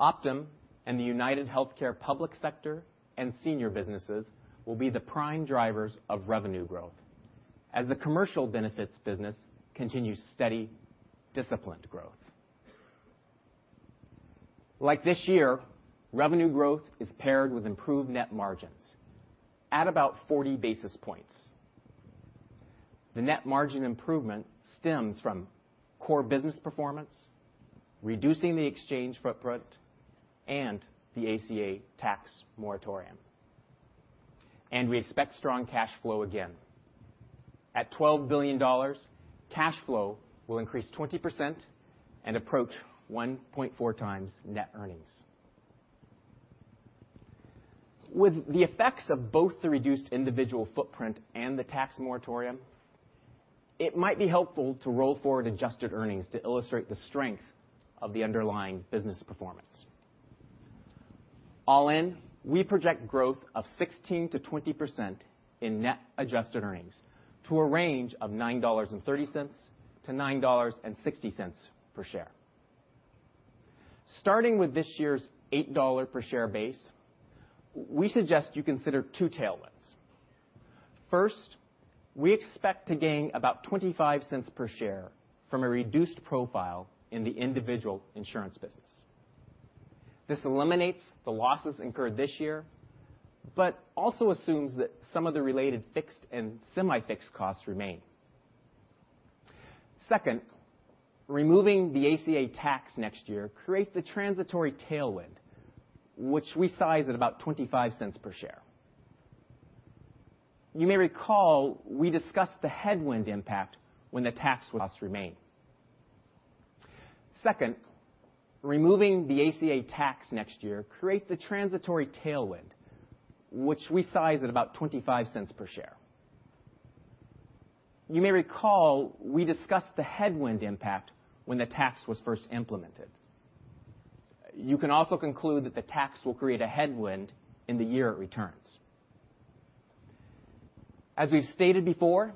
Optum and the UnitedHealthcare public sector and senior businesses will be the prime drivers of revenue growth as the commercial benefits business continues steady disciplined growth. Like this year, revenue growth is paired with improved net margins at about 40 basis points. The net margin improvement stems from core business performance, reducing the exchange footprint, and the ACA tax moratorium. We expect strong cash flow again. At $12 billion, cash flow will increase 20% and approach 1.4 times net earnings. With the effects of both the reduced individual footprint and the tax moratorium, it might be helpful to roll forward adjusted earnings to illustrate the strength of the underlying business performance. All in, we project growth of 16%-20% in net adjusted earnings to a range of $9.30-$9.60 per share. Starting with this year's $8 per share base, we suggest you consider two tailwinds. First, we expect to gain about $0.25 per share from a reduced profile in the individual insurance business. This eliminates the losses incurred this year, also assumes that some of the related fixed and semi-fixed costs remain. Second, removing the ACA tax next year creates a transitory tailwind, which we size at about $0.25 per share. You may recall we discussed the headwind impact when the tax was first implemented. You can also conclude that the tax will create a headwind in the year it returns. As we've stated before,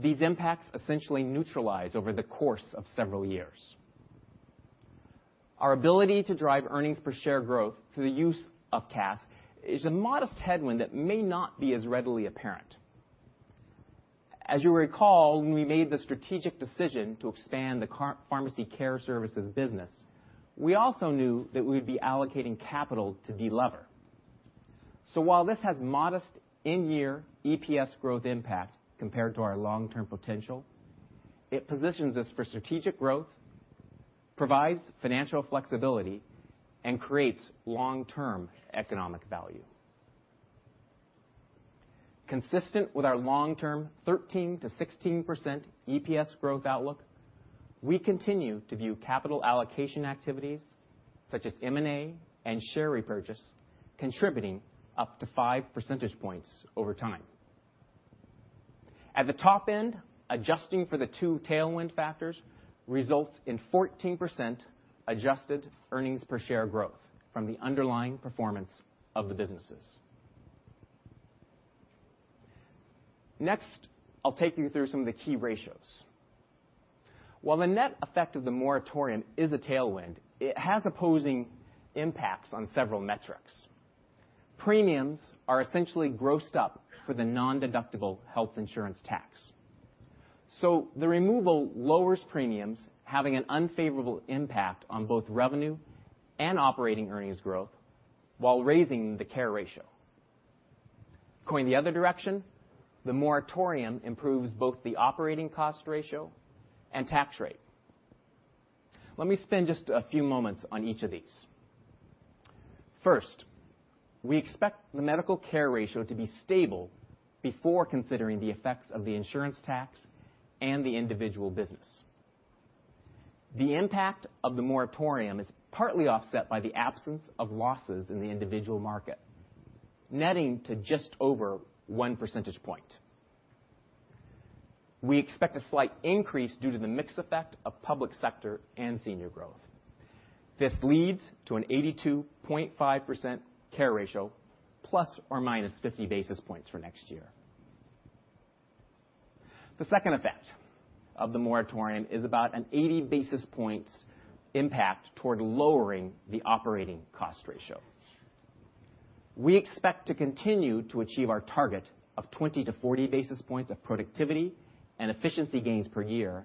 these impacts essentially neutralize over the course of several years. Our ability to drive earnings per share growth through the use of CAS is a modest headwind that may not be as readily apparent. As you'll recall, when we made the strategic decision to expand the pharmacy care services business, we also knew that we would be allocating capital to delever. While this has modest in-year EPS growth impact compared to our long-term potential, it positions us for strategic growth, provides financial flexibility, and creates long-term economic value. Consistent with our long-term 13%-16% EPS growth outlook, we continue to view capital allocation activities such as M&A and share repurchase contributing up to five percentage points over time. At the top end, adjusting for the two tailwind factors results in 14% adjusted earnings per share growth from the underlying performance of the businesses. Next, I'll take you through some of the key ratios. While the net effect of the moratorium is a tailwind, it has opposing impacts on several metrics. Premiums are essentially grossed up for the non-deductible health insurance tax. The removal lowers premiums, having an unfavorable impact on both revenue and operating earnings growth while raising the care ratio. Going the other direction, the moratorium improves both the operating cost ratio and tax rate. Let me spend just a few moments on each of these. First, we expect the medical care ratio to be stable before considering the effects of the insurance tax and the individual business. The impact of the moratorium is partly offset by the absence of losses in the individual market, netting to just over one percentage point. We expect a slight increase due to the mix effect of public sector and senior growth. This leads to an 82.5% care ratio plus or minus 50 basis points for next year. The second effect of the moratorium is about an 80 basis points impact toward lowering the operating cost ratio. We expect to continue to achieve our target of 20 to 40 basis points of productivity and efficiency gains per year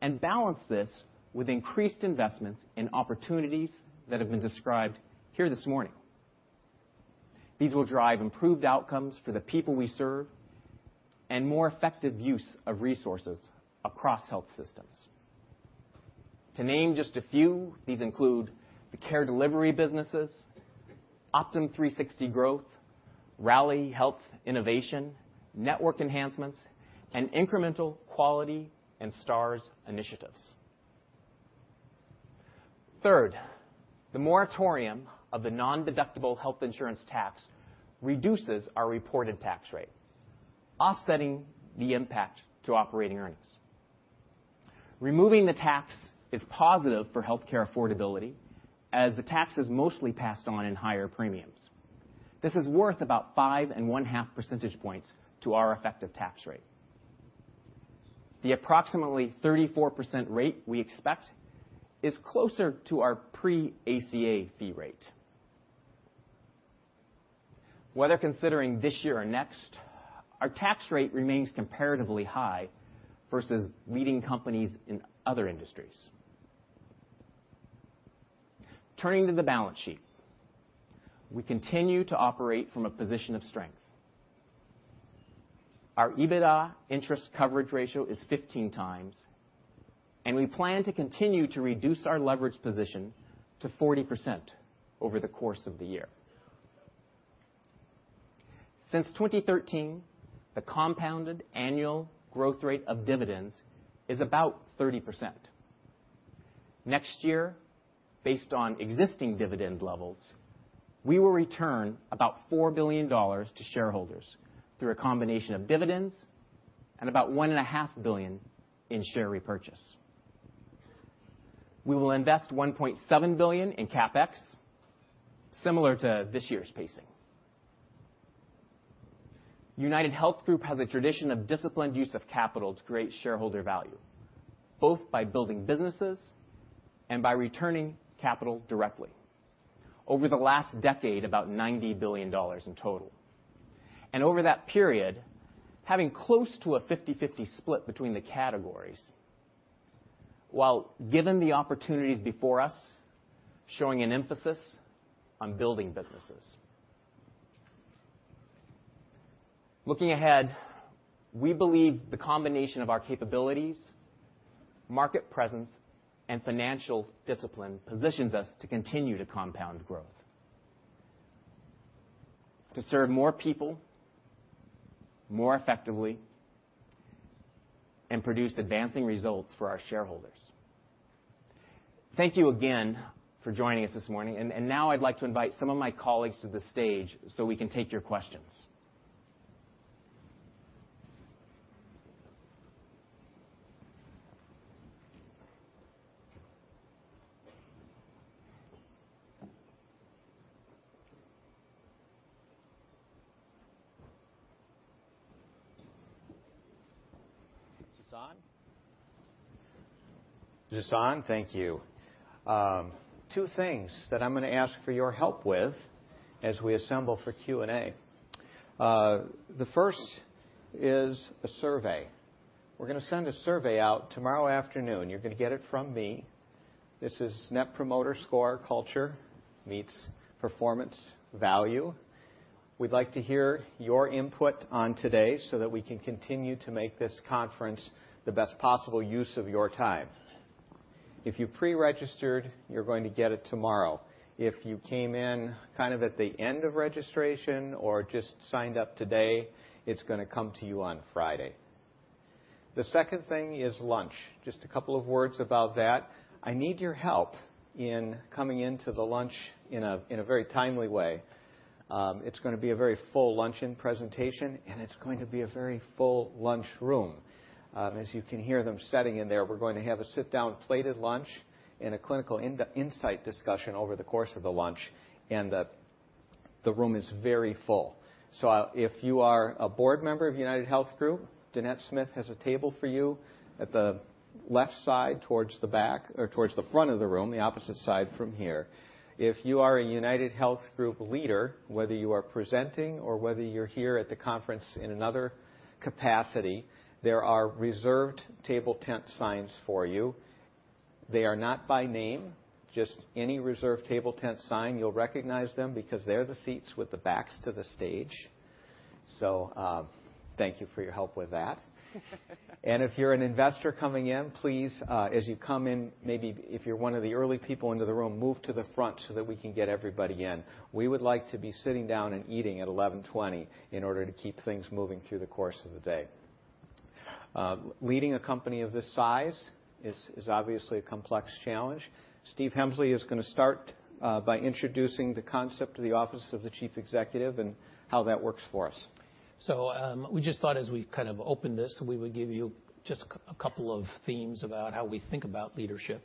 and balance this with increased investments in opportunities that have been described here this morning. These will drive improved outcomes for the people we serve and more effective use of resources across health systems. To name just a few, these include the care delivery businesses, Optum360 growth, Rally Health Innovation, network enhancements, and incremental quality and Stars initiatives. The moratorium of the non-deductible health insurance tax reduces our reported tax rate, offsetting the impact to operating earnings. Removing the tax is positive for healthcare affordability, as the tax is mostly passed on in higher premiums. This is worth about five and one-half percentage points to our effective tax rate. The approximately 34% rate we expect is closer to our pre-ACA fee rate. Whether considering this year or next, our tax rate remains comparatively high versus leading companies in other industries. Turning to the balance sheet, we continue to operate from a position of strength. Our EBITDA interest coverage ratio is 15 times, and we plan to continue to reduce our leverage position to 40% over the course of the year. Since 2013, the compounded annual growth rate of dividends is about 30%. Next year, based on existing dividend levels, we will return about $4 billion to shareholders through a combination of dividends and about $1.5 billion in share repurchase. We will invest $1.7 billion in CapEx, similar to this year's pacing. UnitedHealth Group has a tradition of disciplined use of capital to create shareholder value, both by building businesses and by returning capital directly. Over the last decade, about $90 billion in total. Over that period, having close to a 50/50 split between the categories, while given the opportunities before us, showing an emphasis on building businesses. Looking ahead, we believe the combination of our capabilities, market presence, and financial discipline positions us to continue to compound growth. To serve more people more effectively and produce advancing results for our shareholders. Thank you again for joining us this morning, Now I'd like to invite some of my colleagues to the stage so we can take your questions. Is this on? Thank you. Two things that I'm going to ask for your help with as we assemble for Q&A. The first is a survey. We're going to send a survey out tomorrow afternoon. You're going to get it from me. This is Net Promoter Score Culture meets Performance Value. We'd like to hear your input on today so that we can continue to make this conference the best possible use of your time. If you preregistered, you're going to get it tomorrow. If you came in kind of at the end of registration or just signed up today, it's going to come to you on Friday. The second thing is lunch. Just a couple of words about that. I need your help in coming into the lunch in a very timely way. It's going to be a very full luncheon presentation. It's going to be a very full lunch room. As you can hear them setting in there, we're going to have a sit-down plated lunch and a clinical insight discussion over the course of the lunch. The room is very full. If you are a board member of UnitedHealth Group, Dannette Smith has a table for you at the left side towards the front of the room, the opposite side from here. If you are a UnitedHealth Group leader, whether you are presenting or whether you're here at the conference in another capacity, there are reserved table tent signs for you. They are not by name, just any reserved table tent sign, you'll recognize them because they're the seats with the backs to the stage. Thank you for your help with that. If you're an investor coming in, please, as you come in, maybe if you're one of the early people into the room, move to the front so that we can get everybody in. We would like to be sitting down and eating at 11:20 in order to keep things moving through the course of the day. Leading a company of this size is obviously a complex challenge. Stephen Hemsley is going to start by introducing the concept of the office of the chief executive and how that works for us. We just thought as we kind of opened this, we would give you just a couple of themes about how we think about leadership.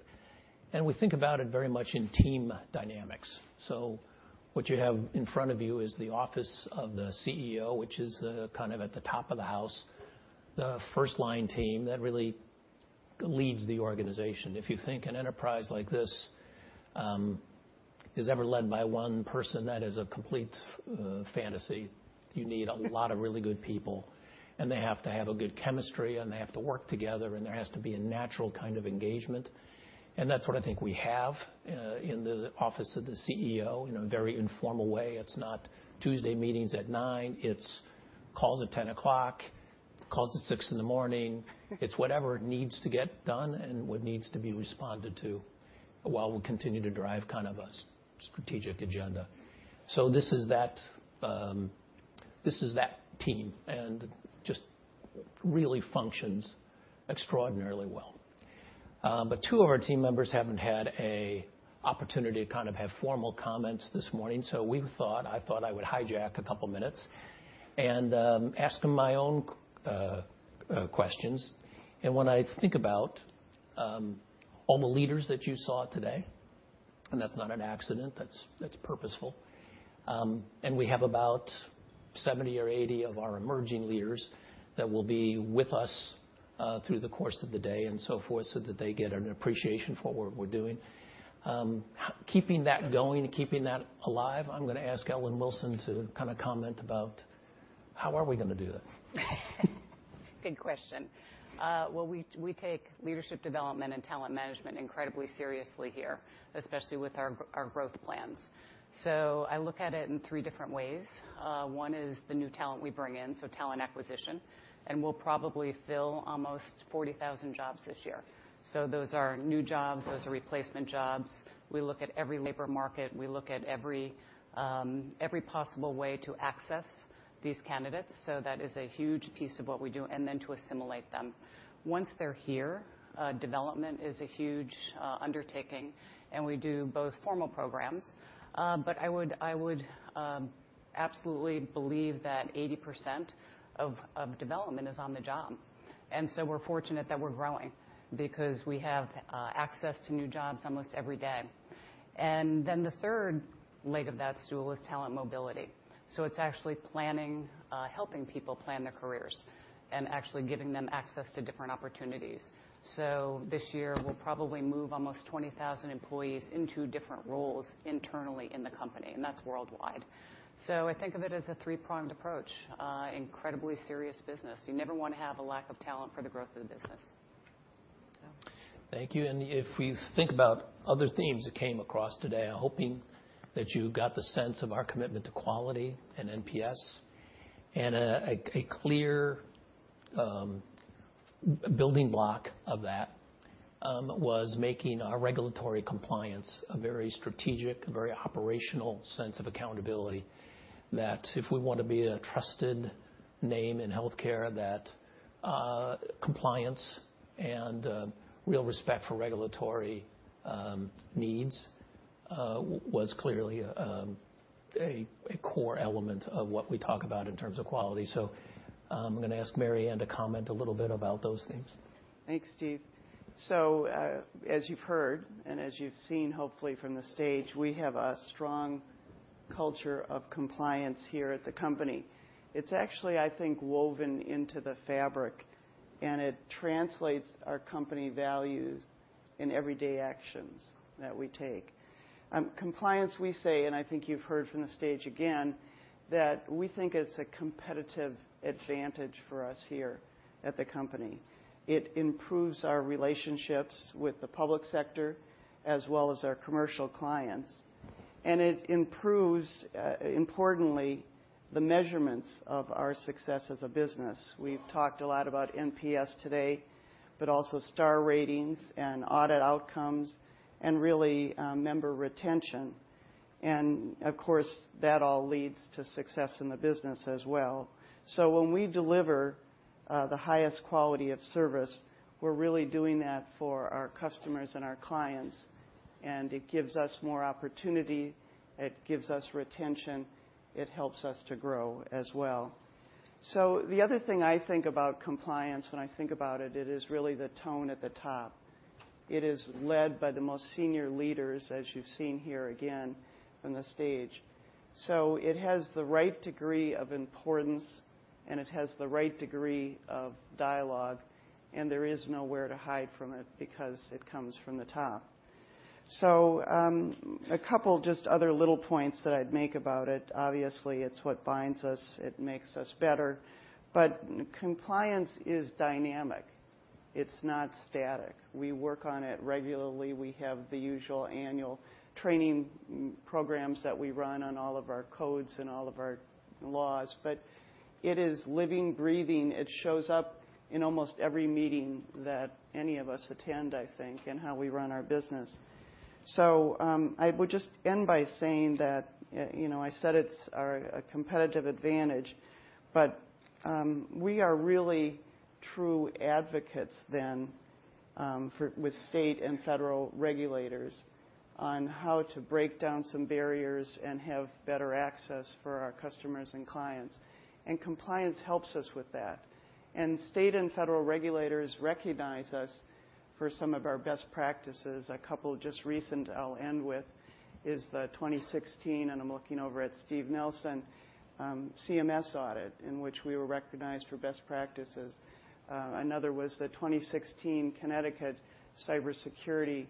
We think about it very much in team dynamics. What you have in front of you is the office of the CEO, which is kind of at the top of the house. The first line team that really leads the organization. If you think an enterprise like this is ever led by one person, that is a complete fantasy. You need a lot of really good people. They have to have a good chemistry. They have to work together. There has to be a natural kind of engagement. That's what I think we have in the office of the CEO in a very informal way. It's not Tuesday meetings at 9:00. It's calls at 10:00 A.M., calls at 6:00 A.M. It's whatever needs to get done and what needs to be responded to while we continue to drive kind of a strategic agenda. This is that team, and just really functions extraordinarily well. Two of our team members haven't had an opportunity to kind of have formal comments this morning. We thought, I thought I would hijack a couple minutes and ask them my own questions. When I think about all the leaders that you saw today that's not an accident, that's purposeful. We have about 70 or 80 of our emerging leaders that will be with us through the course of the day and so forth, so that they get an appreciation for what we're doing. Keeping that going and keeping that alive, I'm going to ask Ellen Wilson to comment about how are we going to do that. Good question. Well, we take leadership development and talent management incredibly seriously here, especially with our growth plans. I look at it in three different ways. One is the new talent we bring in, so talent acquisition. We'll probably fill almost 40,000 jobs this year. Those are new jobs, those are replacement jobs. We look at every labor market. We look at every possible way to access these candidates. That is a huge piece of what we do, and then to assimilate them. Once they're here, development is a huge undertaking, and we do both formal programs. I would absolutely believe that 80% of development is on-the-job. We're fortunate that we're growing because we have access to new jobs almost every day. Then the third leg of that stool is talent mobility. It's actually helping people plan their careers and actually giving them access to different opportunities. This year, we'll probably move almost 20,000 employees into different roles internally in the company, and that's worldwide. I think of it as a three-pronged approach. Incredibly serious business. You never want to have a lack of talent for the growth of the business. Thank you. If we think about other themes that came across today, I am hoping that you got the sense of our commitment to quality and NPS. A clear building block of that was making our regulatory compliance a very strategic, a very operational sense of accountability, that if we want to be a trusted name in healthcare, that compliance and real respect for regulatory needs was clearly a core element of what we talk about in terms of quality. I am going to ask Marianne to comment a little bit about those themes. Thanks, Steve. As you have heard, and as you have seen, hopefully, from the stage, we have a strong culture of compliance here at the company. It is actually, I think, woven into the fabric, and it translates our company values in everyday actions that we take. Compliance, we say, and I think you have heard from the stage again, that we think it is a competitive advantage for us here at the company. It improves our relationships with the public sector as well as our commercial clients. It improves, importantly, the measurements of our success as a business. We have talked a lot about NPS today, but also Star Ratings and audit outcomes and really member retention. Of course, that all leads to success in the business as well. When we deliver the highest quality of service, we are really doing that for our customers and our clients, and it gives us more opportunity. It gives us retention. It helps us to grow as well. The other thing I think about compliance when I think about it is really the tone at the top. It is led by the most senior leaders, as you have seen here again on the stage. It has the right degree of importance, and it has the right degree of dialogue, and there is nowhere to hide from it because it comes from the top. A couple just other little points that I would make about it. Obviously, it is what binds us. It makes us better. Compliance is dynamic. It is not static. We work on it regularly. We have the usual annual training programs that we run on all of our codes and all of our laws. It is living, breathing. It shows up in almost every meeting that any of us attend, I think, in how we run our business. I would just end by saying that, I said it is our competitive advantage, but we are really true advocates then with state and federal regulators on how to break down some barriers and have better access for our customers and clients. Compliance helps us with that. State and federal regulators recognize us for some of our best practices. A couple just recent I will end with is the 2016, and I am looking over at Steve Nelson, CMS audit in which we were recognized for best practices. Another was the 2016 Connecticut Cybersecurity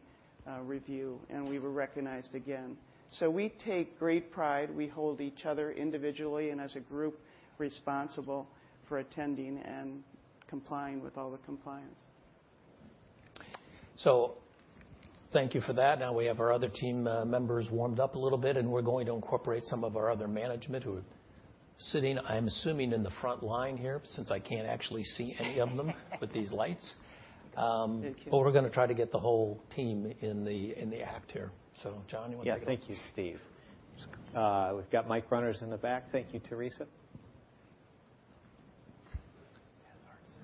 Review, and we were recognized again. We take great pride. We hold each other individually and as a group responsible for attending and complying with all the compliance. Thank you for that. Now we have our other team members warmed up a little bit, and we're going to incorporate some of our other management who are sitting, I'm assuming, in the front line here since I can't actually see any of them with these lights. We're going to try to get the whole team in the act here. John, you want to go? Thank you, Steve. We've got mic runners in the back. Thank you, Teresa.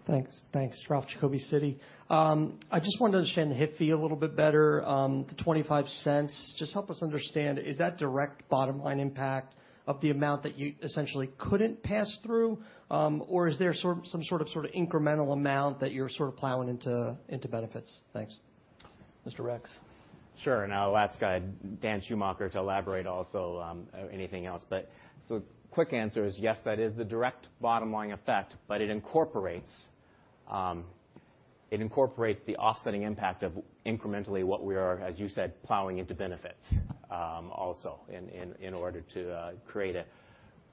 Thanks. Ralph Giacobbe, Citi. I just wanted to understand the HIF fee a little bit better, the $0.25. Just help us understand, is that direct bottom line impact of the amount that you essentially couldn't pass through? Is there some sort of incremental amount that you're plowing into benefits? Thanks. Mr. Rex? Sure, I'll ask Dan Schumacher to elaborate also anything else. The quick answer is yes, that is the direct bottom line effect, but it incorporates the offsetting impact of incrementally what we are, as you said, plowing into benefits, also in order to create a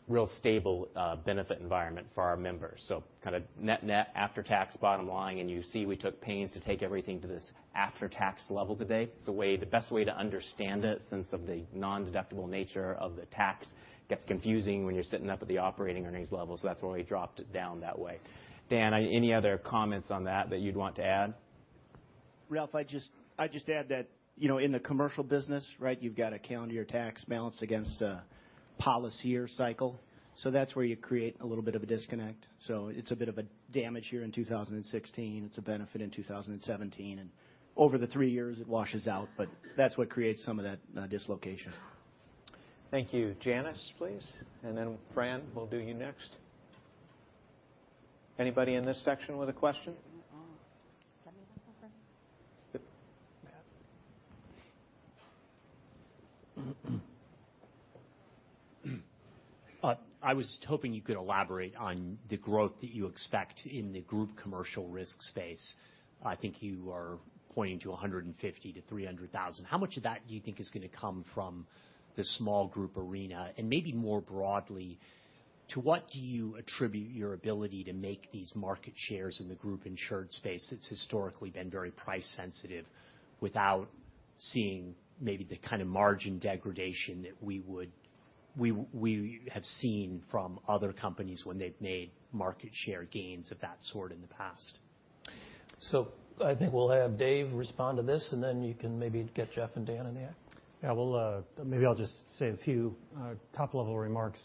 real stable benefit environment for our members. Kind of net after tax bottom line, you see we took pains to take everything to this after-tax level today. It's the best way to understand it since of the non-deductible nature of the tax gets confusing when you're sitting up at the operating earnings level. That's why we dropped it down that way. Dan, any other comments on that that you'd want to add? Ralph, I'd just add that in the commercial business, you've got a calendar year tax balanced against a policy year cycle. That's where you create a little bit of a disconnect. It's a bit of a damage here in 2016. It's a benefit in 2017, over the three years it washes out. That's what creates some of that dislocation. Thank you. Janice, please, then Fran, we'll do you next. Anybody in this section with a question? I was hoping you could elaborate on the growth that you expect in the group commercial risk space. I think you are pointing to 150,000 to 300,000. How much of that do you think is going to come from the small group arena? Maybe more broadly, to what do you attribute your ability to make these market shares in the group insured space that's historically been very price sensitive without seeing maybe the kind of margin degradation that we have seen from other companies when they've made market share gains of that sort in the past? I think we'll have Dave respond to this, then you can maybe get Jeff and Dan in there. Yeah. Well, maybe I'll just say a few top level remarks,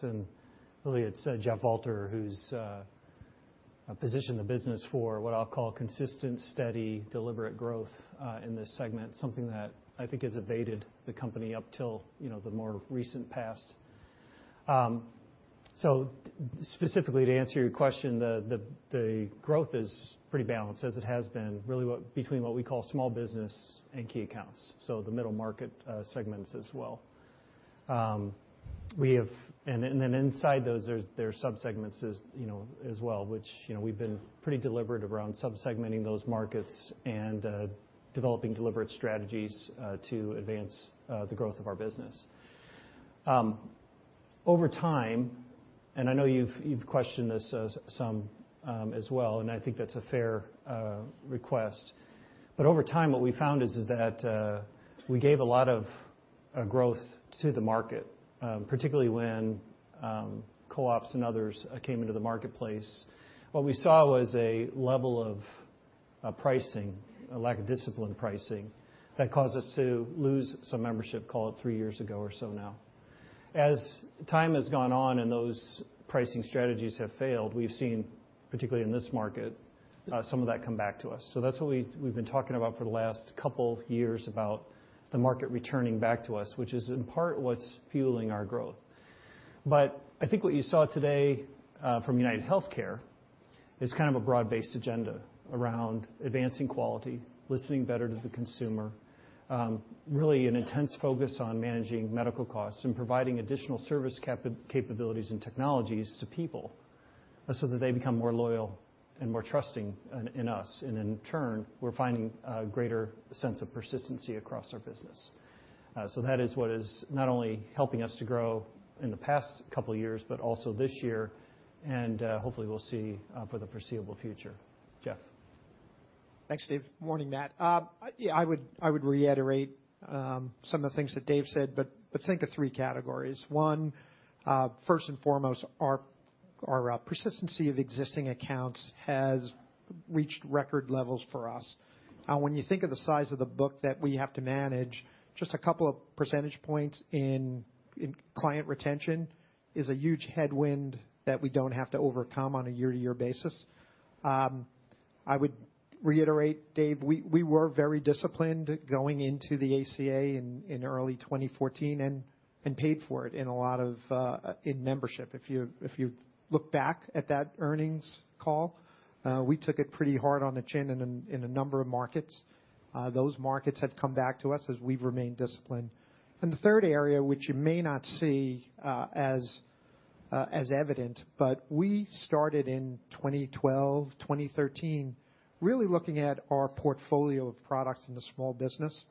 really it's Jeff Alter who's positioned the business for what I'll call consistent, steady, deliberate growth in this segment, something that I think has evaded the company up till the more recent past. Specifically to answer your question, the growth is pretty balanced as it has been, really between what we call small business and key accounts, the middle market segments as well. Inside those, there's sub-segments as well, which we've been pretty deliberate around sub-segmenting those markets and developing deliberate strategies to advance the growth of our business. Over time, I know you've questioned this some as well, I think that's a fair request. Over time, what we found is that we gave a lot of growth to the market, particularly when co-ops and others came into the marketplace. What we saw was a level of pricing, a lack of disciplined pricing that caused us to lose some membership, call it three years ago or so now. As time has gone on and those pricing strategies have failed, we've seen, particularly in this market, some of that come back to us. That's what we've been talking about for the last couple years, about the market returning back to us, which is in part what's fueling our growth. But I think what you saw today from UnitedHealthcare is kind of a broad-based agenda around advancing quality, listening better to the consumer, really an intense focus on managing medical costs and providing additional service capabilities and technologies to people so that they become more loyal and more trusting in us. In turn, we're finding a greater sense of persistency across our business. That is what is not only helping us to grow in the past couple of years, but also this year, and hopefully we'll see for the foreseeable future. Jeff? Thanks, Dave. Morning, Matt. I would reiterate some of the things that Dave said, but think of 3 categories. One, first and foremost, our persistency of existing accounts has reached record levels for us. When you think of the size of the book that we have to manage, just a couple of percentage points in client retention is a huge headwind that we don't have to overcome on a year-to-year basis. I would reiterate, Dave, we were very disciplined going into the ACA in early 2014 and paid for it in membership. If you look back at that earnings call, we took it pretty hard on the chin in a number of markets. Those markets have come back to us as we've remained disciplined. The third area, which you may not see as evident, but we started in 2012, 2013, really looking at our portfolio of products in the small business.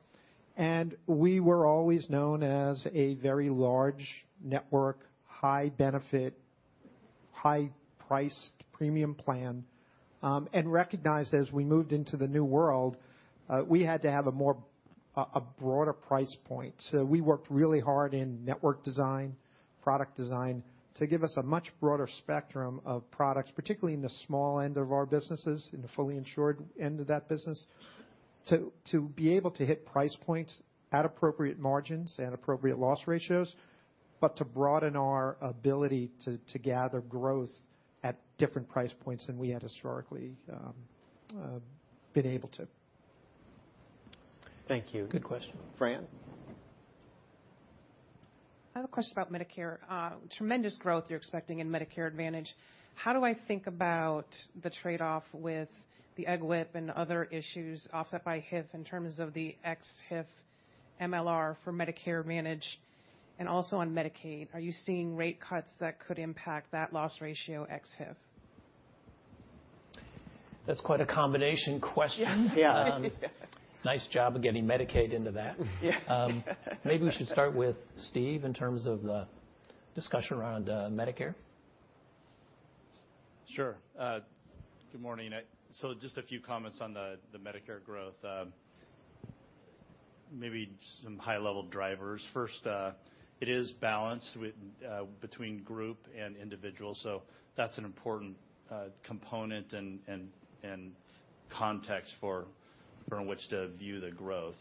We were always known as a very large network, high benefit, high priced premium plan, and recognized as we moved into the new world, we had to have a broader price point. We worked really hard in network design, product design to give us a much broader spectrum of products, particularly in the small end of our businesses, in the fully insured end of that business, to be able to hit price points at appropriate margins and appropriate loss ratios, but to broaden our ability to gather growth at different price points than we had historically been able to. Thank you. Good question. Fran? I have a question about Medicare. Tremendous growth you're expecting in Medicare Advantage. How do I think about the trade-off with the EGWP and other issues offset by HIF in terms of the ex-HIF MLR for Medicare manage? Also on Medicaid, are you seeing rate cuts that could impact that loss ratio ex-HIF? That's quite a combination question. Yes. Yeah. Nice job of getting Medicaid into that. Yeah. Maybe we should start with Steve in terms of the discussion around Medicare. Sure. Good morning. Just a few comments on the Medicare growth. Maybe some high-level drivers. First, it is balanced between group and individual, that's an important component and context from which to view the growth.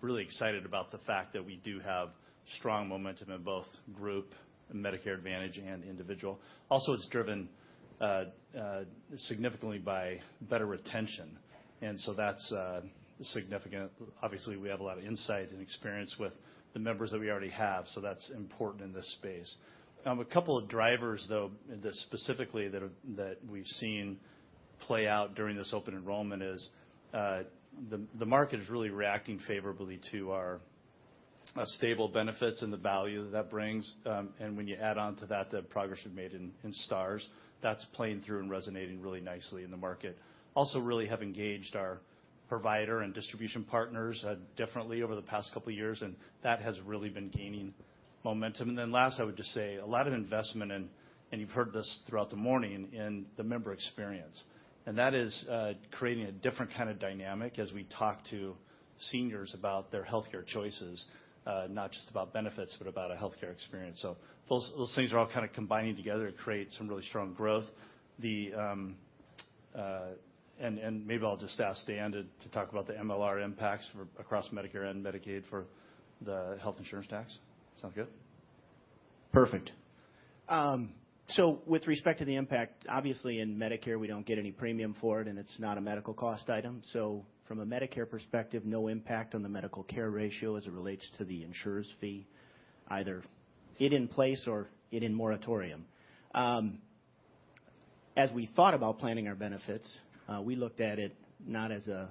Really excited about the fact that we do have strong momentum in both group Medicare Advantage and individual. Also, it's driven significantly by better retention, that's significant. Obviously, we have a lot of insight and experience with the members that we already have, so that's important in this space. A couple of drivers, though, specifically that we've seen play out during this open enrollment is the market is really reacting favorably to our stable benefits and the value that brings. When you add on to that the progress we've made in Stars, that's playing through and resonating really nicely in the market. We also really have engaged our provider and distribution partners differently over the past couple of years, that has really been gaining momentum. Last, I would just say a lot of investment, you've heard this throughout the morning, in the member experience. That is creating a different kind of dynamic as we talk to seniors about their healthcare choices, not just about benefits, but about a healthcare experience. Those things are all combining together to create some really strong growth. Maybe I'll just ask Dan to talk about the MLR impacts across Medicare and Medicaid for the health insurance tax. Sound good? Perfect. With respect to the impact, obviously in Medicare, we don't get any premium for it and it's not a medical cost item. From a Medicare perspective, no impact on the medical care ratio as it relates to the insurer's fee, either it in place or it in moratorium. As we thought about planning our benefits, we looked at it not as a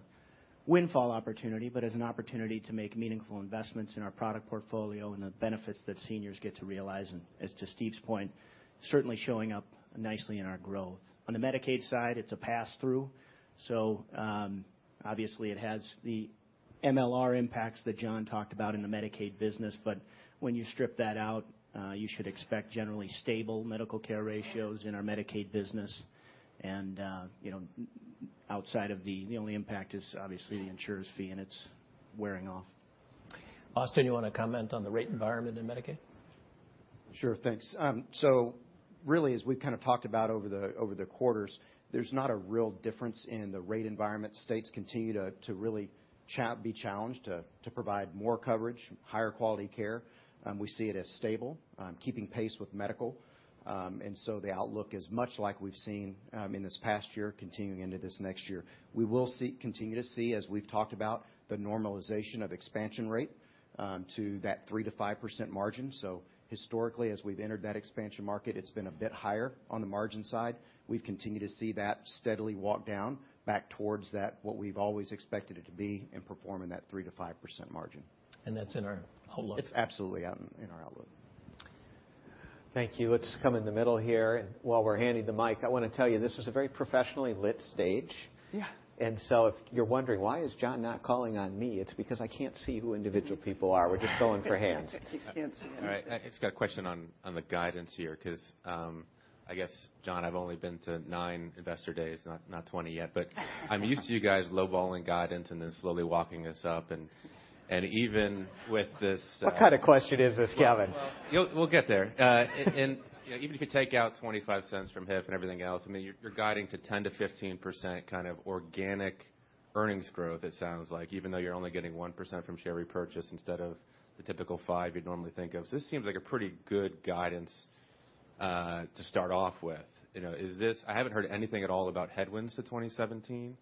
windfall opportunity, but as an opportunity to make meaningful investments in our product portfolio and the benefits that seniors get to realize. As to Steve's point, certainly showing up nicely in our growth. On the Medicaid side, it's a pass-through, obviously it has the MLR impacts that John talked about in the Medicaid business. When you strip that out, you should expect generally stable medical care ratios in our Medicaid business. Outside of the only impact is obviously the insurer's fee, it's wearing off. Austin, you want to comment on the rate environment in Medicaid? Sure. Thanks. Really as we've talked about over the quarters, there's not a real difference in the rate environment. States continue to really be challenged to provide more coverage, higher quality care. We see it as stable, keeping pace with medical. The outlook is much like we've seen in this past year, continuing into this next year. We will continue to see, as we've talked about, the normalization of expansion rate to that 3%-5% margin. Historically, as we've entered that expansion market, it's been a bit higher on the margin side. We've continued to see that steadily walk down back towards that, what we've always expected it to be in performing that 3%-5% margin. That's in our outlook. It's absolutely in our outlook. Thank you. Let's come in the middle here. While we're handing the mic, I want to tell you, this is a very professionally lit stage. Yeah. If you're wondering, "Why is John not calling on me?" It's because I can't see who individual people are. We're just going for hands. He can't see. All right. I just got a question on the guidance here, because, I guess, John, I've only been to nine investor days, not 20 yet. I'm used to you guys lowballing guidance and then slowly walking us up, and even with this. What kind of question is this, Kevin? We'll get there. Even if you take out $0.25 from HIF and everything else, you're guiding to 10%-15% kind of organic earnings growth, it sounds like, even though you're only getting 1% from share repurchase instead of the typical five you'd normally think of. This seems like a pretty good guidance to start off with. I haven't heard anything at all about headwinds to 2017.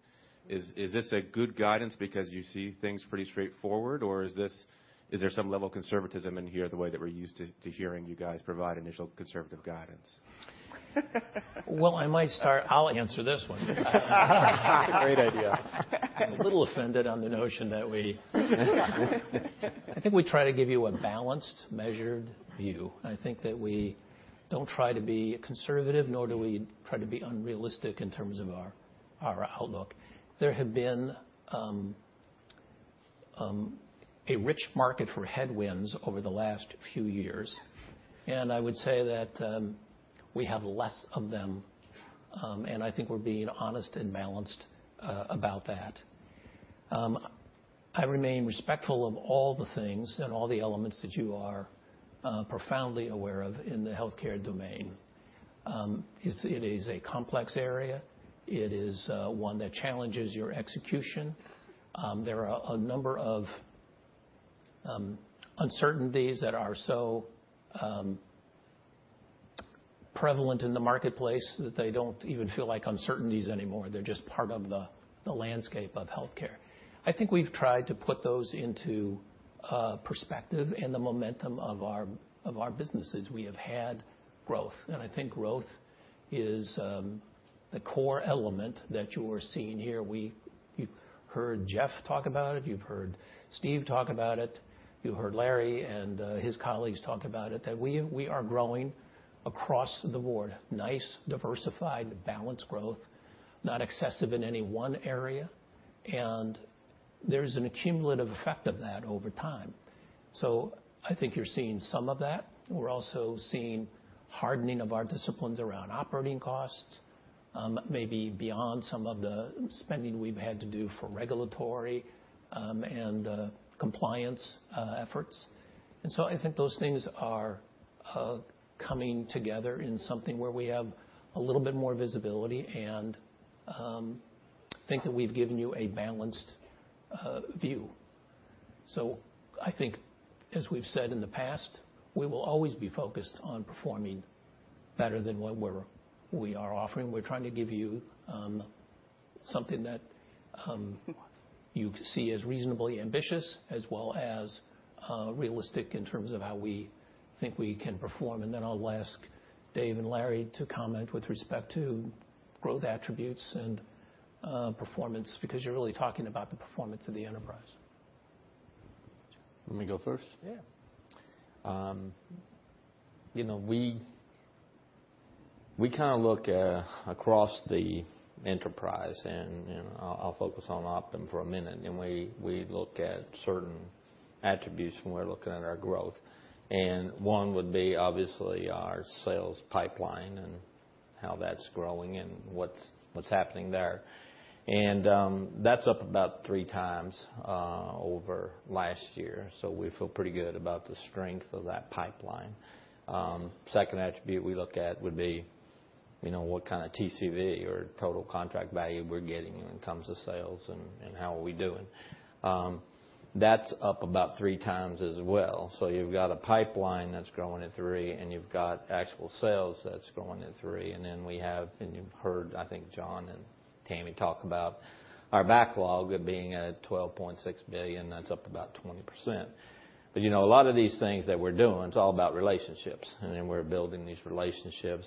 Is this a good guidance because you see things pretty straightforward, or is there some level of conservatism in here the way that we're used to hearing you guys provide initial conservative guidance? Well, I might start. I'll answer this one. Great idea. I'm a little offended on the notion that I think we try to give you a balanced, measured view. I think that we don't try to be conservative, nor do we try to be unrealistic in terms of our outlook. There have been a rich market for headwinds over the last few years, and I would say that we have less of them, and I think we're being honest and balanced about that. I remain respectful of all the things and all the elements that you are profoundly aware of in the healthcare domain. It is a complex area. It is one that challenges your execution. There are a number of uncertainties that are so prevalent in the marketplace that they don't even feel like uncertainties anymore. They're just part of the landscape of healthcare. I think we've tried to put those into perspective in the momentum of our businesses. We have had growth, and I think growth is the core element that you're seeing here. You heard Jeff talk about it. You've heard Steve talk about it. You heard Larry and his colleagues talk about it, that we are growing across the board. Nice, diversified, balanced growth, not excessive in any one area. There's a cumulative effect of that over time. I think you're seeing some of that. We're also seeing hardening of our disciplines around operating costs, maybe beyond some of the spending we've had to do for regulatory and compliance efforts. I think those things are coming together in something where we have a little bit more visibility and think that we've given you a balanced view. I think, as we've said in the past, we will always be focused on performing better than what we are offering. We're trying to give you something that you see as reasonably ambitious, as well as realistic in terms of how we think we can perform. I'll ask Dave and Larry to comment with respect to growth attributes and performance, because you're really talking about the performance of the enterprise. Let me go first? Yeah. We look across the enterprise, I'll focus on Optum for a minute, we look at certain attributes when we're looking at our growth. One would be obviously our sales pipeline and how that's growing and what's happening there. That's up about three times over last year, so we feel pretty good about the strength of that pipeline. Second attribute we look at would be what kind of TCV or total contract value we're getting when it comes to sales and how are we doing. That's up about three times as well. You've got a pipeline that's growing at three, you've got actual sales that's growing at three. Then we have, you've heard, I think, John and Tami talk about our backlog of being at $12.6 billion. That's up about 20%. A lot of these things that we're doing, it's all about relationships. Then we're building these relationships,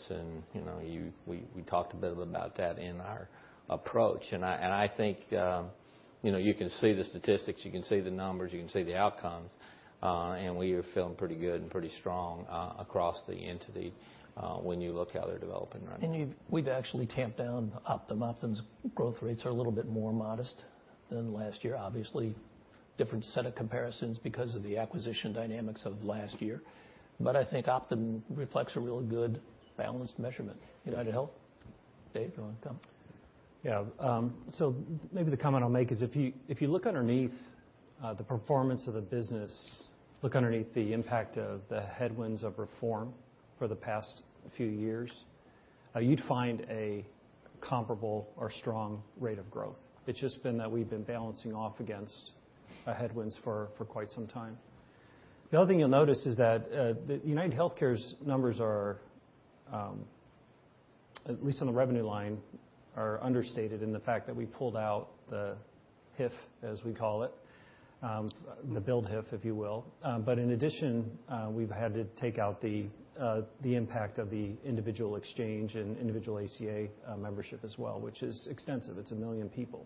we talked a bit about that in our approach. I think you can see the statistics, you can see the numbers, you can see the outcomes. We are feeling pretty good and pretty strong across the entity when you look how they're developing right now. We've actually tamped down Optum. Optum's growth rates are a little bit more modest than last year. Obviously, different set of comparisons because of the acquisition dynamics of last year. I think Optum reflects a really good balanced measurement. UnitedHealth? Dave, you want to come? Yeah. Maybe the comment I'll make is if you look underneath the performance of the business, look underneath the impact of the headwinds of reform for the past few years, you'd find a comparable or strong rate of growth. It's just been that we've been balancing off against headwinds for quite some time. The other thing you'll notice is that UnitedHealthcare's numbers are, at least on the revenue line, are understated in the fact that we pulled out the HIF, as we call it, the build HIF, if you will. In addition, we've had to take out the impact of the individual exchange and individual ACA membership as well, which is extensive. It's 1 million people.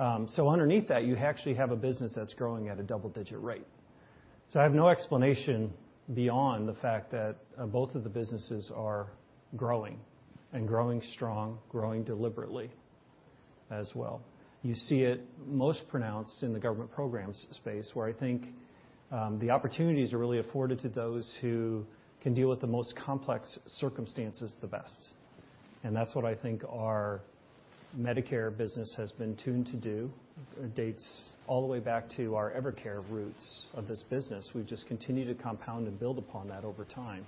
Underneath that, you actually have a business that's growing at a double-digit rate. I have no explanation beyond the fact that both of the businesses are growing, and growing strong, growing deliberately as well. You see it most pronounced in the government programs space, where I think the opportunities are really afforded to those who can deal with the most complex circumstances the best. That's what I think our Medicare business has been tuned to do. It dates all the way back to our Evercare roots of this business. We've just continued to compound and build upon that over time.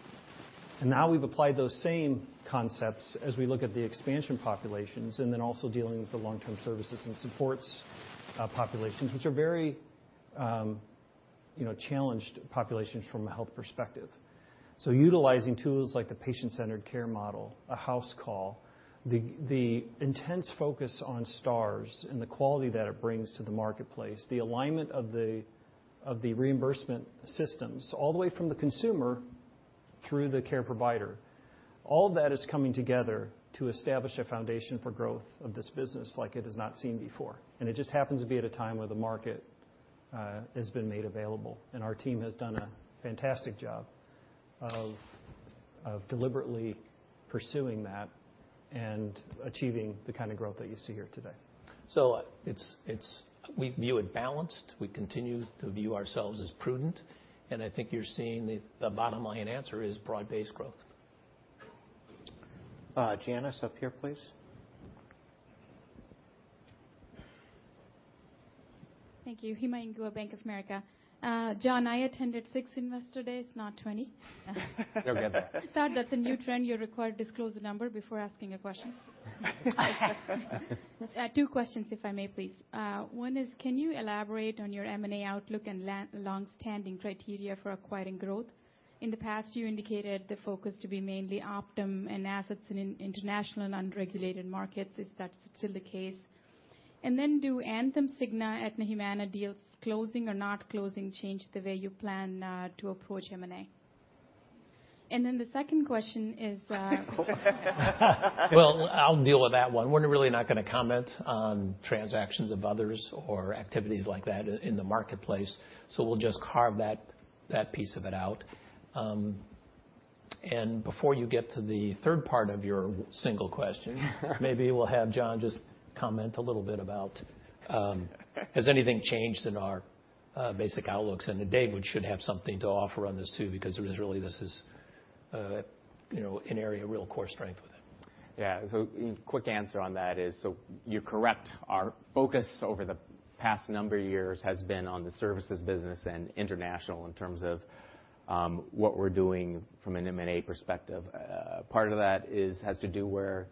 Now we've applied those same concepts as we look at the expansion populations, and then also dealing with the long-term services and supports populations, which are very challenged populations from a health perspective. Utilizing tools like the patient-centered care model, a house call, the intense focus on stars and the quality that it brings to the marketplace, the alignment of the reimbursement systems, all the way from the consumer through the care provider. All that is coming together to establish a foundation for growth of this business like it is not seen before. It just happens to be at a time where the market has been made available, and our team has done a fantastic job of deliberately pursuing that and achieving the kind of growth that you see here today. We view it balanced. We continue to view ourselves as prudent, and I think you're seeing the bottom line answer is broad-based growth. Janice, up here, please. Thank you. Hima Inguva, Bank of America. John, I attended six investor days, not 20. There we go. I just thought that's a new trend, you're required to disclose the number before asking a question. Two questions, if I may, please. One is, can you elaborate on your M&A outlook and longstanding criteria for acquiring growth? In the past, you indicated the focus to be mainly Optum and assets in international and unregulated markets. Is that still the case? Then do Anthem, Cigna, Aetna, Humana deals closing or not closing change the way you plan to approach M&A? Then the second question is- Well, I'll deal with that one. We're really not going to comment on transactions of others or activities like that in the marketplace, so we'll just carve that piece of it out. Before you get to the third part of your single question, maybe we'll have John just comment a little bit about has anything changed in our basic outlooks. Dave should have something to offer on this too, because really this is an area of real core strength with him. Quick answer on that is, you're correct. Our focus over the past number of years has been on the services business and international in terms of what we're doing from an M&A perspective. Part of that has to do where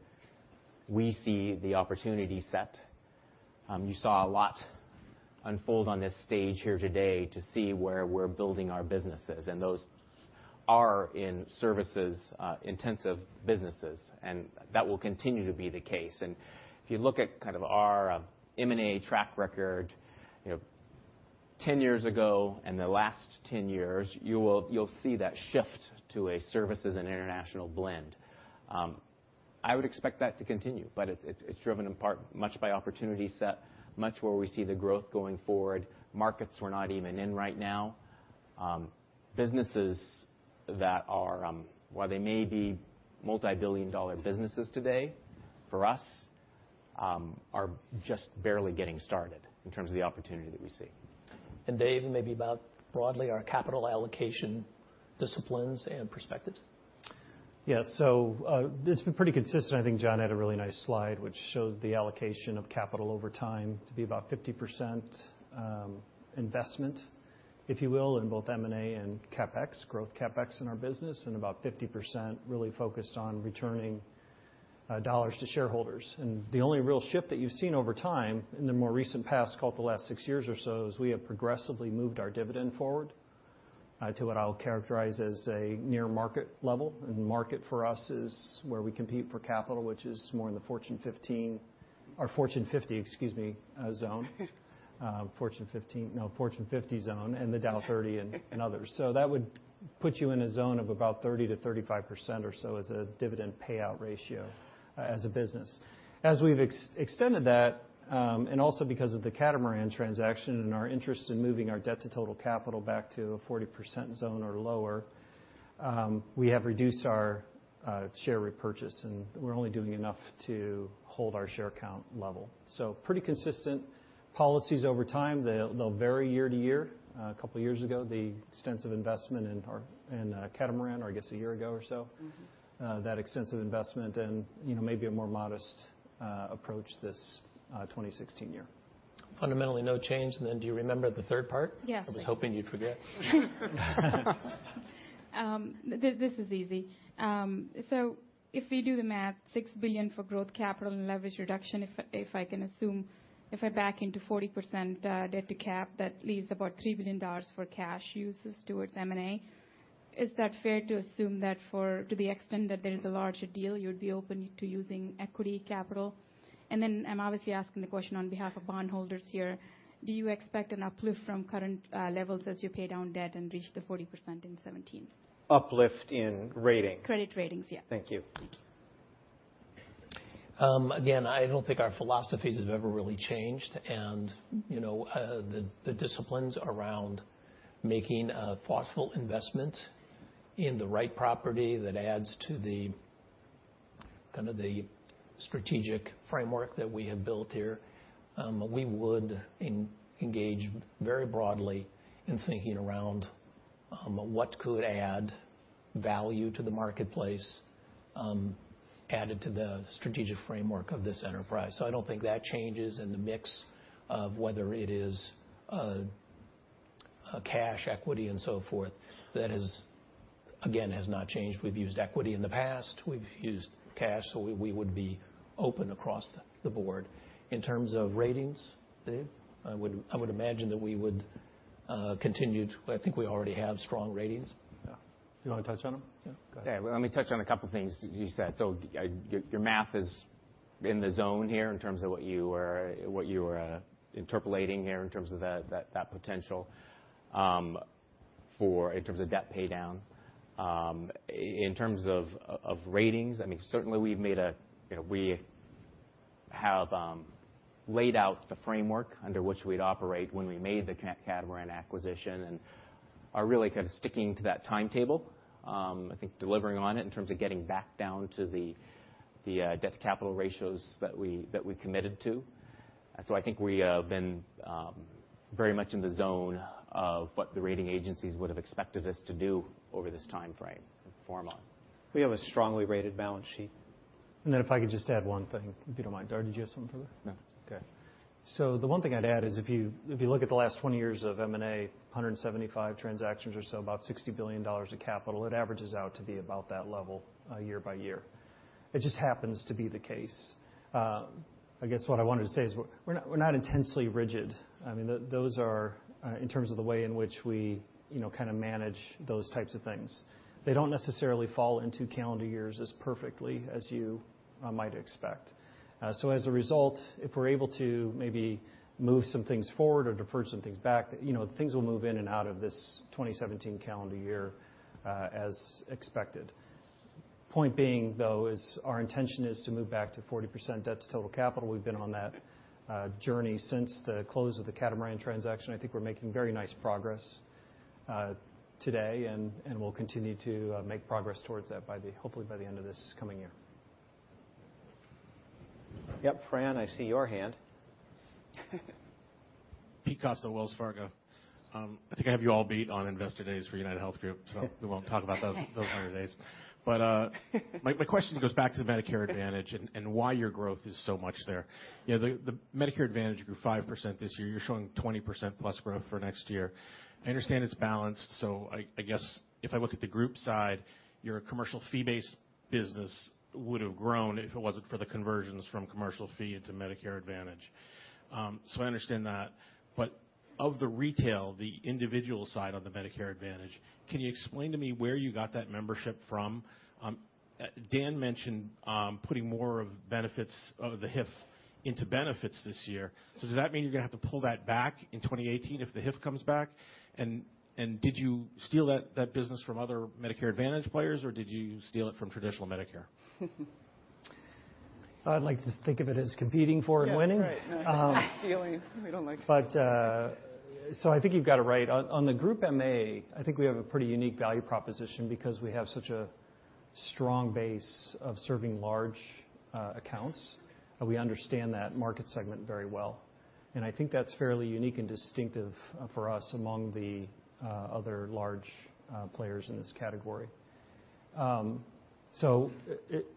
we see the opportunity set. You saw a lot unfold on this stage here today to see where we're building our businesses, and those are in services intensive businesses, and that will continue to be the case. If you look at kind of our M&A track record 10 years ago and the last 10 years, you'll see that shift to a services and international blend. I would expect that to continue, but it's driven in part much by opportunity set, much where we see the growth going forward, markets we're not even in right now. Businesses that while they may be multibillion-dollar businesses today, for us, are just barely getting started in terms of the opportunity that we see. Dave, maybe about broadly our capital allocation disciplines and perspectives. It's been pretty consistent. I think John had a really nice slide, which shows the allocation of capital over time to be about 50% investment, if you will, in both M&A and growth CapEx in our business, and about 50% really focused on returning dollars to shareholders. The only real shift that you've seen over time in the more recent past, call it the last six years or so, is we have progressively moved our dividend forward, to what I'll characterize as a near market level. Market for us is where we compete for capital, which is more in the Fortune 50 zone. Fortune 15, no, Fortune 50 zone, and the Dow 30 and others. That would put you in a zone of about 30%-35% or so as a dividend payout ratio as a business. As we've extended that, also because of the Catamaran transaction and our interest in moving our debt to total capital back to a 40% zone or lower, we have reduced our share repurchase, and we're only doing enough to hold our share count level. Pretty consistent policies over time. They'll vary year to year. A couple of years ago, the extensive investment in Catamaran, or I guess a year ago or so. That extensive investment and maybe a more modest approach this 2016 year. Fundamentally, no change. Do you remember the third part? Yes. I was hoping you'd forget. This is easy. If we do the math, $6 billion for growth capital and leverage reduction, if I back into 40% debt to cap, that leaves about $3 billion for cash uses towards M&A. Is that fair to assume that to the extent that there is a larger deal, you'd be open to using equity capital? I'm obviously asking the question on behalf of bondholders here, do you expect an uplift from current levels as you pay down debt and reach the 40% in 2017? Uplift in rating. Credit ratings, yeah. Thank you. Thank you. I don't think our philosophies have ever really changed and the disciplines around making a thoughtful investment in the right property that adds to the strategic framework that we have built here. We would engage very broadly in thinking around what could add value to the marketplace, added to the strategic framework of this enterprise. I don't think that changes in the mix of whether it is cash equity and so forth. That, again, has not changed. We've used equity in the past. We've used cash, so we would be open across the board. In terms of ratings, Dave, I would imagine that we would continue to I think we already have strong ratings. Yeah. Do you want to touch on them? Go ahead. Let me touch on a couple of things you said. Your math is in the zone here in terms of what you were interpolating there in terms of that potential in terms of debt paydown. In terms of ratings, certainly we have laid out the framework under which we'd operate when we made the Catamaran acquisition and are really kind of sticking to that timetable. I think delivering on it in terms of getting back down to the debt to capital ratios that we committed to. I think we have been very much in the zone of what the rating agencies would have expected us to do over this timeframe and perform on. We have a strongly rated balance sheet. Then if I could just add one thing, if you don't mind. Dan, did you have something further? No. Okay. The one thing I'd add is if you look at the last 20 years of M&A, 175 transactions or so, about $60 billion of capital, it averages out to be about that level year by year. It just happens to be the case. I guess what I wanted to say is we're not intensely rigid. Those are in terms of the way in which we manage those types of things. They don't necessarily fall into calendar years as perfectly as you might expect. As a result, if we're able to maybe move some things forward or defer some things back, things will move in and out of this 2017 calendar year, as expected. Point being, though, is our intention is to move back to 40% debt to total capital. We've been on that journey since the close of the Catamaran transaction. I think we're making very nice progress today, and we'll continue to make progress towards that, hopefully, by the end of this coming year. Yep. Fran, I see your hand. Pete Costa, Wells Fargo. I think I have you all beat on Investor Days for UnitedHealth Group, so we won't talk about those Investor Days. My question goes back to the Medicare Advantage and why your growth is so much there. The Medicare Advantage grew 5% this year. You're showing 20% plus growth for next year. I understand it's balanced, so I guess if I look at the group side, your commercial fee-based business would have grown if it wasn't for the conversions from commercial fee into Medicare Advantage. I understand that, but of the retail, the individual side of the Medicare Advantage, can you explain to me where you got that membership from? Dan mentioned putting more of the HIF into benefits this year. Does that mean you're going to have to pull that back in 2018 if the HIF comes back? Did you steal that business from other Medicare Advantage players, or did you steal it from traditional Medicare? I'd like to think of it as competing for and winning. Yes, right. Stealing, we don't like to say that. I think you've got it right. On the group MA, I think we have a pretty unique value proposition because we have such a strong base of serving large accounts, and we understand that market segment very well. I think that's fairly unique and distinctive for us among the other large players in this category.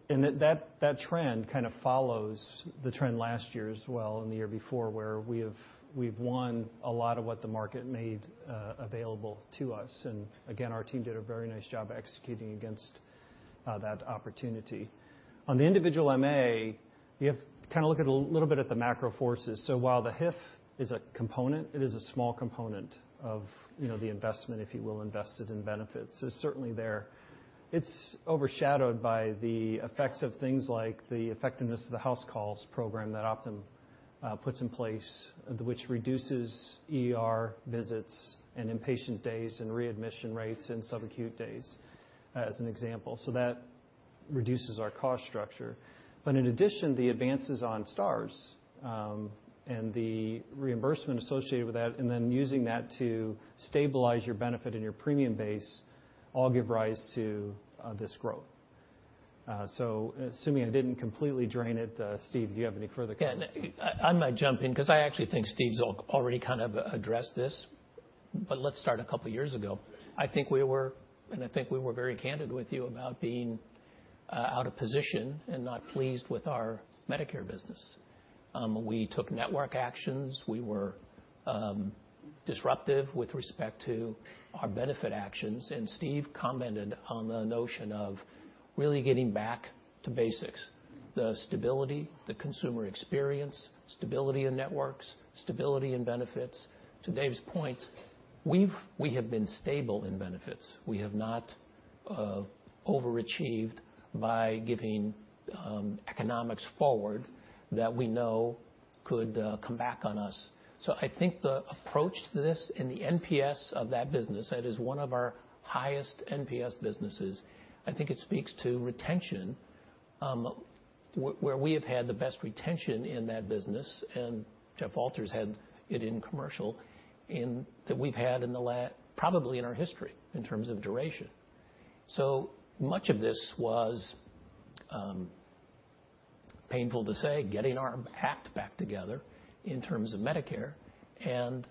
That trend follows the trend last year as well and the year before, where we've won a lot of what the market made available to us. Again, our team did a very nice job executing against that opportunity. On the individual MA, you have to look a little bit at the macro forces. While the HIF is a component, it is a small component of the investment, if you will, invested in benefits. Certainly there. It's overshadowed by the effects of things like the effectiveness of the house calls program that Optum puts in place, which reduces ER visits and inpatient days and readmission rates and subacute days as an example. That reduces our cost structure. In addition, the advances on Stars, and the reimbursement associated with that, and then using that to stabilize your benefit and your premium base all give rise to this growth. Assuming I didn't completely drain it, Steve, do you have any further comments? Yeah. I might jump in because I actually think Steve's already addressed this. Let's start a couple of years ago. I think we were very candid with you about being out of position and not pleased with our Medicare business. We took network actions. We were disruptive with respect to our benefit actions, Steve commented on the notion of really getting back to basics, the stability, the consumer experience, stability in networks, stability in benefits. To Dave's point, we have been stable in benefits. We have not overachieved by giving economics forward that we know could come back on us. I think the approach to this and the NPS of that business, that is one of our highest NPS businesses. I think it speaks to retention where we have had the best retention in that business, Jeff Alter had it in commercial, that we've had probably in our history in terms of duration. Much of this was, painful to say, getting our act back together in terms of Medicare and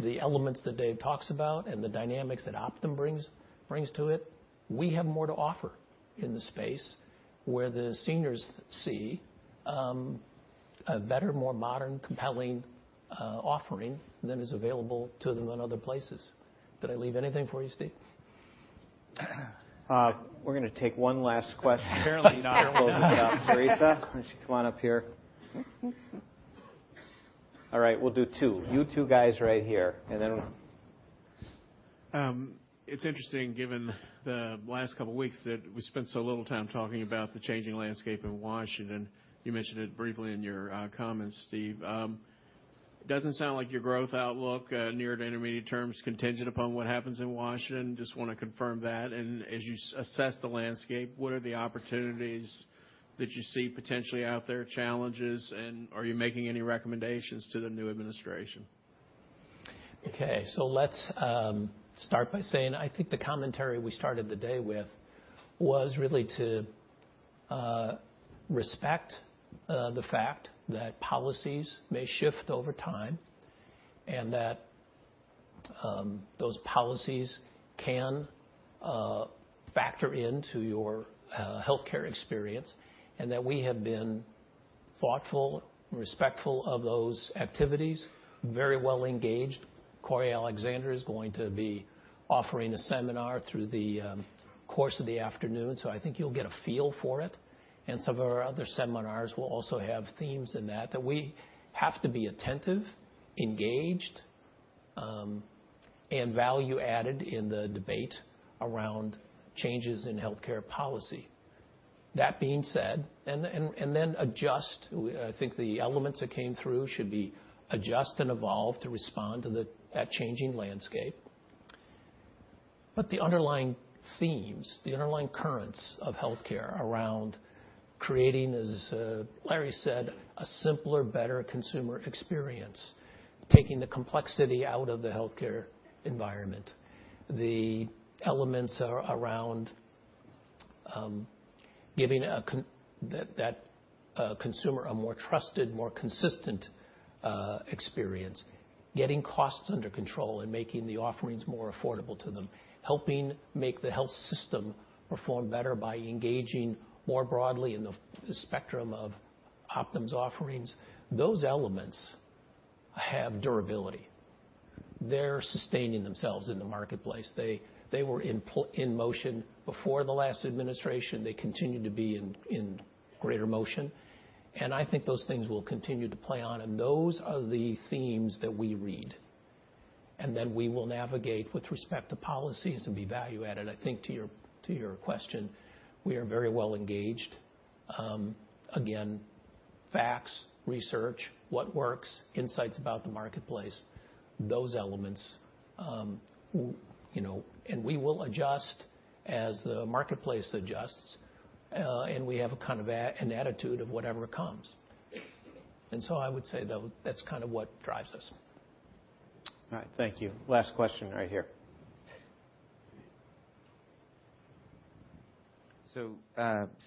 the elements that Dave talks about and the dynamics that Optum brings to it. We have more to offer in the space where the seniors see a better, more modern, compelling offering than is available to them in other places. Did I leave anything for you, Steve? We're going to take one last question. Apparently not. We'll close it down. Teresa, why don't you come on up here? All right, we'll do two. You two guys right here, and then It's interesting, given the last couple of weeks, that we spent so little time talking about the changing landscape in Washington. You mentioned it briefly in your comments, Steve. Doesn't sound like your growth outlook near to intermediate term is contingent upon what happens in Washington. Just want to confirm that, and as you assess the landscape, what are the opportunities that you see potentially out there, challenges, and are you making any recommendations to the new administration? Let's start by saying I think the commentary we started the day with was really to respect the fact that policies may shift over time and that Those policies can factor into your healthcare experience, and that we have been thoughtful and respectful of those activities, very well-engaged. Cory Alexander is going to be offering a seminar through the course of the afternoon, so I think you'll get a feel for it. Some of our other seminars will also have themes in that we have to be attentive, engaged, and value added in the debate around changes in healthcare policy. That being said, adjust. I think the elements that came through should be adjust and evolve to respond to that changing landscape. The underlying themes, the underlying currents of healthcare around creating, as Larry said, a simpler, better consumer experience, taking the complexity out of the healthcare environment. The elements are around giving that consumer a more trusted, more consistent experience. Getting costs under control and making the offerings more affordable to them. Helping make the health system perform better by engaging more broadly in the spectrum of Optum's offerings. Those elements have durability. They are sustaining themselves in the marketplace. They were in motion before the last administration. They continue to be in greater motion, and I think those things will continue to play on, and those are the themes that we read. Then we will navigate with respect to policies and be value added. I think to your question, we are very well engaged. Again, facts, research, what works, insights about the marketplace, those elements. We will adjust as the marketplace adjusts, and we have an attitude of whatever comes. I would say though, that is what drives us. All right. Thank you. Last question right here.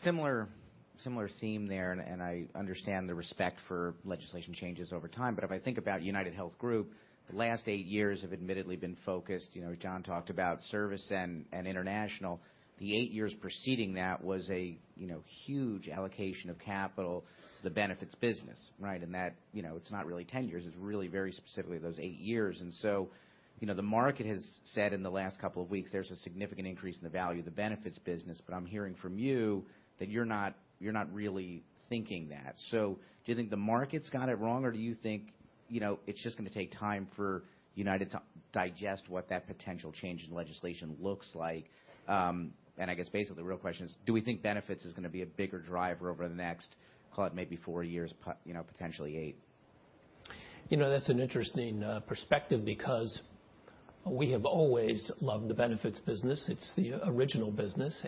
Similar theme there, and I understand the respect for legislation changes over time. But if I think about UnitedHealth Group, the last eight years have admittedly been focused, as John talked about, service and international. The eight years preceding that was a huge allocation of capital to the benefits business. Right? It is not really 10 years, it is really very specifically those eight years. The market has said in the last couple of weeks there is a significant increase in the value of the benefits business, but I am hearing from you that you are not really thinking that. Do you think the market has got it wrong, or do you think it is just going to take time for United to digest what that potential change in legislation looks like? I guess basically the real question is, do we think benefits is going to be a bigger driver over the next, call it maybe four years, potentially eight? That's an interesting perspective because we have always loved the benefits business. It's the original business.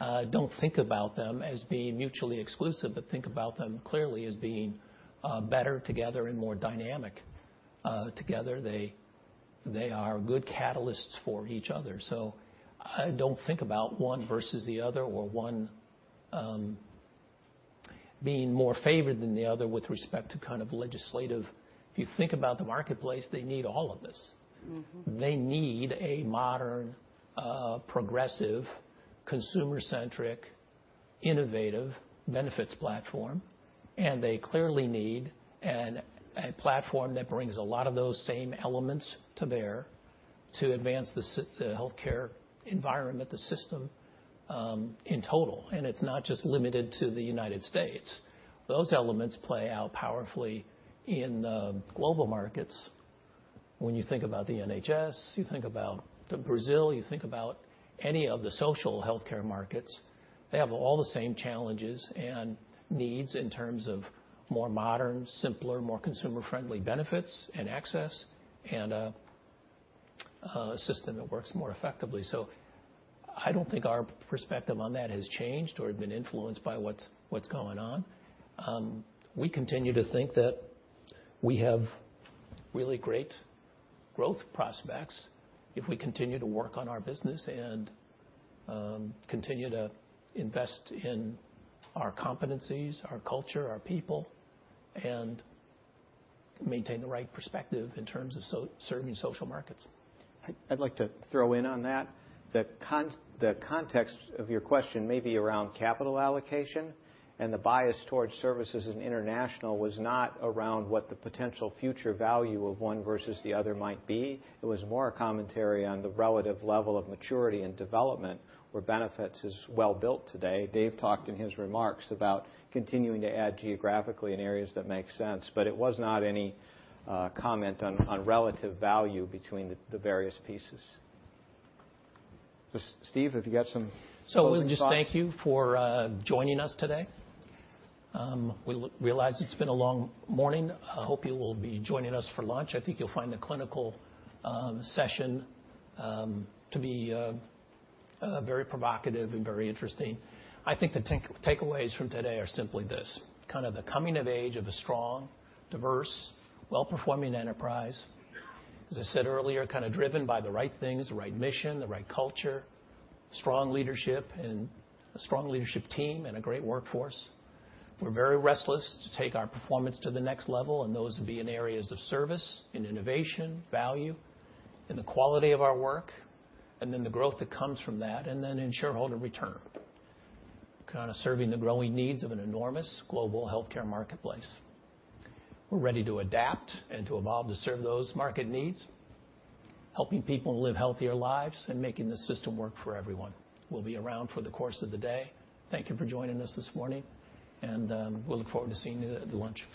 Don't think about them as being mutually exclusive, but think about them clearly as being better together and more dynamic together. They are good catalysts for each other. I don't think about one versus the other or one being more favored than the other with respect to legislative. If you think about the marketplace, they need all of this. They need a modern, progressive, consumer-centric, innovative benefits platform, and they clearly need a platform that brings a lot of those same elements to bear to advance the healthcare environment, the system, in total. It's not just limited to the United States. Those elements play out powerfully in the global markets. When you think about the NHS, you think about Brazil, you think about any of the social healthcare markets, they have all the same challenges and needs in terms of more modern, simpler, more consumer-friendly benefits and access, and a system that works more effectively. I don't think our perspective on that has changed or been influenced by what's going on. We continue to think that we have really great growth prospects if we continue to work on our business and continue to invest in our competencies, our culture, our people, and maintain the right perspective in terms of serving social markets. I'd like to throw in on that. The context of your question may be around capital allocation, and the bias towards services and international was not around what the potential future value of one versus the other might be. It was more a commentary on the relative level of maturity and development where benefits is well built today. Dave talked in his remarks about continuing to add geographically in areas that make sense. It was not any comment on relative value between the various pieces. Steve, have you got some closing thoughts? We'll just thank you for joining us today. We realize it's been a long morning. I hope you will be joining us for lunch. I think you'll find the clinical session to be very provocative and very interesting. I think the takeaways from today are simply this. The coming of age of a strong, diverse, well-performing enterprise. As I said earlier, driven by the right things, the right mission, the right culture, strong leadership and a strong leadership team, and a great workforce. We're very restless to take our performance to the next level, and those will be in areas of service and innovation, value, in the quality of our work, and then the growth that comes from that, and then in shareholder return. Kind of serving the growing needs of an enormous global healthcare marketplace. We're ready to adapt and to evolve to serve those market needs, helping people live healthier lives and making the system work for everyone. We'll be around for the course of the day. Thank you for joining us this morning, and we look forward to seeing you at the lunch.